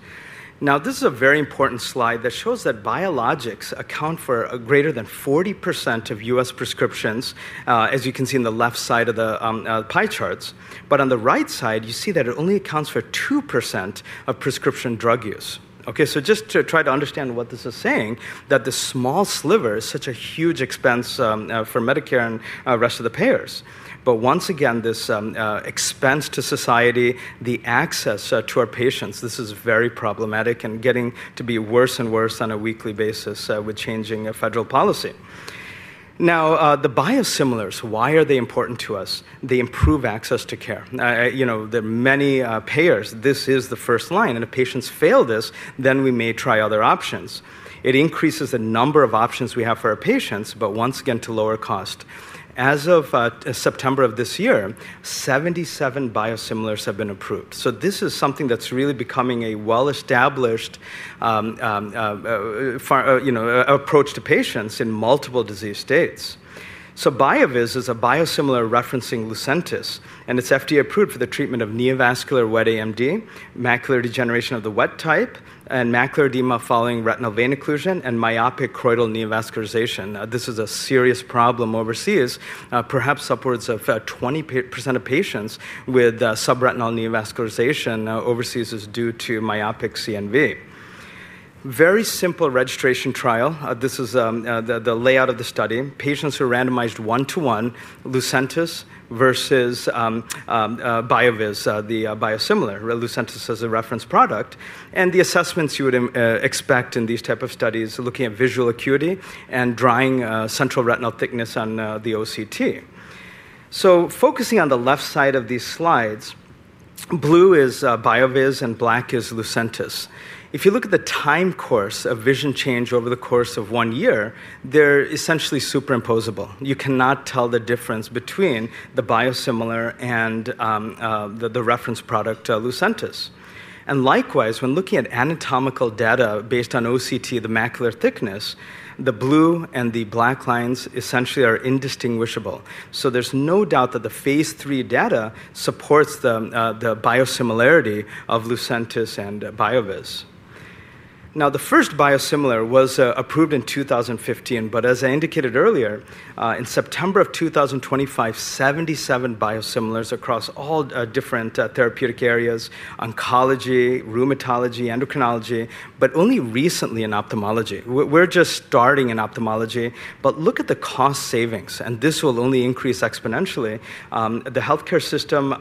Speaker 14: This is a very important slide that shows that biologics account for greater than 40% of U.S. prescriptions, as you can see in the left side of the pie charts. On the right side, you see that it only accounts for 2% of prescription drug use. Just to try to understand what this is saying, that this small sliver is such a huge expense for Medicare and the rest of the payers. Once again, this expense to society, the access to our patients, this is very problematic and getting to be worse and worse on a weekly basis with changing federal policy. The biosimilars, why are they important to us? They improve access to care. There are many payers. This is the first line. If patients fail this, then we may try other options. It increases the number of options we have for our patients, but once again, to lower cost. As of September of this year, 77 biosimilars have been approved. This is something that's really becoming a well-established approach to patients in multiple disease states. BioViz is a biosimilar referencing Lucentis, and it's FDA-approved for the treatment of neovascular wet AMD, macular degeneration of the wet type, and macular edema following retinal vein occlusion and myopic choroidal neovascularization. This is a serious problem overseas, perhaps upwards of 20% of patients with subretinal neovascularization overseas is due to myopic CNV. Very simple registration trial. This is the layout of the study. Patients were randomized one to one, Lucentis versus BioViz, the biosimilar. Lucentis is a reference product. The assessments you would expect in these types of studies are looking at visual acuity and drying central retinal thickness on the OCT. Focusing on the left side of these slides, blue is BioViz and black is Lucentis. If you look at the time course of vision change over the course of one year, they're essentially superimposable. You cannot tell the difference between the biosimilar and the reference product, Lucentis. Likewise, when looking at anatomical data based on OCT of the macular thickness, the blue and the black lines essentially are indistinguishable. There is no doubt that the phase three data supports the biosimilarity of Lucentis and BioViz. The first biosimilar was approved in 2015. As I indicated earlier, in September of 2025, 77 biosimilars across all different therapeutic areas, oncology, rheumatology, endocrinology, but only recently in ophthalmology. We're just starting in ophthalmology. Look at the cost savings. This will only increase exponentially. The health care system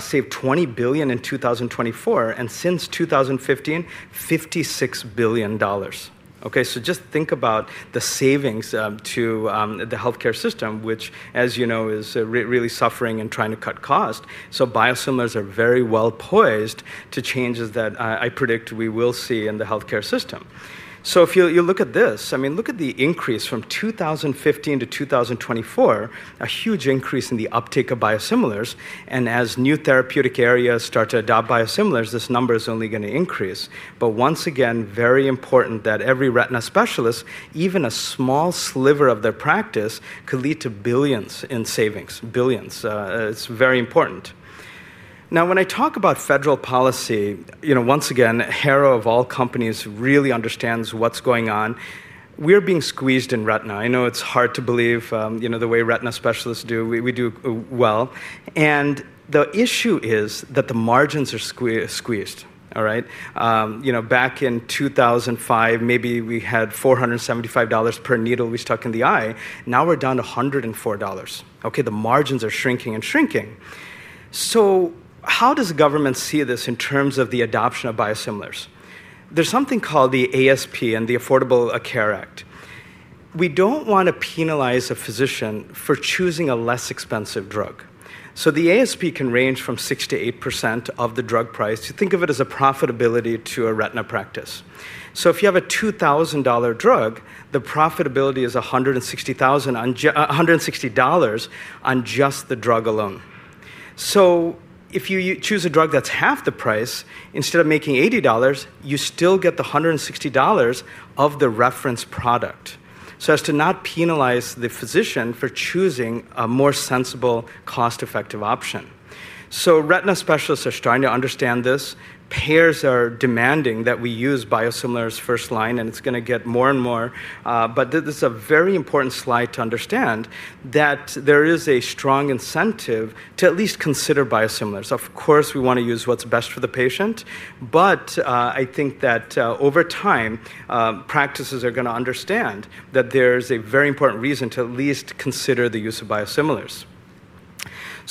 Speaker 14: saved $20 billion in 2024. Since 2015, $56 billion. Just think about the savings to the health care system, which, as you know, is really suffering and trying to cut costs. Biosimilars are very well poised to changes that I predict we will see in the health care system. If you look at this, look at the increase from 2015-2024, a huge increase in the uptake of biosimilars. As new therapeutic areas start to adopt biosimilars, this number is only going to increase. Once again, very important that every retina specialist, even a small sliver of their practice, could lead to billions in savings, billions. It's very important. When I talk about federal policy, once again, Harrow of all companies really understands what's going on. We're being squeezed in retina. I know it's hard to believe the way retina specialists do. We do well. The issue is that the margins are squeezed. Back in 2005, maybe we had $475 per needle we stuck in the eye. Now we're down to $104. The margins are shrinking and shrinking. How does the government see this in terms of the adoption of biosimilars? There's something called the ASP and the Affordable Care Act. We don't want to penalize a physician for choosing a less expensive drug. The ASP can range from 6%-8% of the drug price. You think of it as a profitability to a retina practice. If you have a $2,000 drug, the profitability is $160 on just the drug alone. If you choose a drug that's half the price, instead of making $80, you still get the $160 of the reference product, as to not penalize the physician for choosing a more sensible, cost-effective option. Retina specialists are starting to understand this. Payers are demanding that we use biosimilars first line, and it's going to get more and more. This is a very important slide to understand that there is a strong incentive to at least consider biosimilars. Of course, we want to use what's best for the patient. I think that over time, practices are going to understand that there is a very important reason to at least consider the use of biosimilars.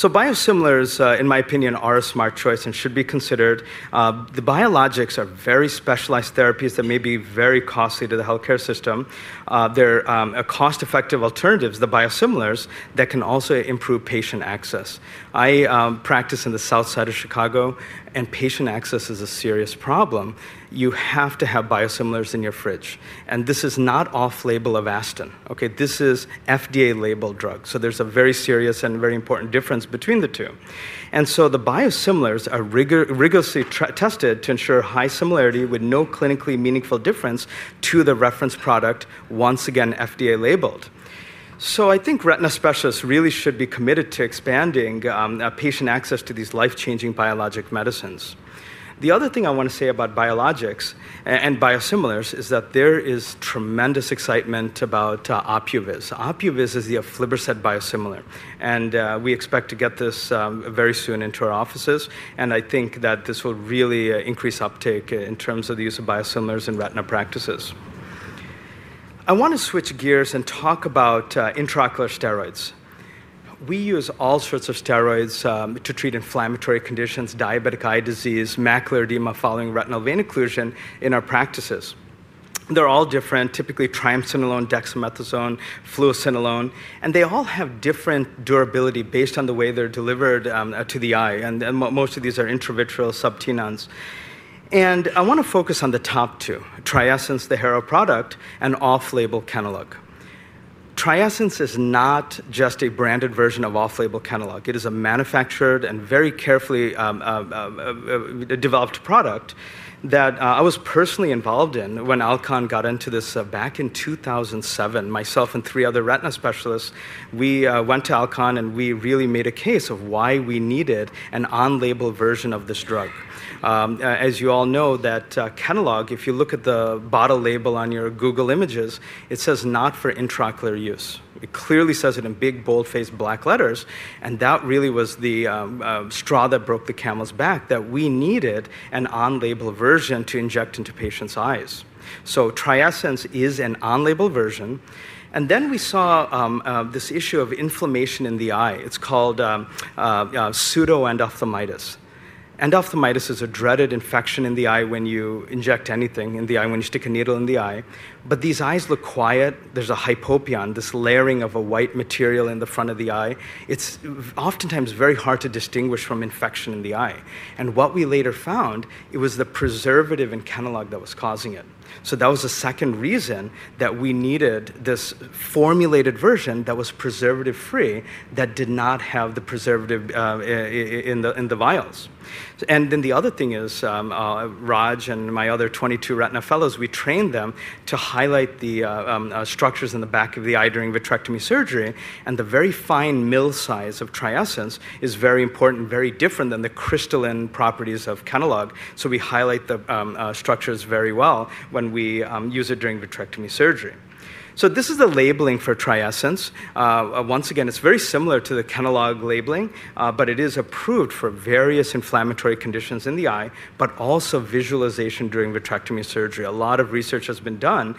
Speaker 14: Biosimilars, in my opinion, are a smart choice and should be considered. The biologics are very specialized therapies that may be very costly to the health care system. They're cost-effective alternatives, the biosimilars, that can also improve patient access. I practice on the south side of Chicago, and patient access is a serious problem. You have to have biosimilars in your fridge. This is not off-label Avastin. This is FDA-labeled drugs. There is a very serious and very important difference between the two. The biosimilars are rigorously tested to ensure high similarity with no clinically meaningful difference to the reference product, once again, FDA-labeled. I think retina specialists really should be committed to expanding patient access to these life-changing biologic medicines. The other thing I want to say about projects. And biosimilars is that there is tremendous excitement about Opuviz. Opuviz is the aflibercept biosimilar, and we expect to get this very soon into our offices. I think that this will really increase uptake in terms of the use of biosimilars in retina practices. I want to switch gears and talk about intraocular steroids. We use all sorts of steroids to treat inflammatory conditions, diabetic eye disease, macular edema following retinal vein occlusion in our practices. They're all different, typically triamcinolone, dexamethasone, fluocinolone, and they all have different durability based on the way they're delivered to the eye. Most of these are intravitreal sub-Tenon's. I want to focus on the top two, TRIESENCE, the Harrow product, and off-label Kenalog. TRIESENCE is not just a branded version of off-label Kenalog. It is a manufactured and very carefully developed product that I was personally involved in when Alcon got into this back in 2007. Myself and three other retina specialists, we went to Alcon and we really made a case of why we needed an on-label version of this drug. As you all know, that Kenalog, if you look at the bottle label on your Google images, it says not for intraocular use. It clearly says it in big, bold-faced black letters. That really was the straw that broke the camel's back that we needed an on-label version to inject into patients' eyes. TRIESENCE is an on-label version. We saw this issue of inflammation in the eye. It's called pseudo endophthalmitis. Endophthalmitis is a dreaded infection in the eye when you inject anything in the eye, when you stick a needle in the eye. These eyes look quiet. There's a hypopyon, this layering of a white material in the front of the eye. It's oftentimes very hard to distinguish from infection in the eye. What we later found, it was the preservative in Kenalog that was causing it. That was the second reason that we needed this formulated version that was preservative-free, that did not have the preservative in the vials. The other thing is Raj and my other 22 retina fellows, we trained them to highlight the structures in the back of the eye during vitrectomy surgery. The very fine mill size of TRIESENCE is very important, very different than the crystalline properties of Kenalog. We highlight the structures very well when we use it during vitrectomy surgery. This is the labeling for TRIESENCE. Once again, it's very similar to the Kenalog labeling, but it is approved for various inflammatory conditions in the eye, but also visualization during vitrectomy surgery. A lot of research has been done,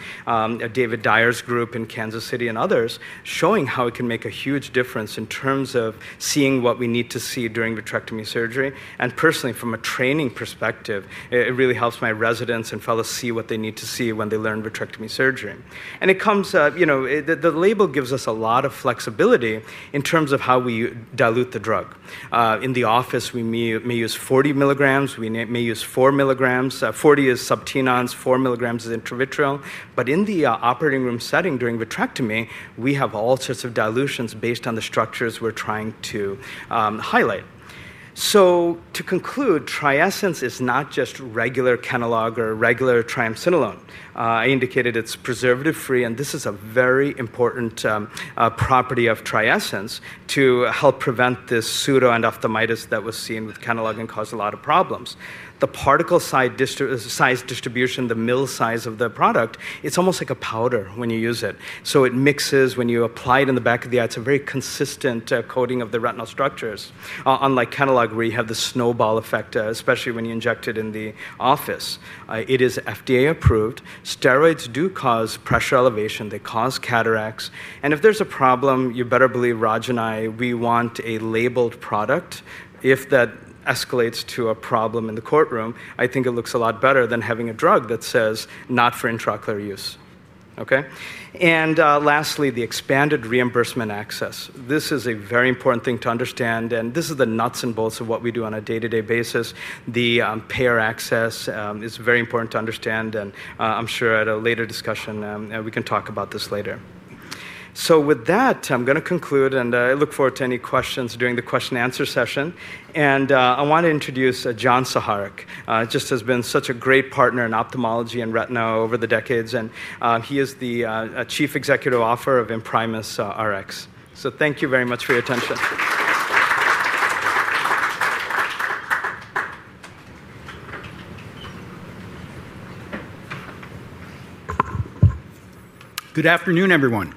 Speaker 14: David Dyer's group in Kansas City and others, showing how it can make a huge difference in terms of seeing what we need to see during vitrectomy surgery. Personally, from a training perspective, it really helps my residents and fellows see what they need to see when they learn vitrectomy surgery. It comes, you know, the label gives us a lot of flexibility in terms of how we dilute the drug. In the office, we may use 40 mg, we may use 4 mg. 40 mg is sub-Tenon's, 4 mg is intravitreal. In the operating room setting during vitrectomy, we have all sorts of dilutions based on the structures we're trying to highlight. To conclude, TRIESENCE is not just regular Kenalog or regular triamcinolone. I indicated it's preservative-free, and this is a very important property of TRIESENCE to help prevent this pseudo endophthalmitis that was seen with Kenalog and caused a lot of problems. The particle size distribution, the mill size of the product, it's almost like a powder when you use it. It mixes, when you apply it in the back of the eye, it's a very consistent coating of the retinal structures, unlike Kenalog where you have the snowball effect, especially when you inject it in the office. It is FDA approved. Steroids do cause pressure elevation. They cause cataracts. If there's a problem, you better believe Raj and I, we want a labeled product. If that escalates to a problem in the courtroom, I think it looks a lot better than having a drug that says not for intraocular use. Lastly, the expanded reimbursement access. This is a very important thing to understand, and this is the nuts and bolts of what we do on a day-to-day basis. The payer access is very important to understand, and I'm sure at a later discussion, we can talk about this later. With that, I'm going to conclude, and I look forward to any questions during the question and answer session. I want to introduce John Saharek. He just has been such a great partner in ophthalmology and retina over the decades, and he is the Chief Executive Officer of ImprimisRx. Thank you very much for your attention.
Speaker 15: Good afternoon, everyone.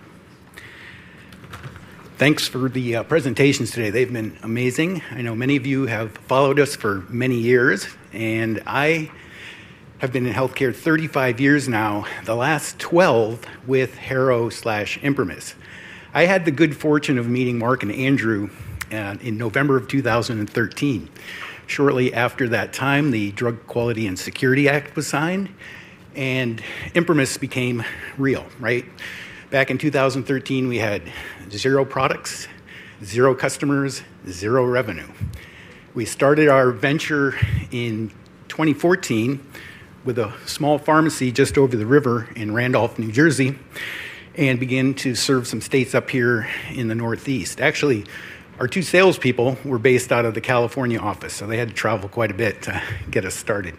Speaker 15: Thanks for the presentations today. They've been amazing. I know many of you have followed us for many years, and I have been in healthcare 35 years now, the last 12 with Harrow/ImprimisRx. I had the good fortune of meeting Mark and Andrew in November of 2013. Shortly after that time, the Drug Quality and Security Act was signed, and ImprimisRx became real, right? Back in 2013, we had zero products, zero customers, zero revenue. We started our venture in 2014 with a small pharmacy just over the river in Randolph, New Jersey, and began to serve some states up here in the Northeast. Actually, our two salespeople were based out of the California office, so they had to travel quite a bit to get us started.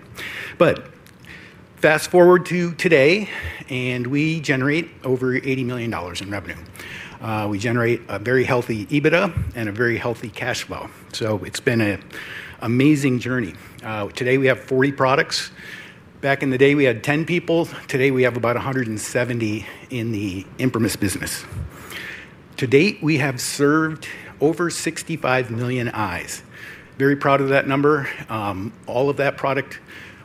Speaker 15: Fast forward to today, and we generate over $80 million in revenue. We generate a very healthy EBITDA and a very healthy cash flow. It's been an amazing journey. Today we have 40 products. Back in the day, we had 10 people. Today we have about 170 in the ImprimisRx business. To date, we have served over 65 million eyes. Very proud of that number. All of that product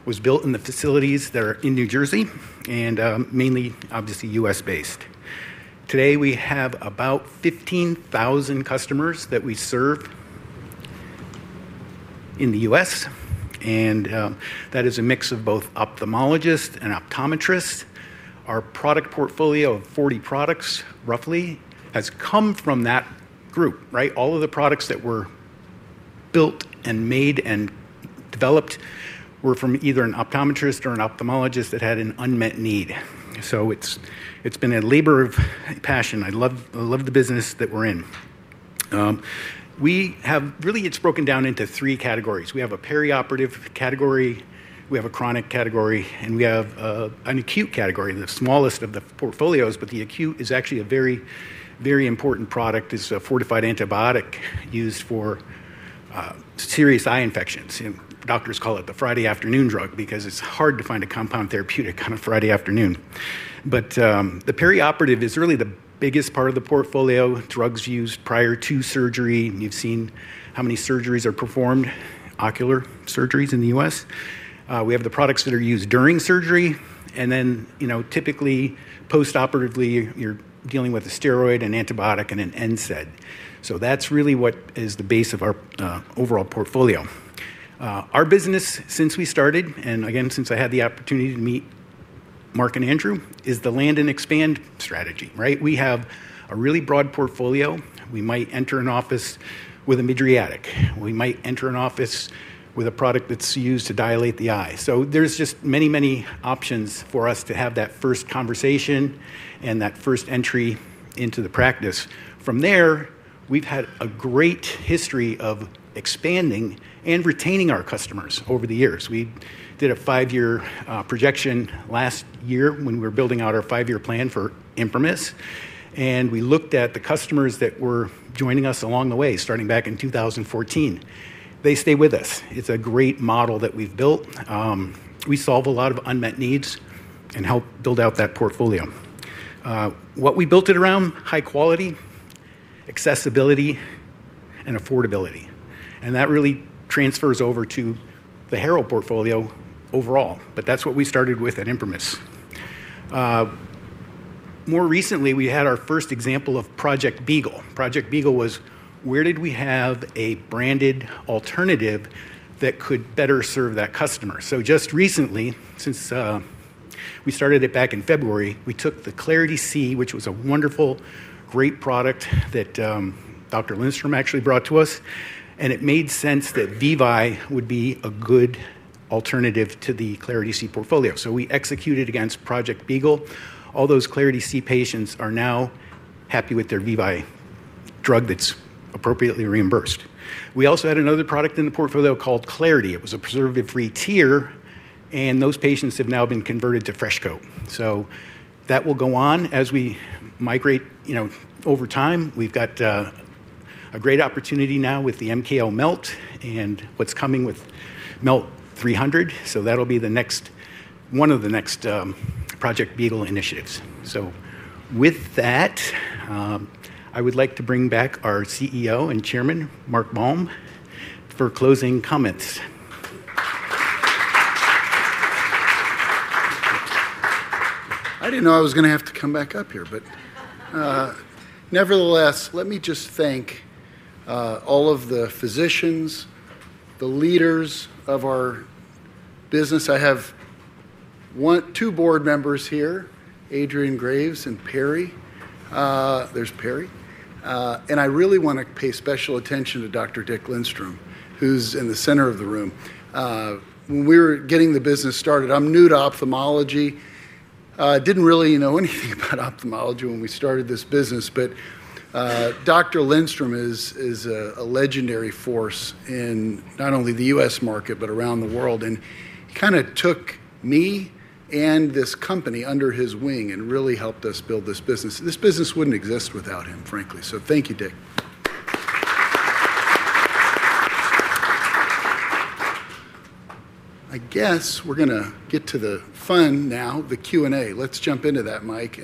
Speaker 15: was built in the facilities that are in New Jersey, and mainly, obviously, U.S.-based. Today we have about 15,000 customers that we serve in the U.S., and that is a mix of both ophthalmologists and optometrists. Our product portfolio of 40 products, roughly, has come from that group, right? All of the products that were built and made and developed were from either an optometrist or an ophthalmologist that had an unmet need. It's been a labor of passion. I love the business that we're in. We have really, it's broken down into three categories. We have a perioperative category, we have a chronic category, and we have an acute category, the smallest of the portfolios, but the acute is actually a very, very important product. It's a fortified antibiotic used for serious eye infections. Doctors call it the Friday afternoon drug because it's hard to find a compound therapeutic on a Friday afternoon. The perioperative is really the biggest part of the portfolio, drugs used prior to surgery. You've seen how many surgeries are performed, ocular surgeries in the U.S. We have the products that are used during surgery, and then, typically post-operatively, you're dealing with a steroid, an antibiotic, and an NSAID. That's really what is the base of our overall portfolio. Our business, since we started, and again, since I had the opportunity to meet Mark and Andrew, is the land and expand strategy, right? We have a really broad portfolio. We might enter an office with a mydriatic. We might enter an office with a product that's used to dilate the eye. There are just many, many options for us to have that first conversation and that first entry into the practice. From there, we've had a great history of expanding and retaining our customers over the years. We did a five-year projection last year when we were building out our five-year plan for ImprimisRx, and we looked at the customers that were joining us along the way, starting back in 2014. They stay with us. It's a great model that we've built. We solve a lot of unmet needs and help build out that portfolio. What we built it around: high quality, accessibility, and affordability. That really transfers over to the Harrow portfolio overall. That's what we started with at ImprimisRx. More recently, we had our first example of Project Beagle. Project Beagle was where we had a branded alternative that could better serve that customer. Just recently, since we started it back in February, we took the Clarity C, which was a wonderful, great product that Dr. Lindstrom actually brought to us. It made sense that VEVYE would be a good alternative to the Clarity C portfolio. We executed against Project Beagle. All those Clarity C patients are now happy with their VEVYE drug that's appropriately reimbursed. We also had another product in the portfolio called Clarity. It was a preservative-free tear, and those patients have now been converted to Fresco. That will go on as we migrate over time. We've got a great opportunity now with the MKL Melt and what's coming with Melt 300. That will be one of the next Project Beagle initiatives. With that, I would like to bring back our CEO and Chairman, Mark L. Baum, for closing comments.
Speaker 2: I didn't know I was going to have to come back up here, but nevertheless, let me just thank all of the physicians, the leaders of our business. I have two board members here, Adrian Graves and Perry. There's Perry. I really want to pay special attention to Dr. Dick Lindstrom, who's in the center of the room. When we were getting the business started, I'm new to ophthalmology. I didn't really know anything about ophthalmology when we started this business, but Dr. Lindstrom is a legendary force in not only the U.S. market, but around the world. He kind of took me and this company under his wing and really helped us build this business. This business wouldn't exist without him, frankly. Thank you, Dick. I guess we're going to get to the fun now, the Q&A. Let's jump into that, Mike.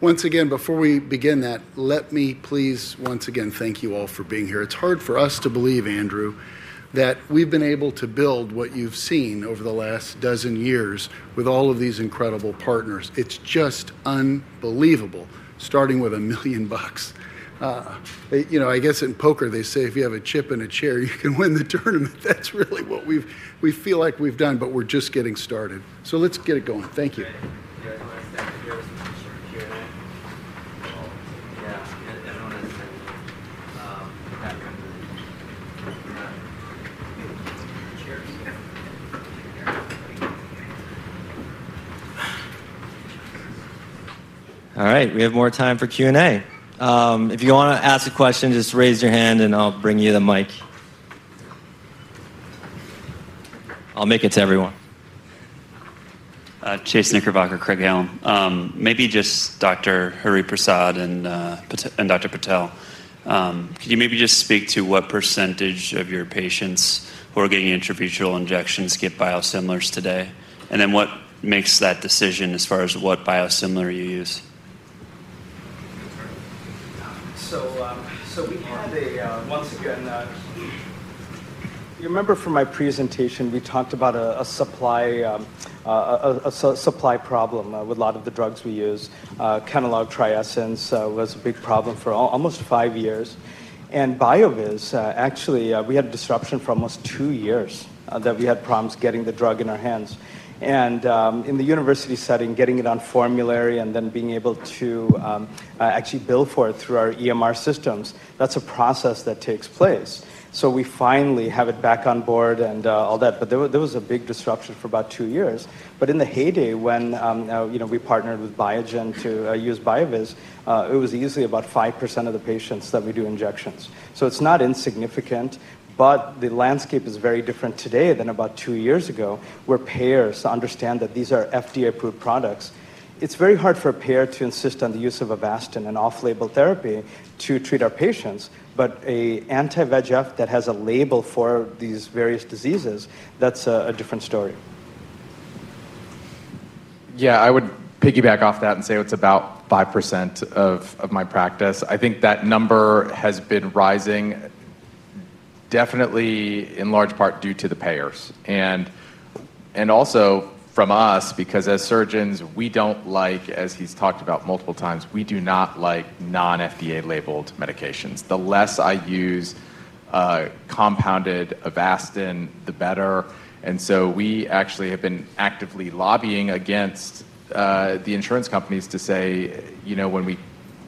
Speaker 2: Once again, before we begin that, let me please once again thank you all for being here. It's hard for us to believe, Andrew, that we've been able to build what you've seen over the last dozen years with all of these incredible partners. It's just unbelievable, starting with $1 million. I guess in poker, they say if you have a chip and a chair, you can win the tournament. That's really what we feel like we've done, but we're just getting started. Let's get it going. Thank you.
Speaker 1: All right, we have more time for Q&A. If you want to ask a question, just raise your hand and I'll bring you the mic. I'll make it to everyone.
Speaker 16: Chase Knickerbocker, Craig Allen. Maybe just Dr. Hariprasad and Dr. Patel, could you maybe just speak to what percentage of your patients who are getting intravitreal injections get biosimilars today? What makes that decision as far as what biosimilar you use?
Speaker 14: We had, once again, you remember from my presentation, we talked about a supply problem with a lot of the drugs we use. Kenalog, TRIESENCE was a big problem for almost five years. And BioViz, actually, we had a disruption for almost two years that we had problems getting the drug in our hands. In the university setting, getting it on formulary and then being able to actually bill for it through our EMR systems, that's a process that takes place. We finally have it back on board and all that. There was a big disruption for about two years. In the heyday, when we partnered with Biogen to use BioViz, it was easily about 5% of the patients that we do injections. It's not insignificant, but the landscape is very different today than about two years ago where payers understand that these are FDA-approved products. It's very hard for a payer to insist on the use of Avastin, an off-label therapy, to treat our patients. An anti-VEGF that has a label for these various diseases, that's a different story.
Speaker 13: Yeah, I would piggyback off that and say it's about 5% of my practice. I think that number has been rising, definitely in large part due to the payers. Also from us, because as surgeons, we don't like, as he's talked about multiple times, we do not like non-FDA labeled medications. The less I use compounded Avastin, the better. We actually have been actively lobbying against the insurance companies to say, you know, when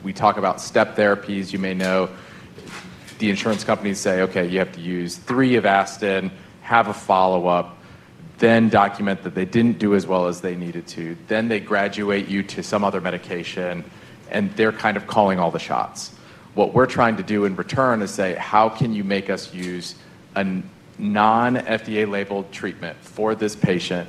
Speaker 13: we talk about step therapies, you may know, the insurance companies say, okay, you have to use three Avastin, have a follow-up, then document that they didn't do as well as they needed to, then they graduate you to some other medication, and they're kind of calling all the shots. What we're trying to do in return is say, how can you make us use a non-FDA labeled treatment for this patient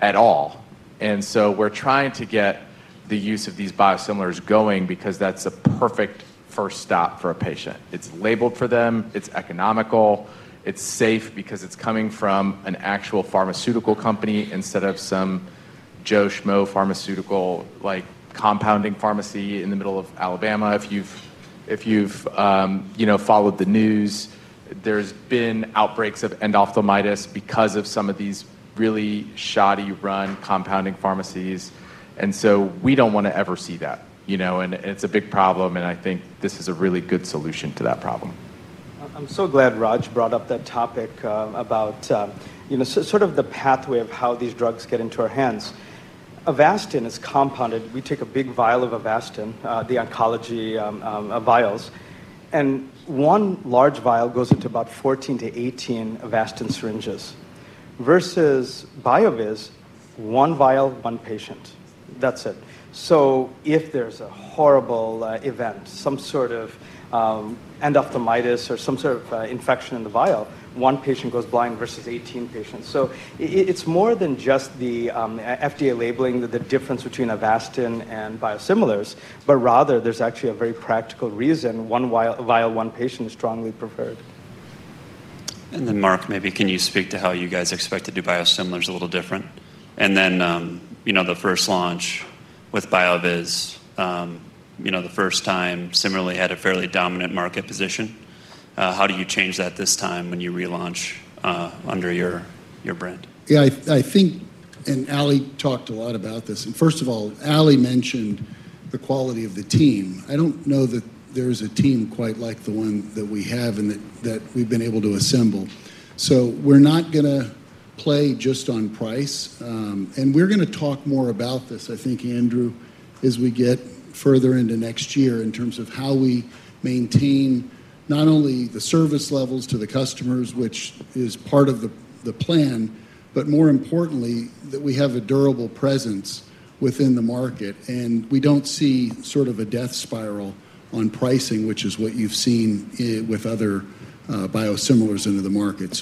Speaker 13: at all? We're trying to get the use of these biosimilars going because that's a perfect first stop for a patient. It's labeled for them, it's economical, it's safe because it's coming from an actual pharmaceutical company instead of some Joe Schmo pharmaceutical, like compounding pharmacy in the middle of Alabama. If you've, you know, followed the news, there's been outbreaks of endophthalmitis because of some of these really shoddy run compounding pharmacies. We don't want to ever see that, you know, and it's a big problem. I think this is a really good solution to that problem.
Speaker 14: I'm so glad Raj brought up that topic about, you know, sort of the pathway of how these drugs get into our hands. Avastin is compounded. We take a big vial of Avastin, the oncology vials, and one large vial goes into about 14-18 Avastin syringes versus BioViz, one vial, one patient. That's it. If there's a horrible event, some sort of endophthalmitis or some sort of infection in the vial, one patient goes blind versus 18 patients. It's more than just the FDA labeling, the difference between Avastin and biosimilars, but rather there's actually a very practical reason one vial, one patient is strongly preferred.
Speaker 16: Mark, maybe can you speak to how you guys expect to do biosimilars a little different? The first launch with BioViz, the first time similarly had a fairly dominant market position. How do you change that this time when you relaunch under your brand?
Speaker 2: Yeah, I think, and Aly talked a lot about this, and first of all, Aly mentioned the quality of the team. I don't know that there's a team quite like the one that we have and that we've been able to assemble. We're not going to play just on price. We're going to talk more about this, I think, Andrew, as we get further into next year in terms of how we maintain not only the service levels to the customers, which is part of the plan, but more importantly, that we have a durable presence within the market. We don't see sort of a death spiral on pricing, which is what you've seen with other biosimilars into the market.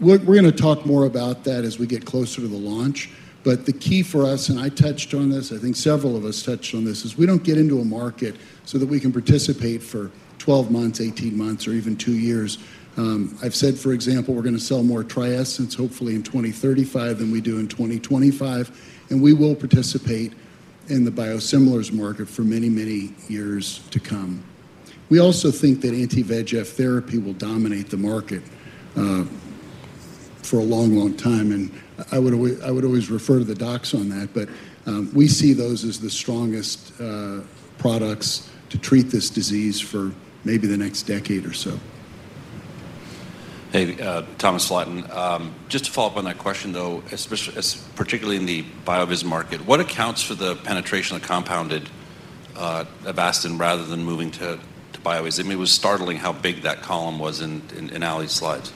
Speaker 2: We're going to talk more about that as we get closer to the launch. The key for us, and I touched on this, I think several of us touched on this, is we don't get into a market so that we can participate for 12 months, 18 months, or even two years. I've said, for example, we're going to sell more TRIESENCE hopefully in 2035 than we do in 2025. We will participate in the biosimilars market for many, many years to come. We also think that anti-VEGF therapy will dominate the market for a long, long time. I would always refer to the docs on that, but we see those as the strongest products to treat this disease for maybe the next decade or so.
Speaker 17: Hey, Thomas Flaten, just to follow up on that question, though, particularly in the BioViz market, what accounts for the penetration of compounded Avastin rather than moving to BioViz? I mean, it was startling how big that column was in Aly’s slides.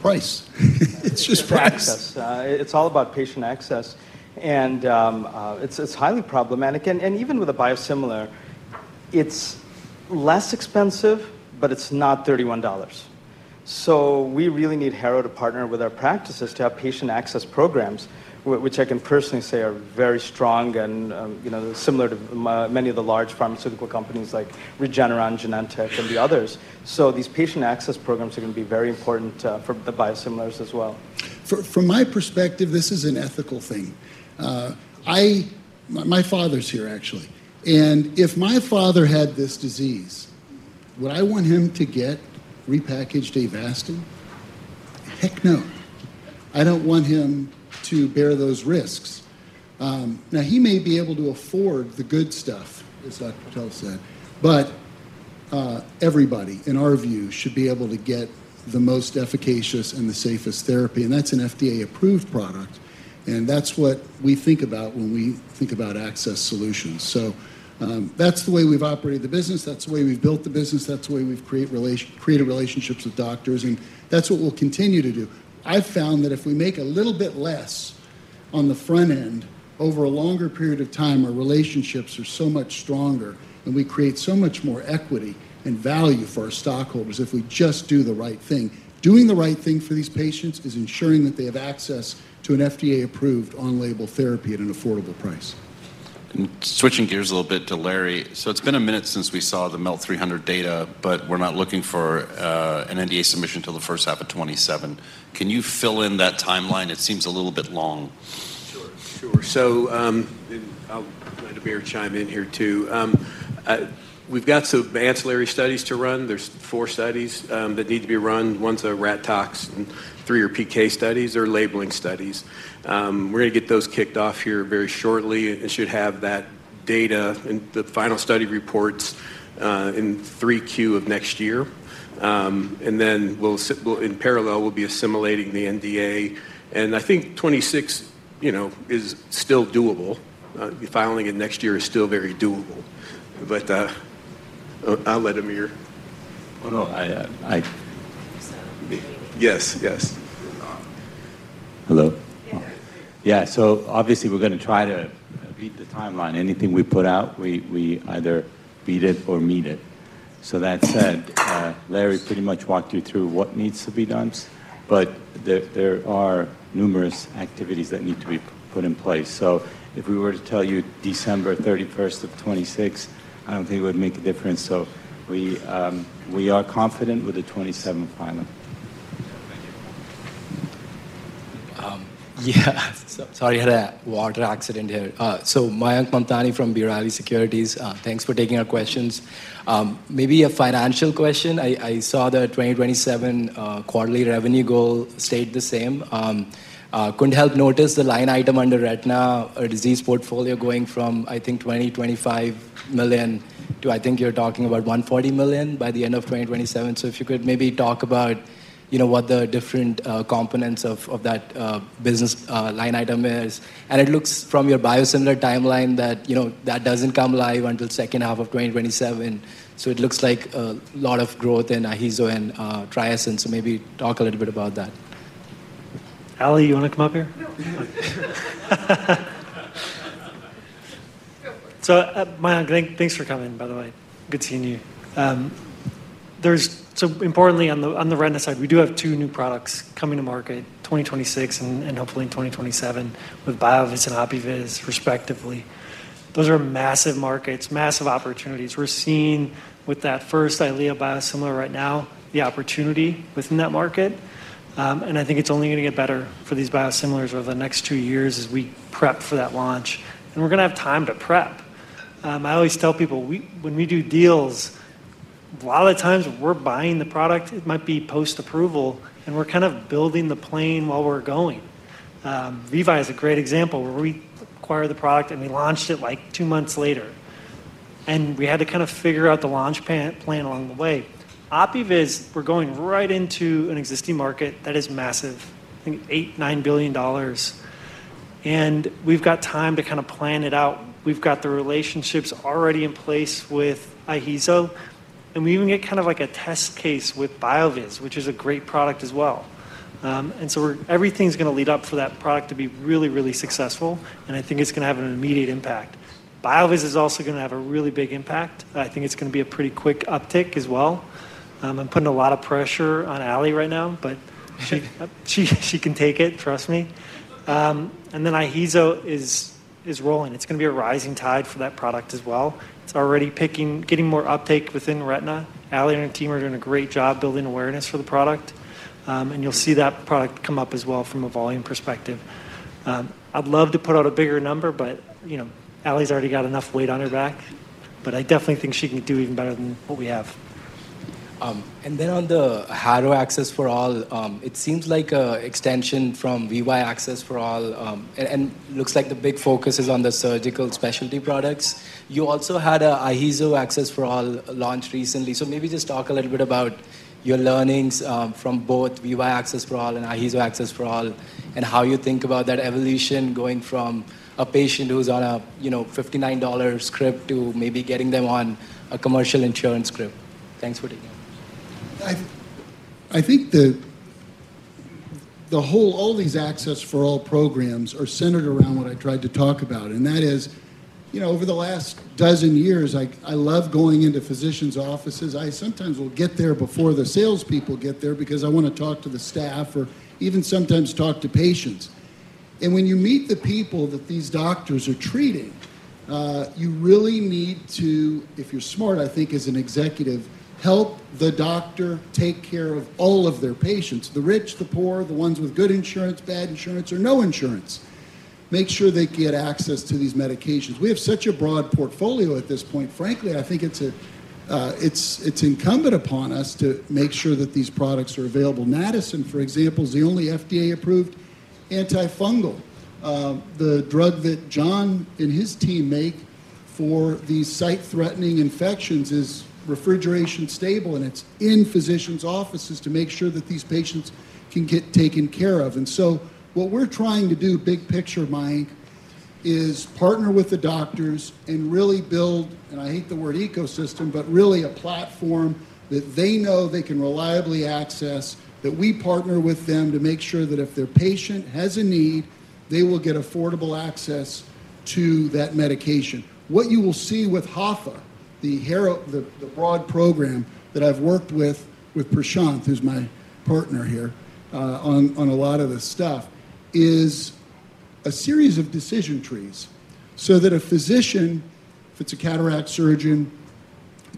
Speaker 2: Price. It's just price.
Speaker 14: It's all about patient access. It's highly problematic. Even with a biosimilar, it's less expensive, but it's not $31. We really need Harrow to partner with our practices to have patient access programs, which I can personally say are very strong and, you know, similar to many of the large pharmaceutical companies like Regeneron, Genentech, and the others. These patient access programs are going to be very important for the biosimilars as well.
Speaker 2: From my perspective, this is an ethical thing. My father's here, actually. If my father had this disease, would I want him to get repackaged Avastin? Heck no. I don't want him to bear those risks. He may be able to afford the good stuff, as I said, but everybody, in our view, should be able to get the most efficacious and the safest therapy. That's an FDA-approved product. That's what we think about when we think about access solutions. That's the way we've operated the business, the way we've built the business, and the way we've created relationships with doctors. That's what we'll continue to do. I've found that if we make a little bit less on the front end over a longer period of time, our relationships are so much stronger and we create so much more equity and value for our stockholders if we just do the right thing. Doing the right thing for these patients is ensuring that they have access to an FDA-approved on-label therapy at an affordable price.
Speaker 17: Switching gears a little bit to Larry. It's been a minute since we saw the Melt 300 data, but we're not looking for an NDA submission till the first half of 2027. Can you fill in that timeline? It seems a little bit long.
Speaker 5: Sure. I'll let Amir chime in here too. We've got some ancillary studies to run. There are four studies that need to be run. One is a RATTaX and three are PK studies or labeling studies. We're going to get those kicked off here very shortly. We should have that data and the final study reports in 3Q of next year. In parallel, we'll be assimilating the NDA. I think 2026 is still doable. Filing it next year is still very doable. I'll let Amir.
Speaker 4: Yes, yes. Hello. Yeah, obviously we're going to try to beat the timeline. Anything we put out, we either beat it or meet it. That said, Larry pretty much walked you through what needs to be done. There are numerous activities that need to be put in place. If we were to tell you December 31st, 2026, I don't think it would make a difference. We are confident with the 2027 filing.
Speaker 18: Yeah, sorry, I had a water accident here. Mayank Mamtani from B. Riley Securities. Thanks for taking our questions. Maybe a financial question. I saw the 2027 quarterly revenue goal stayed the same. Couldn't help notice the line item under retina or disease portfolio going from, I think, $20 million-$25 million to, I think you're talking about $140 million by the end of 2027. If you could maybe talk about what the different components of that business line item is. It looks from your biosimilar timeline that doesn't come live until the second half of 2027. It looks like a lot of growth in IHEEZO and TRIESENCE. Maybe talk a little bit about that.
Speaker 15: Ali, you want to come up here? Mayank, thanks for coming, by the way. Good seeing you. Importantly, on the retina side, we do have two new products coming to market, 2026 and hopefully in 2027, with BioViz and Opuviz, respectively. Those are massive markets, massive opportunities. We're seeing with that first ILIA biosimilar right now, the opportunity within that market. I think it's only going to get better for these biosimilars over the next two years as we prep for that launch. We're going to have time to prep. I always tell people when we do deals, a lot of times we're buying the product, it might be post-approval, and we're kind of building the plane while we're going. VEVYE is a great example where we acquired the product and we launched it like two months later. We had to kind of figure out the launch plan along the way. Opuviz, we're going right into an existing market that is massive, $8 billion-$9 billion. We've got time to kind of plan it out. We've got the relationships already in place with IHEEZO. We even get kind of like a test case with BioViz, which is a great product as well. Everything's going to lead up for that product to be really, really successful. I think it's going to have an immediate impact. BioViz is also going to have a really big impact. I think it's going to be a pretty quick uptick as well. I'm putting a lot of pressure on Ali right now, but she can take it, trust me. IHEEZO is rolling. It's going to be a rising tide for that product as well. It's already picking, getting more uptake within retina. Ali and her team are doing a great job building awareness for the product. You'll see that product come up as well from a volume perspective. I'd love to put out a bigger number, but Ali's already got enough weight on her back. I definitely think she can do even better than what we have.
Speaker 18: On the HAFA (Harrow Access for All), it seems like an extension from VAFA (Vivye Access for All). It looks like the big focus is on the surgical specialty products. You also had an IHEEZO Access for All launch recently. Maybe just talk a little bit about your learnings from both VAFA (Vivye Access for All) and IHEEZO Access for All and how you think about that evolution going from a patient who's on a $59 script to maybe getting them on a commercial insurance script. Thanks for taking it.
Speaker 2: I think the whole, all these access for all programs are centered around what I tried to talk about. That is, you know, over the last dozen years, I love going into physicians' offices. I sometimes will get there before the salespeople get there because I want to talk to the staff or even sometimes talk to patients. When you meet the people that these doctors are treating, you really need to, if you're smart, I think as an executive, help the doctor take care of all of their patients, the rich, the poor, the ones with good insurance, bad insurance, or no insurance. Make sure they get access to these medications. We have such a broad portfolio at this point. Frankly, I think it's incumbent upon us to make sure that these products are available. Natisen, for example, is the only FDA-approved antifungal. The drug that John and his team make for these sight-threatening infections is refrigeration stable, and it's in physicians' offices to make sure that these patients can get taken care of. What we're trying to do, big picture, Mayank, is partner with the doctors and really build, and I hate the word ecosystem, but really a platform that they know they can reliably access, that we partner with them to make sure that if their patient has a need, they will get affordable access to that medication. What you will see with HAFA, the broad program that I've worked with, with Prashant, who's my partner here, on a lot of this stuff, is a series of decision trees so that a physician, if it's a cataract surgeon,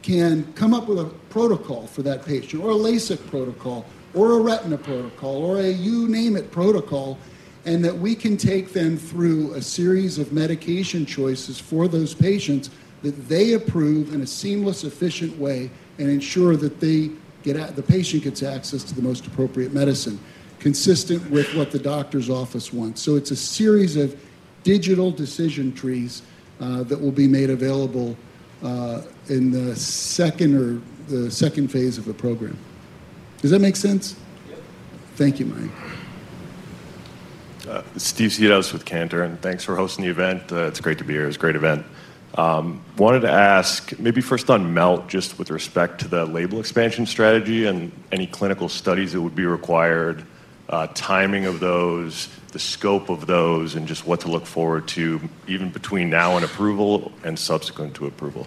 Speaker 2: can come up with a protocol for that patient, or a LASIK protocol, or a retina protocol, or a you name it protocol, and that we can take them through a series of medication choices for those patients that they approve in a seamless, efficient way and ensure that the patient gets access to the most appropriate medicine, consistent with what the doctor's office wants. It's a series of digital decision trees that will be made available in the second or the second phase of the program. Does that make sense? Thank you, Mayank.
Speaker 19: Steve Seedhouse with Canter, and thanks for hosting the event. It's great to be here. It's a great event. Wanted to ask, maybe first on Melt, just with respect to the label expansion strategy and any clinical studies that would be required, timing of those, the scope of those, and just what to look forward to, even between now and approval and subsequent to approval.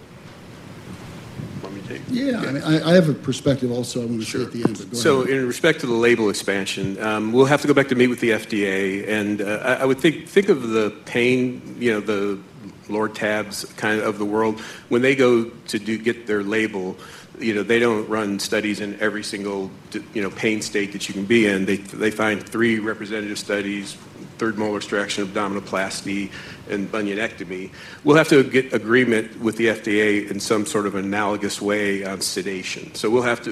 Speaker 2: Yeah, I have a perspective also. I'm going to show it at the end.
Speaker 1: In respect to the label expansion, we'll have to go back to meet with the FDA. I would think of the pain, you know, the Lortabs kind of the world. When they go to get their label, you know, they don't run studies in every single, you know, pain state that you can be in. They find three representative studies: third molar extraction, abdominoplasty, and bunionectomy. We'll have to get agreement with the FDA in some sort of analogous way. Sedation.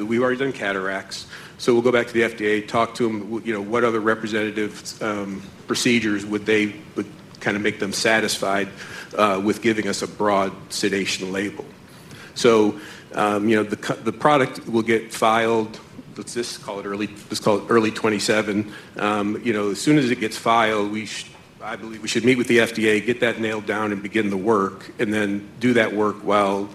Speaker 1: We've already done cataracts, so we'll go back to the FDA, talk to them, you know, what other representative procedures would they kind of make them satisfied with giving us a broad sedation label. The product will get filed, let's just call it early, let's call it early 2027. As soon as it gets filed, I believe we should meet with the FDA, get that nailed down and begin the work, and then do that work while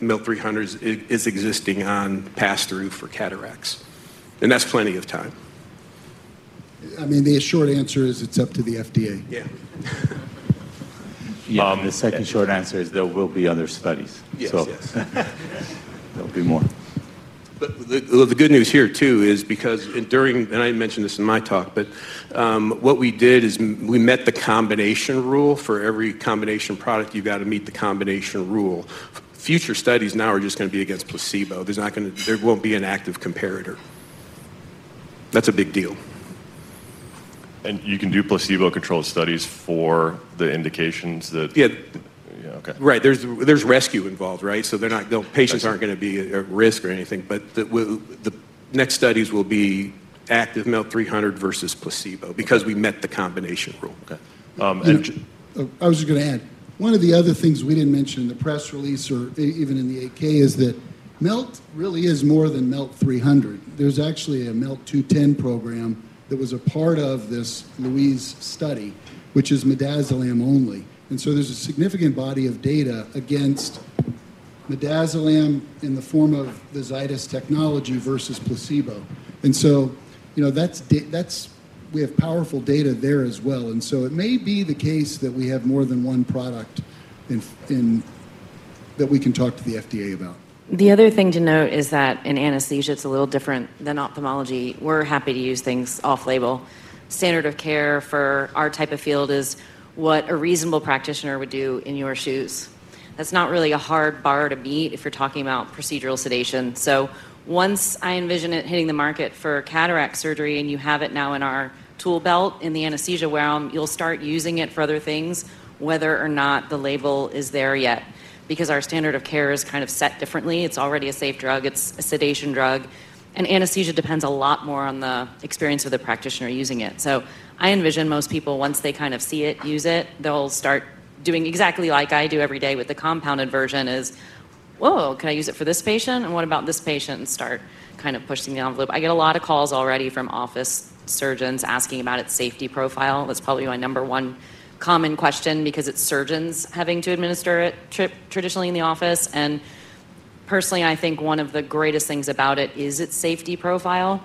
Speaker 1: Melt 300 is existing on pass-through for cataracts. That's plenty of time.
Speaker 2: I mean, the short answer is it's up to the FDA.
Speaker 4: Yeah. The second short answer is there will be other studies. Yeah, there'll be more.
Speaker 11: The good news here too is because, and I mentioned this in my talk, what we did is we met the combination rule for every combination product. You've got to meet the combination rule. Future studies now are just going to be against placebo. There won't be an active comparator. That's a big deal.
Speaker 19: You can do placebo-controlled studies for the indications that, yeah, okay.
Speaker 11: Right. There's rescue involved, right? They're not, patients aren't going to be at risk or anything, but the next studies will be active Melt 300 versus placebo because we met the combination rule.
Speaker 19: Okay.
Speaker 2: I was just going to add, one of the other things we didn't mention in the press release or even in the AK is that Melt really is more than Melt 300. There's actually a Melt 210 program that was a part of this Louise study, which is midazolam only. There's a significant body of data against midazolam in the form of the Zydis technology versus placebo. We have powerful data there as well. It may be the case that we have more than one product that we can talk to the FDA about.
Speaker 6: The other thing to note is that in anesthesia, it's a little different than ophthalmology. We're happy to use things off-label. Standard of care for our type of field is what a reasonable practitioner would do in your shoes. That's not really a hard bar to meet if you're talking about procedural sedation. Once I envision it hitting the market for cataract surgery and you have it now in our tool belt in the anesthesia realm, you'll start using it for other things, whether or not the label is there yet. Our standard of care is kind of set differently. It's already a safe drug. It's a sedation drug. Anesthesia depends a lot more on the experience of the practitioner using it. I envision most people, once they kind of see it, use it, they'll start doing exactly like I do every day with the compounded version: whoa, can I use it for this patient? What about this patient, and start kind of pushing the envelope. I get a lot of calls already from office surgeons asking about its safety profile. That's probably my number one common question because it's surgeons having to administer it traditionally in the office. Personally, I think one of the greatest things about it is its safety profile.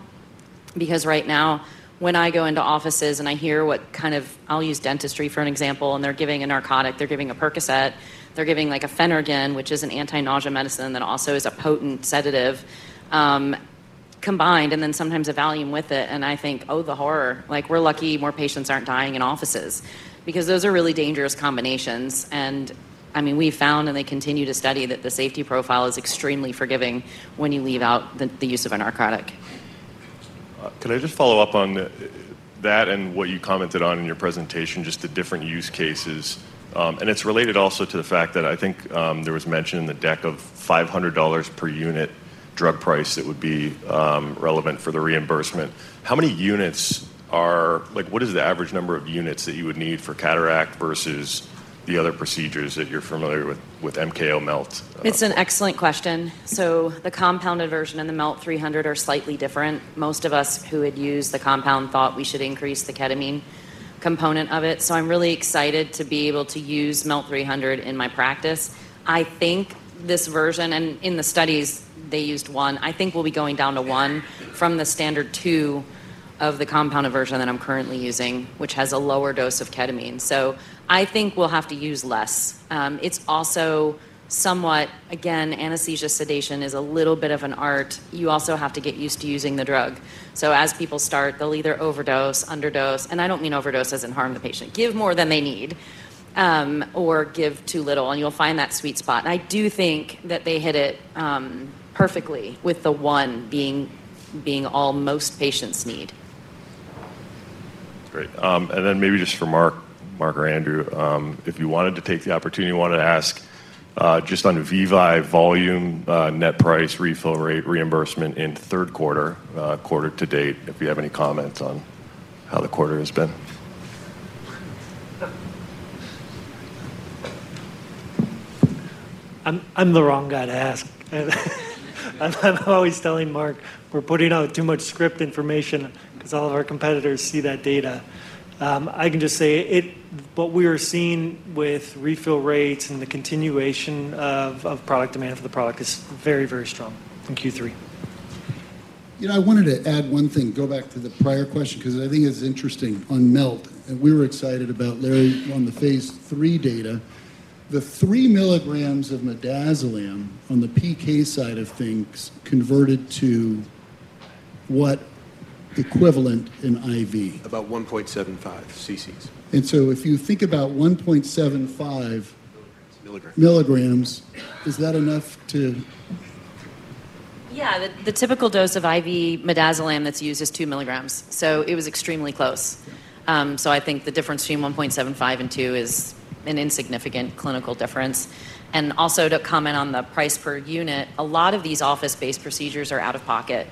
Speaker 6: Right now, when I go into offices and I hear what kind of, I'll use dentistry for an example, and they're giving a narcotic, they're giving a Percocet, they're giving a Phenergan, which is an anti-nausea medicine that also is a potent sedative combined, and then sometimes a Valium with it. I think, oh, the horror. We're lucky more patients aren't dying in offices because those are really dangerous combinations. We've found and they continue to study that the safety profile is extremely forgiving when you leave out the use of a narcotic.
Speaker 19: Can I just follow up on that and what you commented on in your presentation, just the different use cases? It's related also to the fact that I think there was mention in the deck of $500 per unit drug price that would be relevant for the reimbursement. How many units are, like what is the average number of units that you would need for cataract versus the other procedures that you're familiar with with MKO MELT?
Speaker 6: It's an excellent question. The compounded version and the Melt 300 are slightly different. Most of us who had used the compound thought we should increase the ketamine component of it. I'm really excited to be able to use Melt 300 in my practice. I think this version, and in the studies they used one, I think we'll be going down to one from the standard two of the compounded version that I'm currently using, which has a lower dose of ketamine. I think we'll have to use less. It's also somewhat, again, anesthesia sedation is a little bit of an art. You also have to get used to using the drug. As people start, they'll either overdose or underdose, and I don't mean overdose as in harm to the patient, give more than they need, or give too little, and you'll find that sweet spot. I do think that they hit it perfectly with the one being all most patients need.
Speaker 19: Great. Maybe just for Mark or Andrew, if you wanted to take the opportunity, you wanted to ask just on VEVYE volume, net price, refill rate, reimbursement in third quarter, quarter to date, if you have any comments on how the quarter has been.
Speaker 3: I'm the wrong guy to ask. I'm always telling Mark, we're putting out too much script information because all of our competitors see that data. I can just say what we are seeing with refill rates and the continuation of product demand for the product is very, very strong in Q3.
Speaker 2: You know, I wanted to add one thing, go back to the prior question, because I think it's interesting on Melt, and we were excited about Larry on the phase three data. The three mg of midazolam on the PK side of things converted to what equivalent in IV?
Speaker 5: About 1.75 cc.
Speaker 2: If you think about 1.75 mg, is that enough to...
Speaker 6: Yeah, the typical dose of IV midazolam that's used is 2 mg. It was extremely close. I think the difference between 1.75 and 2 is an insignificant clinical difference. Also, to comment on the price per unit, a lot of these office-based procedures are out of pocket.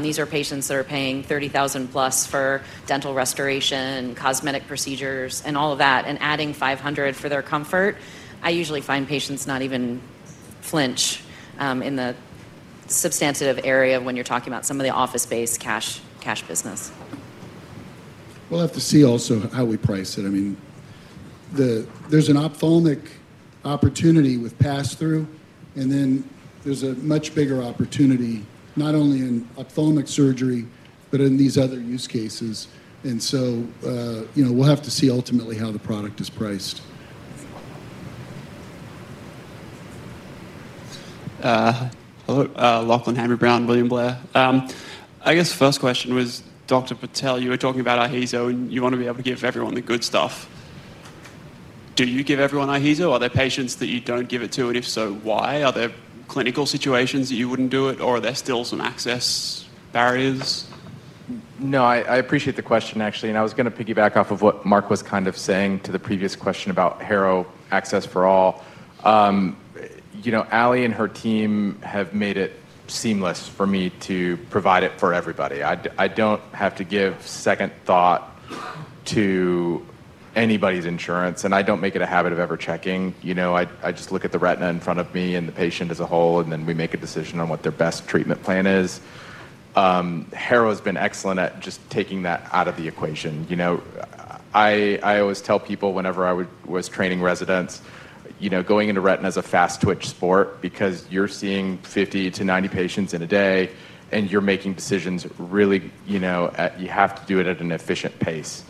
Speaker 6: These are patients that are paying $30,000+ for dental restoration, cosmetic procedures, and all of that, and adding $500 for their comfort. I usually find patients not even flinch in the substantive area when you're talking about some of the office-based cash business.
Speaker 2: We have to see also how we price it. I mean, there's an ophthalmic opportunity with pass-through, and then there's a much bigger opportunity not only in ophthalmic surgery, but in these other use cases. We have to see ultimately how the product is priced.
Speaker 20: Hello, Lachlan Hanbury-Brown, William Blair. I guess the first question was Dr. Patel, you were talking about IHEEZO, and you want to be able to give everyone the good stuff. Do you give everyone IHEEZO? Are there patients that you don't give it to, and if so, why? Are there clinical situations that you wouldn't do it, or are there still some access barriers?
Speaker 13: No, I appreciate the question, actually. I was going to piggyback off of what Mark was kind of saying to the previous question about Harrow Access for All. You know, Aly and her team have made it seamless for me to provide it for everybody. I don't have to give second thought to anybody's insurance, and I don't make it a habit of ever checking. I just look at the retina in front of me and the patient as a whole, and then we make a decision on what their best treatment plan is. Harrow's been excellent at just taking that out of the equation. I always tell people whenever I was training residents, going into retina is a fast-twitch sport because you're seeing 50-90 patients in a day, and you're making decisions really, you have to do it at an efficient pace.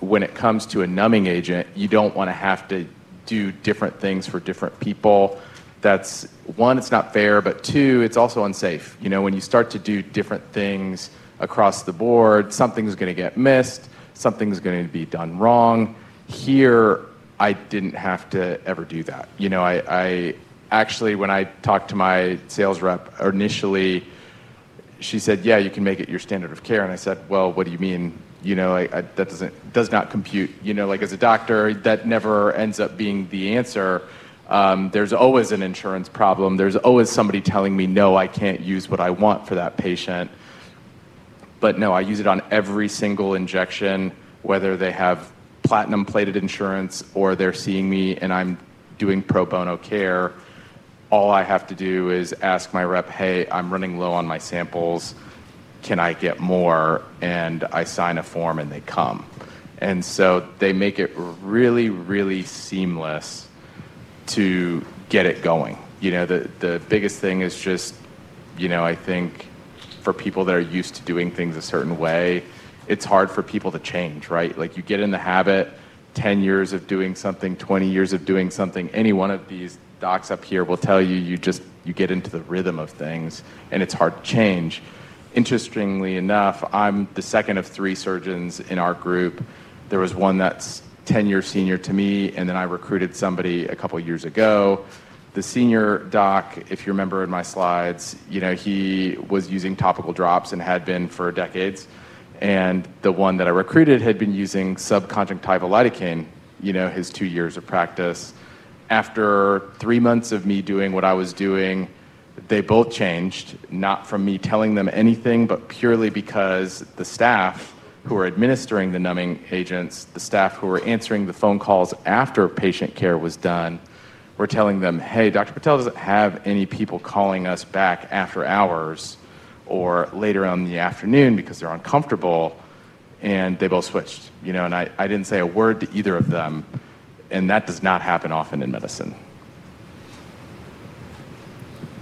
Speaker 13: When it comes to a numbing agent, you don't want to have to do different things for different people. That's one, it's not fair, but two, it's also unsafe. When you start to do different things across the board, something's going to get missed, something's going to be done wrong. Here, I didn't have to ever do that. I actually, when I talked to my sales rep initially, she said, "Yeah, you can make it your standard of care." I said, "What do you mean? That doesn't compute." As a doctor, that never ends up being the answer. There's always an insurance problem. There's always somebody telling me, "No, I can't use what I want for that patient." No, I use it on every single injection, whether they have platinum-plated insurance or they're seeing me and I'm doing pro bono care. All I have to do is ask my rep, "Hey, I'm running low on my samples. Can I get more?" I sign a form and they come. They make it really, really seamless to get it going. The biggest thing is just, I think for people that are used to doing things a certain way, it's hard for people to change, right? You get in the habit, 10 years of doing something, 20 years of doing something, any one of these docs up here will tell you, you just, you get into the rhythm of things and it's hard to change. Interestingly enough, I'm the second of three surgeons in our group. There was one that's 10 years senior to me, and then I recruited somebody a couple of years ago. The senior doc, if you remember in my slides, he was using topical drops and had been for decades. The one that I recruited had been using subconjunctival lidocaine his two years of practice. After three months of me doing what I was doing, they both changed, not from me telling them anything, but purely because the staff who were administering the numbing agents, the staff who were answering the phone calls after patient care was done, were telling them, "Hey, Dr. Patel doesn't have any people calling us back after hours or later on in the afternoon because they're uncomfortable." They both switched, and I didn't say a word to either of them. That does not happen often in medicine.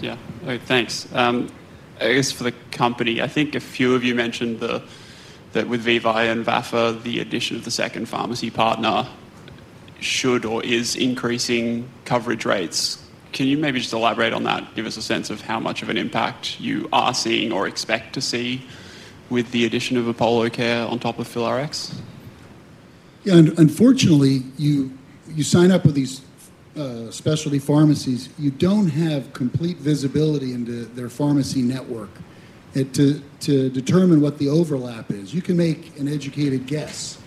Speaker 20: Yeah, thanks. I guess for the company, I think a few of you mentioned that with VEVYE and VAFA, the addition of the second pharmacy partner should or is increasing coverage rates. Can you maybe just elaborate on that? Give us a sense of how much of an impact you are seeing or expect to see with the addition of Apollo Care on top of FillerX?
Speaker 2: Yeah, unfortunately, you sign up with these specialty pharmacies. You don't have complete visibility into their pharmacy network to determine what the overlap is. You can make an educated guess,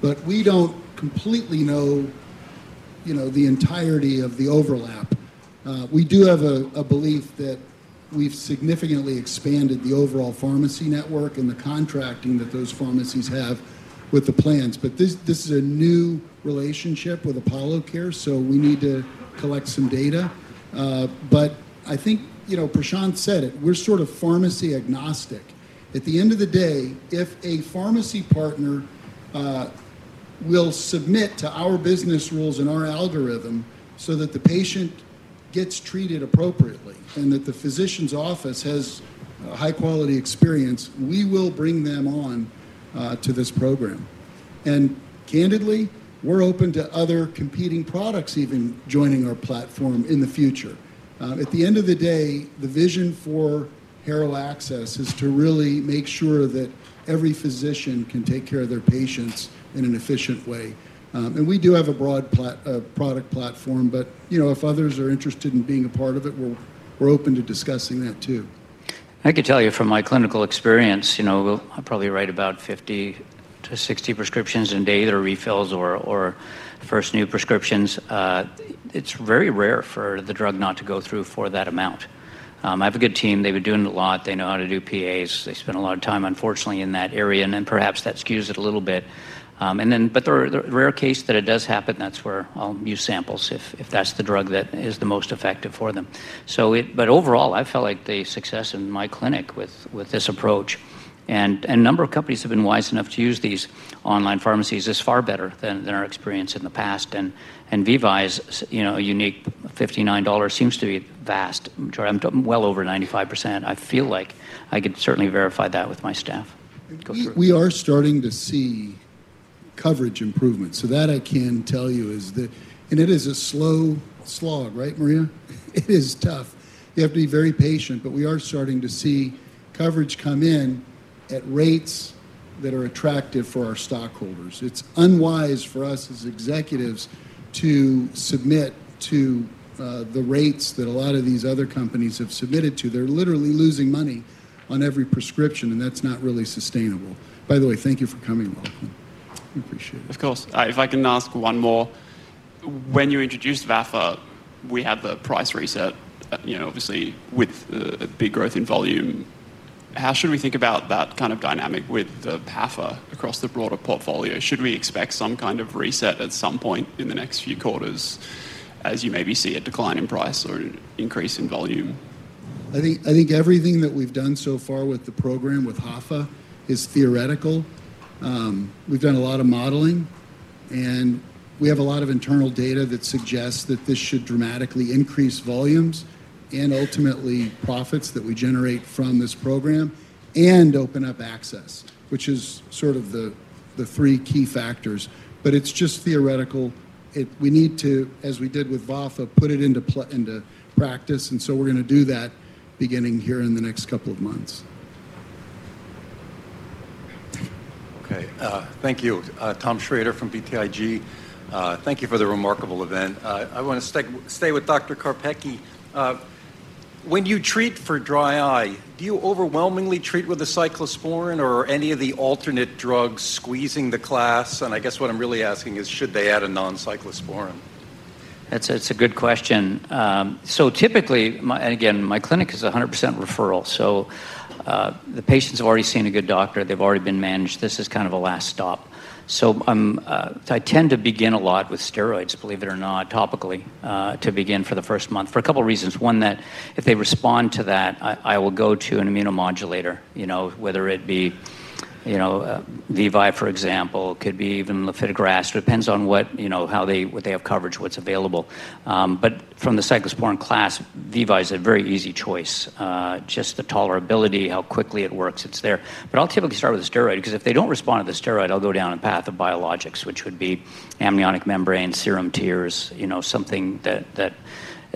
Speaker 2: but we don't completely know the entirety of the overlap. We do have a belief that we've significantly expanded the overall pharmacy network and the contracting that those pharmacies have with the plans. This is a new relationship with Apollo Care, so we need to collect some data. I think, you know, Prashanth said it, we're sort of pharmacy agnostic. At the end of the day, if a pharmacy partner will submit to our business rules and our algorithm so that the patient gets treated appropriately and that the physician's office has a high-quality experience, we will bring them on to this program. Candidly, we're open to other competing products even joining our platform in the future. At the end of the day, the vision for Harrow Access is to really make sure that every physician can take care of their patients in an efficient way. We do have a broad product platform, but if others are interested in being a part of it, we're open to discussing that too.
Speaker 9: I could tell you from my clinical experience, you know, I probably write about 50-60 prescriptions in a day that are refills or first new prescriptions. It's very rare for the drug not to go through for that amount. I have a good team. They've been doing it a lot. They know how to do PAs. They spend a lot of time, unfortunately, in that area, and perhaps that skews it a little bit. In the rare case that it does happen, that's where I'll use samples if that's the drug that is the most effective for them. Overall, I felt like the success in my clinic with this approach, and a number of companies have been wise enough to use these online pharmacies, is far better than our experience in the past. VEVYE's, you know, a unique $59 seems to be vast. I'm well over 95%. I feel like I could certainly verify that with my staff.
Speaker 2: We are starting to see coverage improvements. What I can tell you is that it is a slow slog, right, Maria? It is tough. You have to be very patient, but we are starting to see coverage come in at rates that are attractive for our stockholders. It's unwise for us as executives to submit to the rates that a lot of these other companies have submitted to. They're literally losing money on every prescription, and that's not really sustainable. By the way, thank you for coming, Lachlan. I appreciate it.
Speaker 20: Of course. If I can ask one more, when you introduced VAFA, we had the price reset, you know, obviously with a big growth in volume. How should we think about that kind of dynamic with the VAFA across the broader portfolio? Should we expect some kind of reset at some point in the next few quarters as you maybe see a decline in price or an increase in volume?
Speaker 2: I think everything that we've done so far with the program with HAFA is theoretical. We've done a lot of modeling, and we have a lot of internal data that suggests that this should dramatically increase volumes and ultimately profits that we generate from this program and open up access, which is sort of the three key factors. It's just theoretical. We need to, as we did with VAFA, put it into practice. We're going to do that beginning here in the next couple of months.
Speaker 21: Okay. Thank you. Tom Schrader from BTIG. Thank you for the remarkable event. I want to stay with Dr. Karpecki. When you treat for dry eye, do you overwhelmingly treat with a cyclosporin or any of the alternate drugs squeezing the class? I guess what I'm really asking is, should they add a non-cyclosporin?
Speaker 9: That's a good question. Typically, and again, my clinic is 100% referral. The patients have already seen a good doctor. They've already been managed. This is kind of a last stop. I tend to begin a lot with steroids, believe it or not, topically to begin for the first month for a couple of reasons. One, if they respond to that, I will go to an immunomodulator, whether it be, you know, VEVYE, for example, could be even lifitegrast. It depends on what, you know, how they, what they have coverage, what's available. From the cyclosporin class, VEVYE is a very easy choice. Just the tolerability, how quickly it works, it's there. I'll typically start with a steroid because if they don't respond to the steroid, I'll go down a path of biologics, which would be amniotic membranes, serum tears, something that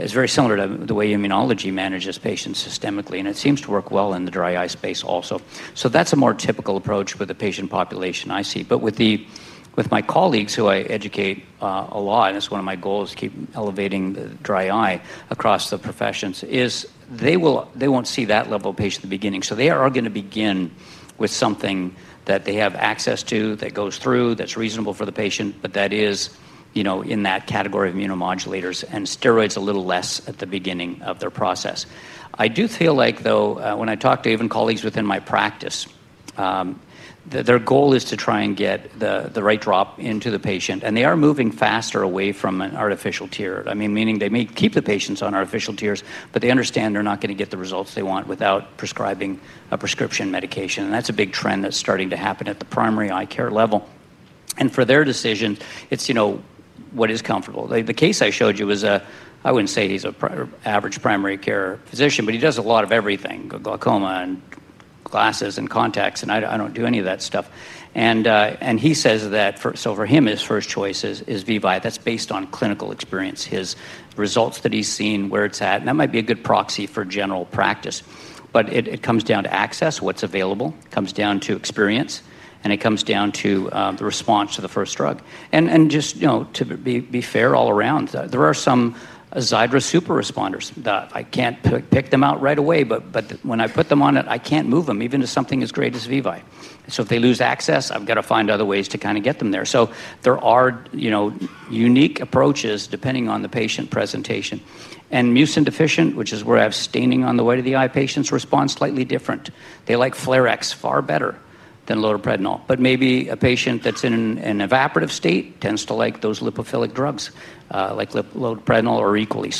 Speaker 9: is very similar to the way immunology manages patients systemically. It seems to work well in the dry eye space also. That's a more typical approach with the patient population I see. With my colleagues who I educate a lot, and that's one of my goals, keep elevating the dry eye across the professions, they won't see that level of patients at the beginning. They are going to begin with something that they have access to, that goes through, that's reasonable for the patient, but that is in that category of immunomodulators and steroids a little less at the beginning of their process. I do feel like, though, when I talk to even colleagues within my practice, that their goal is to try and get the right drop into the patient. They are moving faster away from an artificial tear. Meaning they may keep the patients on artificial tears, but they understand they're not going to get the results they want without prescribing a prescription medication. That's a big trend that's starting to happen at the primary eye care level. For their decisions, it's what is comfortable. The case I showed you was a, I wouldn't say he's an average primary care physician, but he does a lot of everything, glaucoma and glasses and contacts. I don't do any of that stuff. He says that for him, his first choice is VEVYE. That's based on clinical experience, his results that he's seen, where it's at. That might be a good proxy for general practice. It comes down to access, what's available, comes down to experience, and it comes down to the response to the first drug. To be fair all around, there are some Xiidra super responders. I can't pick them out right away, but when I put them on it, I can't move them even to something as great as VEVYE. If they lose access, I've got to find other ways to kind of get them there. There are unique approaches depending on the patient presentation. Mucin deficient, which is where I have staining on the way to the eye patients, responds slightly different. They like Flarex far better than loteprednol. Maybe a patient that's in an evaporative state tends to like those lipophilic drugs, like loteprednol or equally.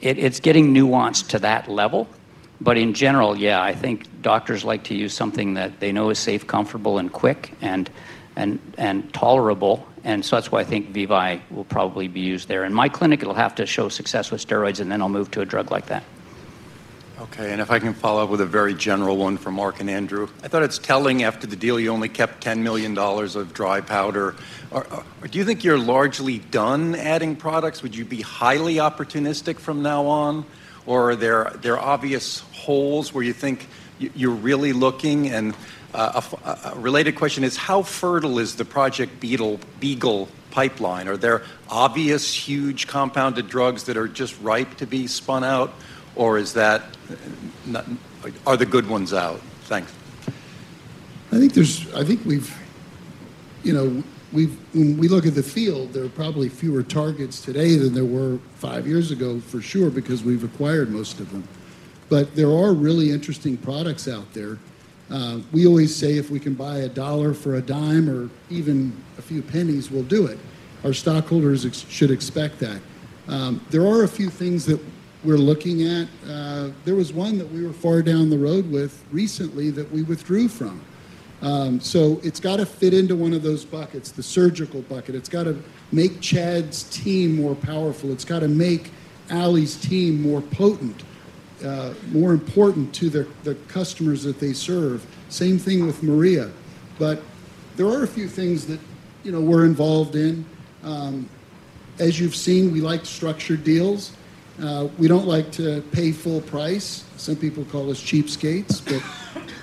Speaker 9: It's getting nuanced to that level. In general, I think doctors like to use something that they know is safe, comfortable, quick, and tolerable. That's why I think VEVYE will probably be used there. In my clinic, it'll have to show success with steroids, and then I'll move to a drug like that.
Speaker 21: Okay. And if I can follow up with a very general one for Mark and Andrew, I thought it's telling after the deal, you only kept $10 million of dry powder. Do you think you're largely done adding products? Would you be highly opportunistic from now on? Are there obvious holes where you think you're really looking? A related question is, how fertile is the Project Beagle pipeline? Are there obvious huge compounded drugs that are just ripe to be spun out? Are the good ones out? Thanks. I think we've, you know, when we look at the field, there are probably fewer targets today than there were five years ago, for sure, because we've acquired most of them. There are really interesting products out there. We always say if we can buy a dollar for a dime or even a few pennies, we'll do it.
Speaker 2: Our stockholders should expect that. There are a few things that we're looking at. There was one that we were far down the road with recently that we withdrew from. It's got to fit into one of those buckets, the surgical bucket. It's got to make Chad's team more powerful. It's got to make Aly's team more potent, more important to the customers that they serve. Same thing with Maria. There are a few things that we're involved in. As you've seen, we like structured deals. We don't like to pay full price. Some people call us cheapskates.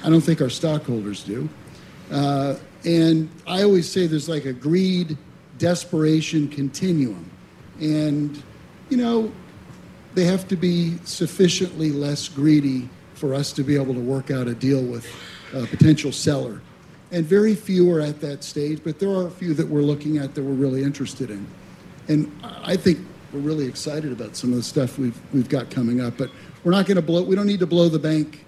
Speaker 2: I don't think our stockholders do. I always say there's like a greed desperation continuum. They have to be sufficiently less greedy for us to be able to work out a deal with a potential seller. Very few are at that stage, but there are a few that we're looking at that we're really interested in. I think we're really excited about some of the stuff we've got coming up, but we're not going to blow it. We don't need to blow the bank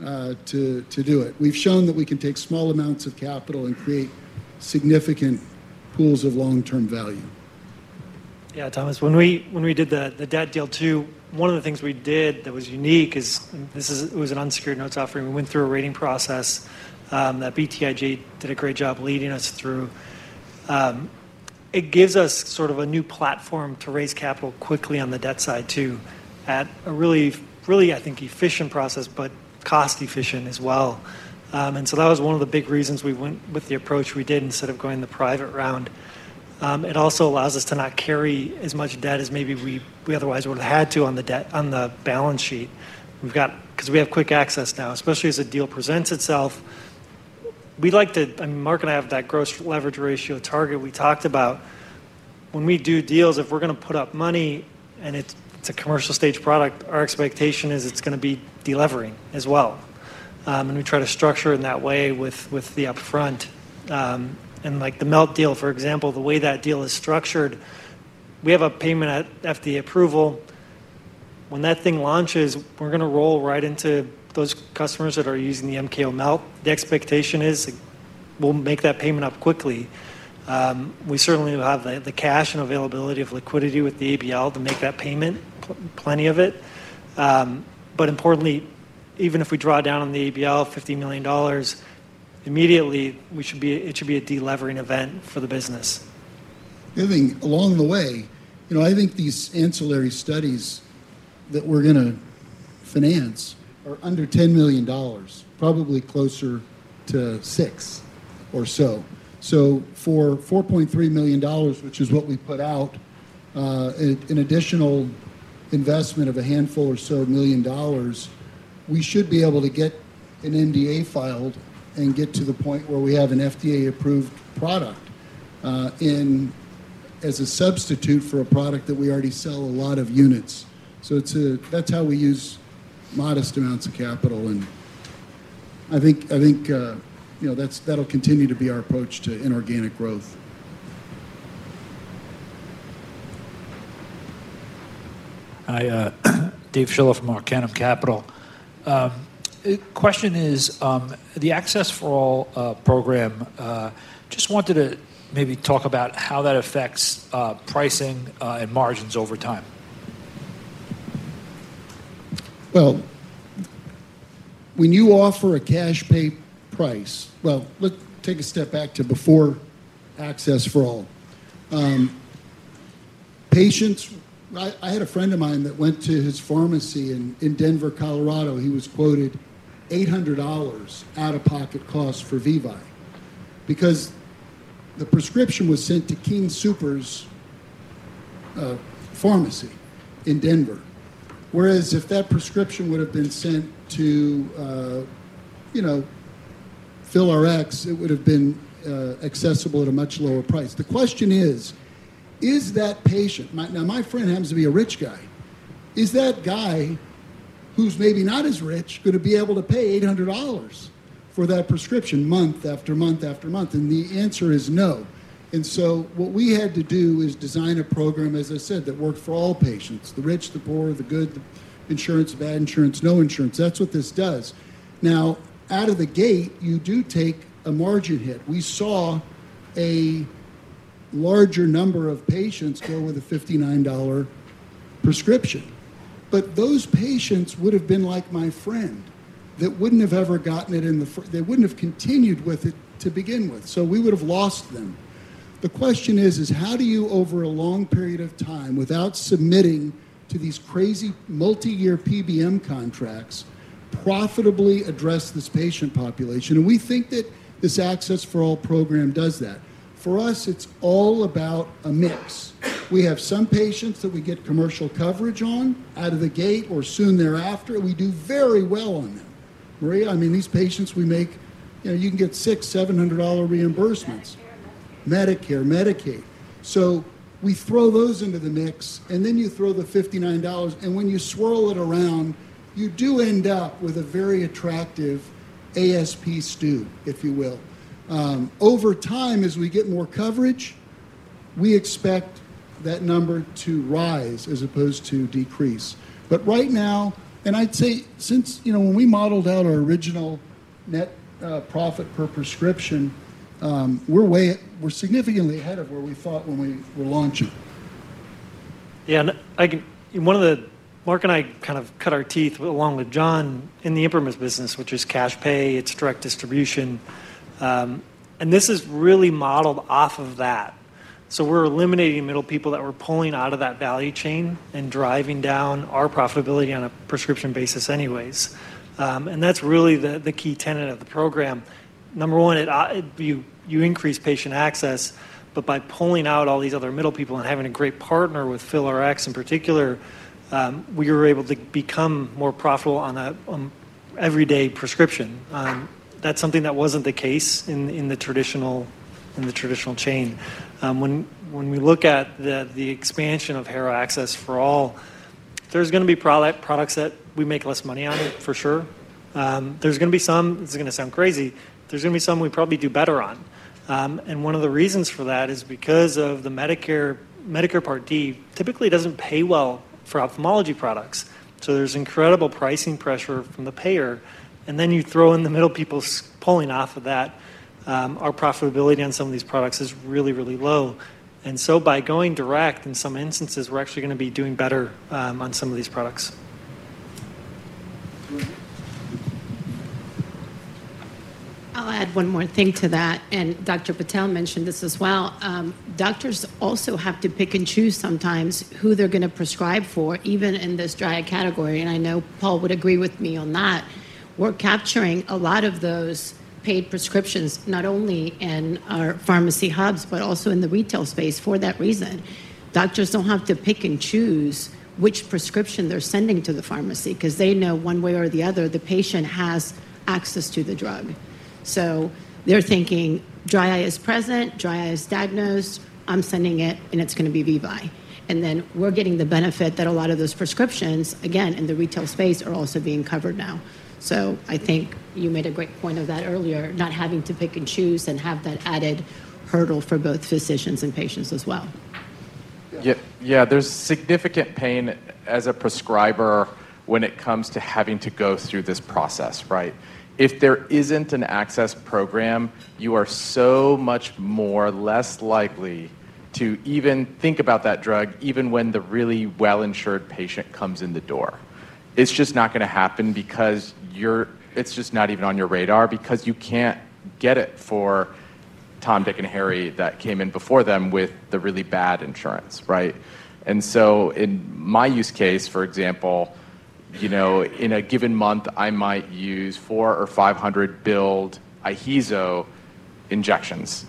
Speaker 2: to do it. We've shown that we can take small amounts of capital and create significant pools of long-term value.
Speaker 3: Yeah, Thomas, when we did the debt deal too, one of the things we did that was unique is this was an unsecured notes offering. We went through a rating process that BTIG did a great job leading us through. It gives us sort of a new platform to raise capital quickly on the debt side too, at a really, really, I think, efficient process, but cost-efficient as well. That was one of the big reasons we went with the approach we did instead of going the private round. It also allows us to not carry as much debt as maybe we otherwise would have had to on the balance sheet. We've got, because we have quick access now, especially as the deal presents itself. We'd like to, I mean, Mark and I have that gross leverage ratio target we talked about. When we do deals, if we're going to put up money and it's a commercial stage product, our expectation is it's going to be delivering as well. We try to structure in that way with the upfront. Like the Melt Pharmaceuticals deal, for example, the way that deal is structured, we have a payment at FDA approval. When that thing launches, we're going to roll right into those customers that are using the MKO Melt. The expectation is we'll make that payment up quickly. We certainly will have the cash and availability of liquidity with the ABL to make that payment, plenty of it. Importantly, even if we draw down on the ABL, $50 million, immediately it should be a delivering event for the business.
Speaker 2: I think along the way, these ancillary studies that we're going to finance are under $10 million, probably closer to $6 million or so. For $4.3 million, which is what we put out, an additional investment of a handful or so million dollars, we should be able to get an NDA filed and get to the point where we have an FDA-approved product as a substitute for a product that we already sell a lot of units. That's how we use modest amounts of capital. I think that'll continue to be our approach to inorganic growth.
Speaker 22: Hi, Dave Schiller from Arcanum Capital. The question is, the Access for All program, just wanted to maybe talk about how that affects pricing and margins over time.
Speaker 2: When you offer a cash-paid price, let's take a step back to before Access for All. Patients, I had a friend of mine that went to his pharmacy in Denver, Colorado. He was quoted $800 out-of-pocket costs for VEVYE because the prescription was sent to King Sooper's pharmacy in Denver. Whereas if that prescription would have been sent to, you know, FillerX, it would have been accessible at a much lower price. The question is, is that patient, now my friend happens to be a rich guy, is that guy who's maybe not as rich going to be able to pay $800 for that prescription month after month after month? The answer is no. What we had to do is design a program, as I said, that worked for all patients, the rich, the poor, the good, the insurance, bad insurance, no insurance. That's what this does. Out of the gate, you do take a margin hit. We saw a larger number of patients go with a $59 prescription. Those patients would have been like my friend that wouldn't have ever gotten it in the, they wouldn't have continued with it to begin with. We would have lost them. The question is, how do you, over a long period of time, without submitting to these crazy multi-year PBM contracts, profitably address this patient population? We think that this Access for All program does that. For us, it's all about MIPS. We have some patients that we get commercial coverage on out of the gate or soon thereafter. We do very well on them. Maria, I mean, these patients we make, you know, you can get $600-$700 reimbursements, Medicare, Medicaid. We throw those into the mix and then you throw the $59. When you swirl it around, you do end up with a very attractive ASP student, if you will. Over time, as we get more coverage, we expect that number to rise as opposed to decrease. Right now, and I'd say since, you know, when we modeled out our original net profit per prescription, we're significantly ahead of where we thought when we were launching.
Speaker 3: Yeah, and I can, one of the, Mark and I kind of cut our teeth along with John in the ImprimisRx business, which is cash pay, it's direct distribution. This is really modeled off of that. We're eliminating middle people that we're pulling out of that value chain and driving down our profitability on a prescription basis anyways. That's really the key tenet of the program. Number one, you increase patient access, but by pulling out all these other middle people and having a great partner with FillerX in particular, we were able to become more profitable on an everyday prescription. That's something that wasn't the case in the traditional chain. When we look at the expansion of Harrow Access for All, there's going to be products that we make less money on, for sure. There's going to be some, this is going to sound crazy, there's going to be some we probably do better on. One of the reasons for that is because Medicare, Medicare Part D typically doesn't pay well for ophthalmology products. There's incredible pricing pressure from the payer. You throw in the middle people's pulling off of that. Our profitability on some of these products is really, really low. By going direct, in some instances, we're actually going to be doing better on some of these products.
Speaker 8: I'll add one more thing to that. Dr. Patel mentioned this as well. Doctors also have to pick and choose sometimes who they're going to prescribe for, even in this dry eye category. I know Paul would agree with me on that. We're capturing a lot of those paid prescriptions, not only in our pharmacy hubs, but also in the retail space for that reason. Doctors don't have to pick and choose which prescription they're sending to the pharmacy because they know one way or the other, the patient has access to the drug. They're thinking, dry eye is present, dry eye is diagnosed, I'm sending it and it's going to be VEVYE. We're getting the benefit that a lot of those prescriptions, again, in the retail space are also being covered now. I think you made a great point of that earlier, not having to pick and choose and have that added hurdle for both physicians and patients as well.
Speaker 13: Yeah, there's significant pain as a prescriber when it comes to having to go through this process, right? If there isn't an access program, you are so much more less likely to even think about that drug, even when the really well-insured patient comes in the door. It's just not going to happen because it's just not even on your radar because you can't get it for Tom, Dick, and Harry that came in before them with the really bad insurance, right? In my use case, for example, in a given month, I might use 400 or 500 billed IHEEZO injections.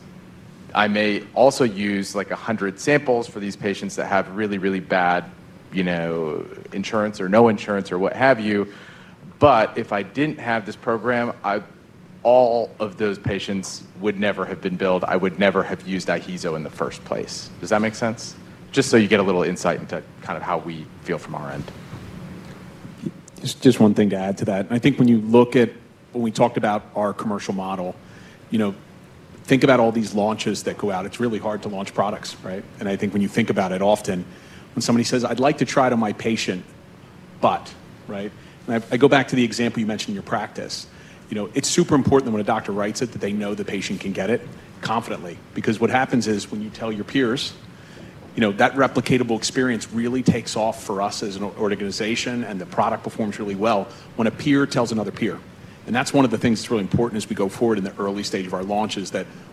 Speaker 13: I may also use like 100 samples for these patients that have really, really bad insurance or no insurance or what have you. If I didn't have this program, all of those patients would never have been billed. I would never have used IHEEZO in the first place. Does that make sense? Just so you get a little insight into kind of how we feel from our end.
Speaker 7: Just one thing to add to that. I think when you look at, when we talked about our commercial model, you know, think about all these launches that go out. It's really hard to launch products, right? I think when you think about it often, when somebody says, "I'd like to try it on my patient, but," right? I go back to the example you mentioned in your practice. It's super important that when a doctor writes it, that they know the patient can get it confidently. What happens is when you tell your peers, you know, that replicatable experience really takes off for us as an organization and the product performs really well when a peer tells another peer. That's one of the things that's really important as we go forward in the early stage of our launch.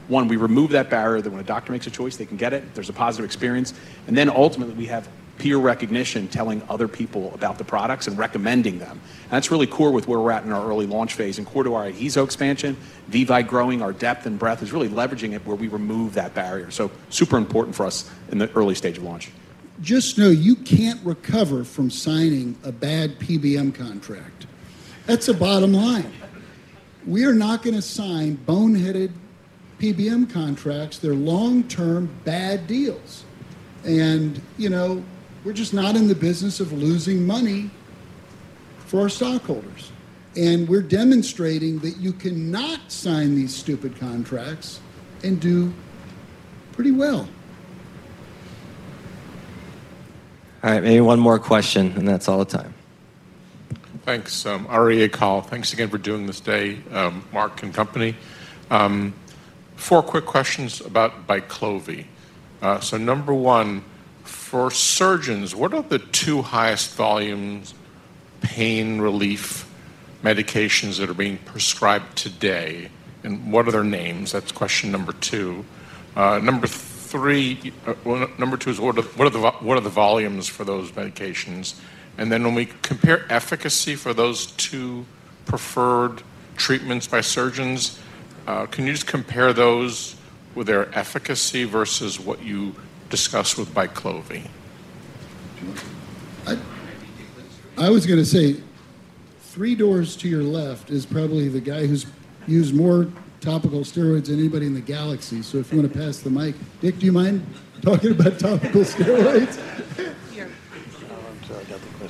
Speaker 7: One, we remove that barrier that when a doctor makes a choice, they can get it. There's a positive experience. Ultimately, we have peer recognition telling other people about the products and recommending them. That's really core with where we're at in our early launch phase and core to our HAFA expansion. VEVYE growing our depth and breadth is really leveraging it where we remove that barrier. It's super important for us in the early stage of launch.
Speaker 2: Just know you can't recover from signing a bad PBM contract. That's the bottom line. We are not going to sign boneheaded PBM contracts. They're long-term bad deals. We're just not in the business of losing money for our stockholders. We're demonstrating that you cannot sign these stupid contracts and do pretty well.
Speaker 1: All right, maybe one more question, and that's all the time.
Speaker 23: Thanks, Ari and Kyle. Thanks again for doing this day, Mark and company. Four quick questions about BICLOVI. Number one, for surgeons, what are the two highest volumes of pain relief medications that are being prescribed today, and what are their names? That's question number two. Number three, number two is what are the volumes for those medications? When we compare efficacy for those two preferred treatments by surgeons, can you just compare those with their efficacy versus what you discussed with BICLOVI?
Speaker 2: I was going to say three doors to your left is probably the guy who's used more topical steroids than anybody in the galaxy. If you want to pass the mic, Dick, do you mind talking about topical steroids?
Speaker 8: Yeah.
Speaker 24: I'm sorry, I got the call.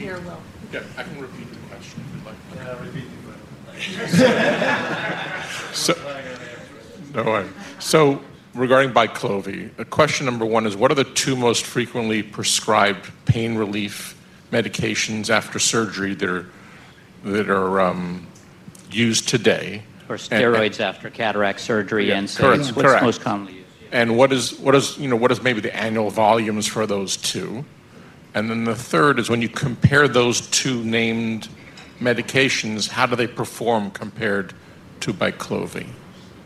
Speaker 8: You're welcome.
Speaker 23: Okay, I can repeat the question. Good luck. I'll repeat it. Regarding BICLOVI, question number one is what are the two most frequently prescribed pain relief medications after surgery that are used today?
Speaker 9: Steroids after cataract surgery, and steroids, which is most commonly used.
Speaker 23: What is, you know, what is maybe the annual volumes for those two? The third is when you compare those two named medications, how do they perform compared to BICLOVI?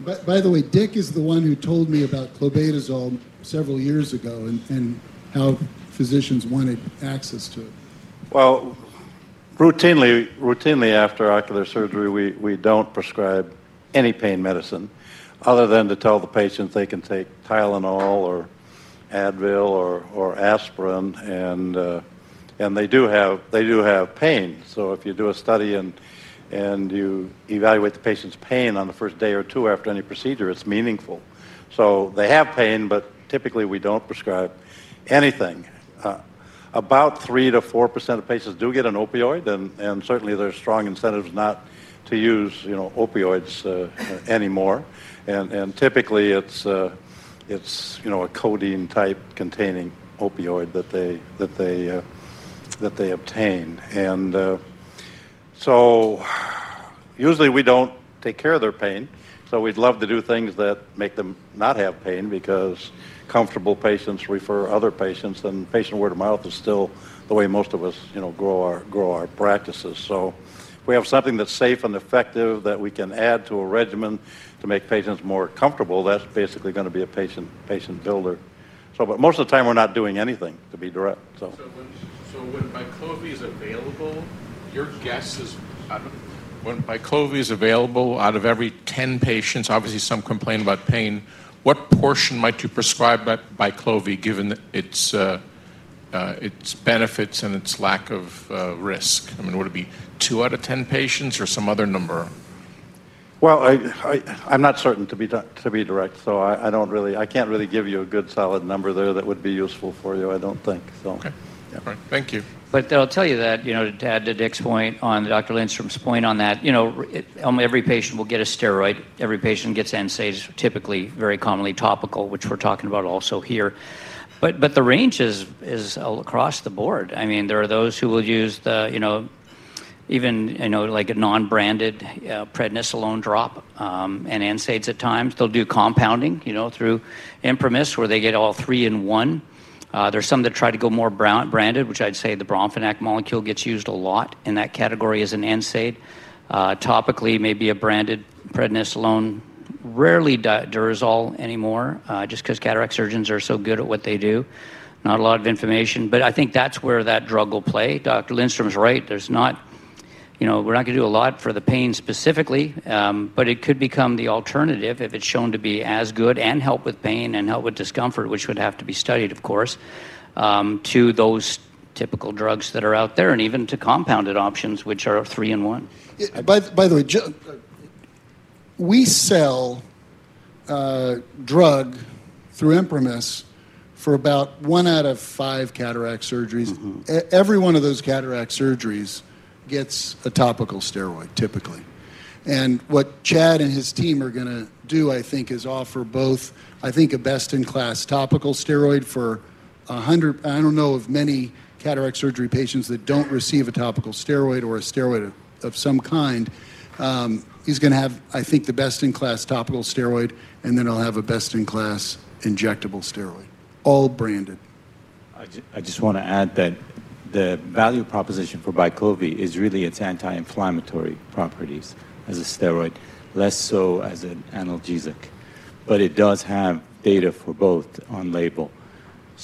Speaker 2: By the way, Dick is the one who told me about clobetasol several years ago and how physicians wanted access to it.
Speaker 24: Routinely after ocular surgery, we don't prescribe any pain medicine other than to tell the patients they can take Tylenol or Advil or aspirin. They do have pain. If you do a study and you evaluate the patient's pain on the first day or two after any procedure, it's meaningful. They have pain, but typically we don't prescribe anything. About 3% to 4% of patients do get an opioid, and certainly there's strong incentives not to use opioids anymore. Typically, it's a codeine-type containing opioid that they obtain. Usually we don't take care of their pain. We'd love to do things that make them not have pain because comfortable patients refer other patients, and patient word of mouth is still the way most of us grow our practices. If we have something that's safe and effective that we can add to a regimen to make patients more comfortable, that's basically going to be a patient builder. Most of the time we're not doing anything to be direct.
Speaker 23: When BYQLOVI is available, your guess is, when BYQLOVI is available out of every 10 patients, obviously some complain about pain, what portion might you prescribe that BYQLOVI, given its benefits and its lack of risk? I mean, would it be 2/10 patients or some other number?
Speaker 24: I'm not certain to be direct. I don't really, I can't really give you a good solid number there that would be useful for you, I don't think.
Speaker 23: Okay.
Speaker 24: Yeah.
Speaker 23: All right. Thank you.
Speaker 9: To add to Dick's point on Dr. Lindstrom's point on that, every patient will get a steroid. Every patient gets NSAIDs, typically very commonly topical, which we're talking about also here. The range is across the board. There are those who will use even a non-branded prednisolone drop and NSAIDs at times. They'll do compounding through ImprimisRx where they get all three in one. There's some that try to go more branded, which I'd say the bromfenac molecule gets used a lot in that category as an NSAID. Topically, maybe a branded prednisolone, rarely Durezol anymore, just because cataract surgeons are so good at what they do. Not a lot of information, but I think that's where that drug will play. Dr. Lindstrom's right. We're not going to do a lot for the pain specifically, but it could become the alternative if it's shown to be as good and help with pain and help with discomfort, which would have to be studied, of course, to those typical drugs that are out there and even to compounded options, which are three in one.
Speaker 2: By the way, we sell a drug through ImprimisRx for about one out of five cataract surgeries. Every one of those cataract surgeries gets a topical steroid, typically. What Chad and his team are going to do, I think, is offer both, I think, a best-in-class topical steroid for a hundred, I don't know of many cataract surgery patients that don't receive a topical steroid or a steroid of some kind. He's going to have, I think, the best-in-class topical steroid, and then I'll have a best-in-class injectable steroid, all branded.
Speaker 13: I just want to add that the value proposition for BICLOVI is really its anti-inflammatory properties as a steroid, less so as an analgesic. It does have data for both on label.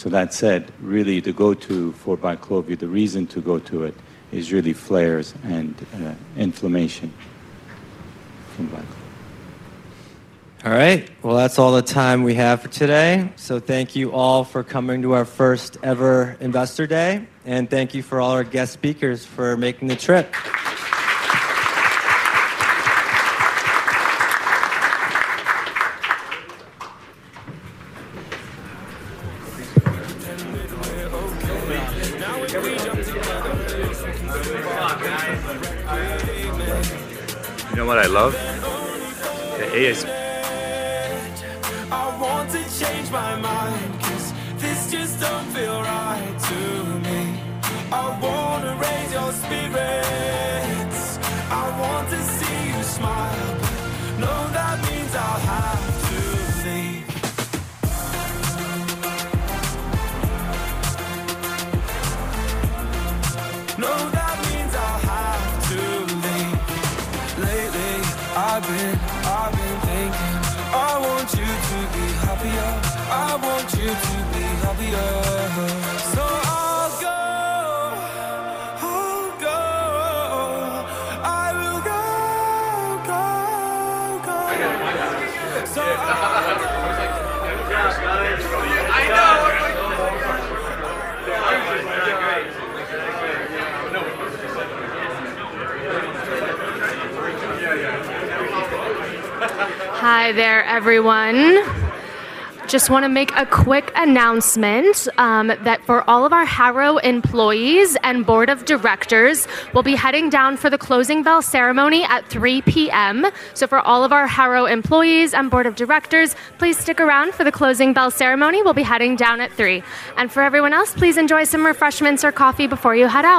Speaker 13: That said, really the go-to for BICLOVI, the reason to go to it is really flares and inflammation.
Speaker 1: All right. That's all the time we have for today. Thank you all for coming to our first ever Investor Day, and thank you to all our guest speakers for making the trip.
Speaker 25: You know what I love? I want to change my mind because this just don't feel right to me. I want to raise your spirits. I want to see you smile, but no, that means I'll have to leave. Know That means I have to leave. Lately, I've been thinking. I want you to be happier. I want you to be happier. I'll go. Go, go, go.
Speaker 26: Hi there, everyone. Just want to make a quick announcement that for all of our Harrow employees and Board of Directors, we'll be heading down for the closing bell ceremony at 3:00 P.M. For all of our Harrow employees and Board of Directors, please stick around for the closing bell ceremony. We'll be heading down at 3:00. For everyone else, please enjoy some refreshments or coffee before you head out.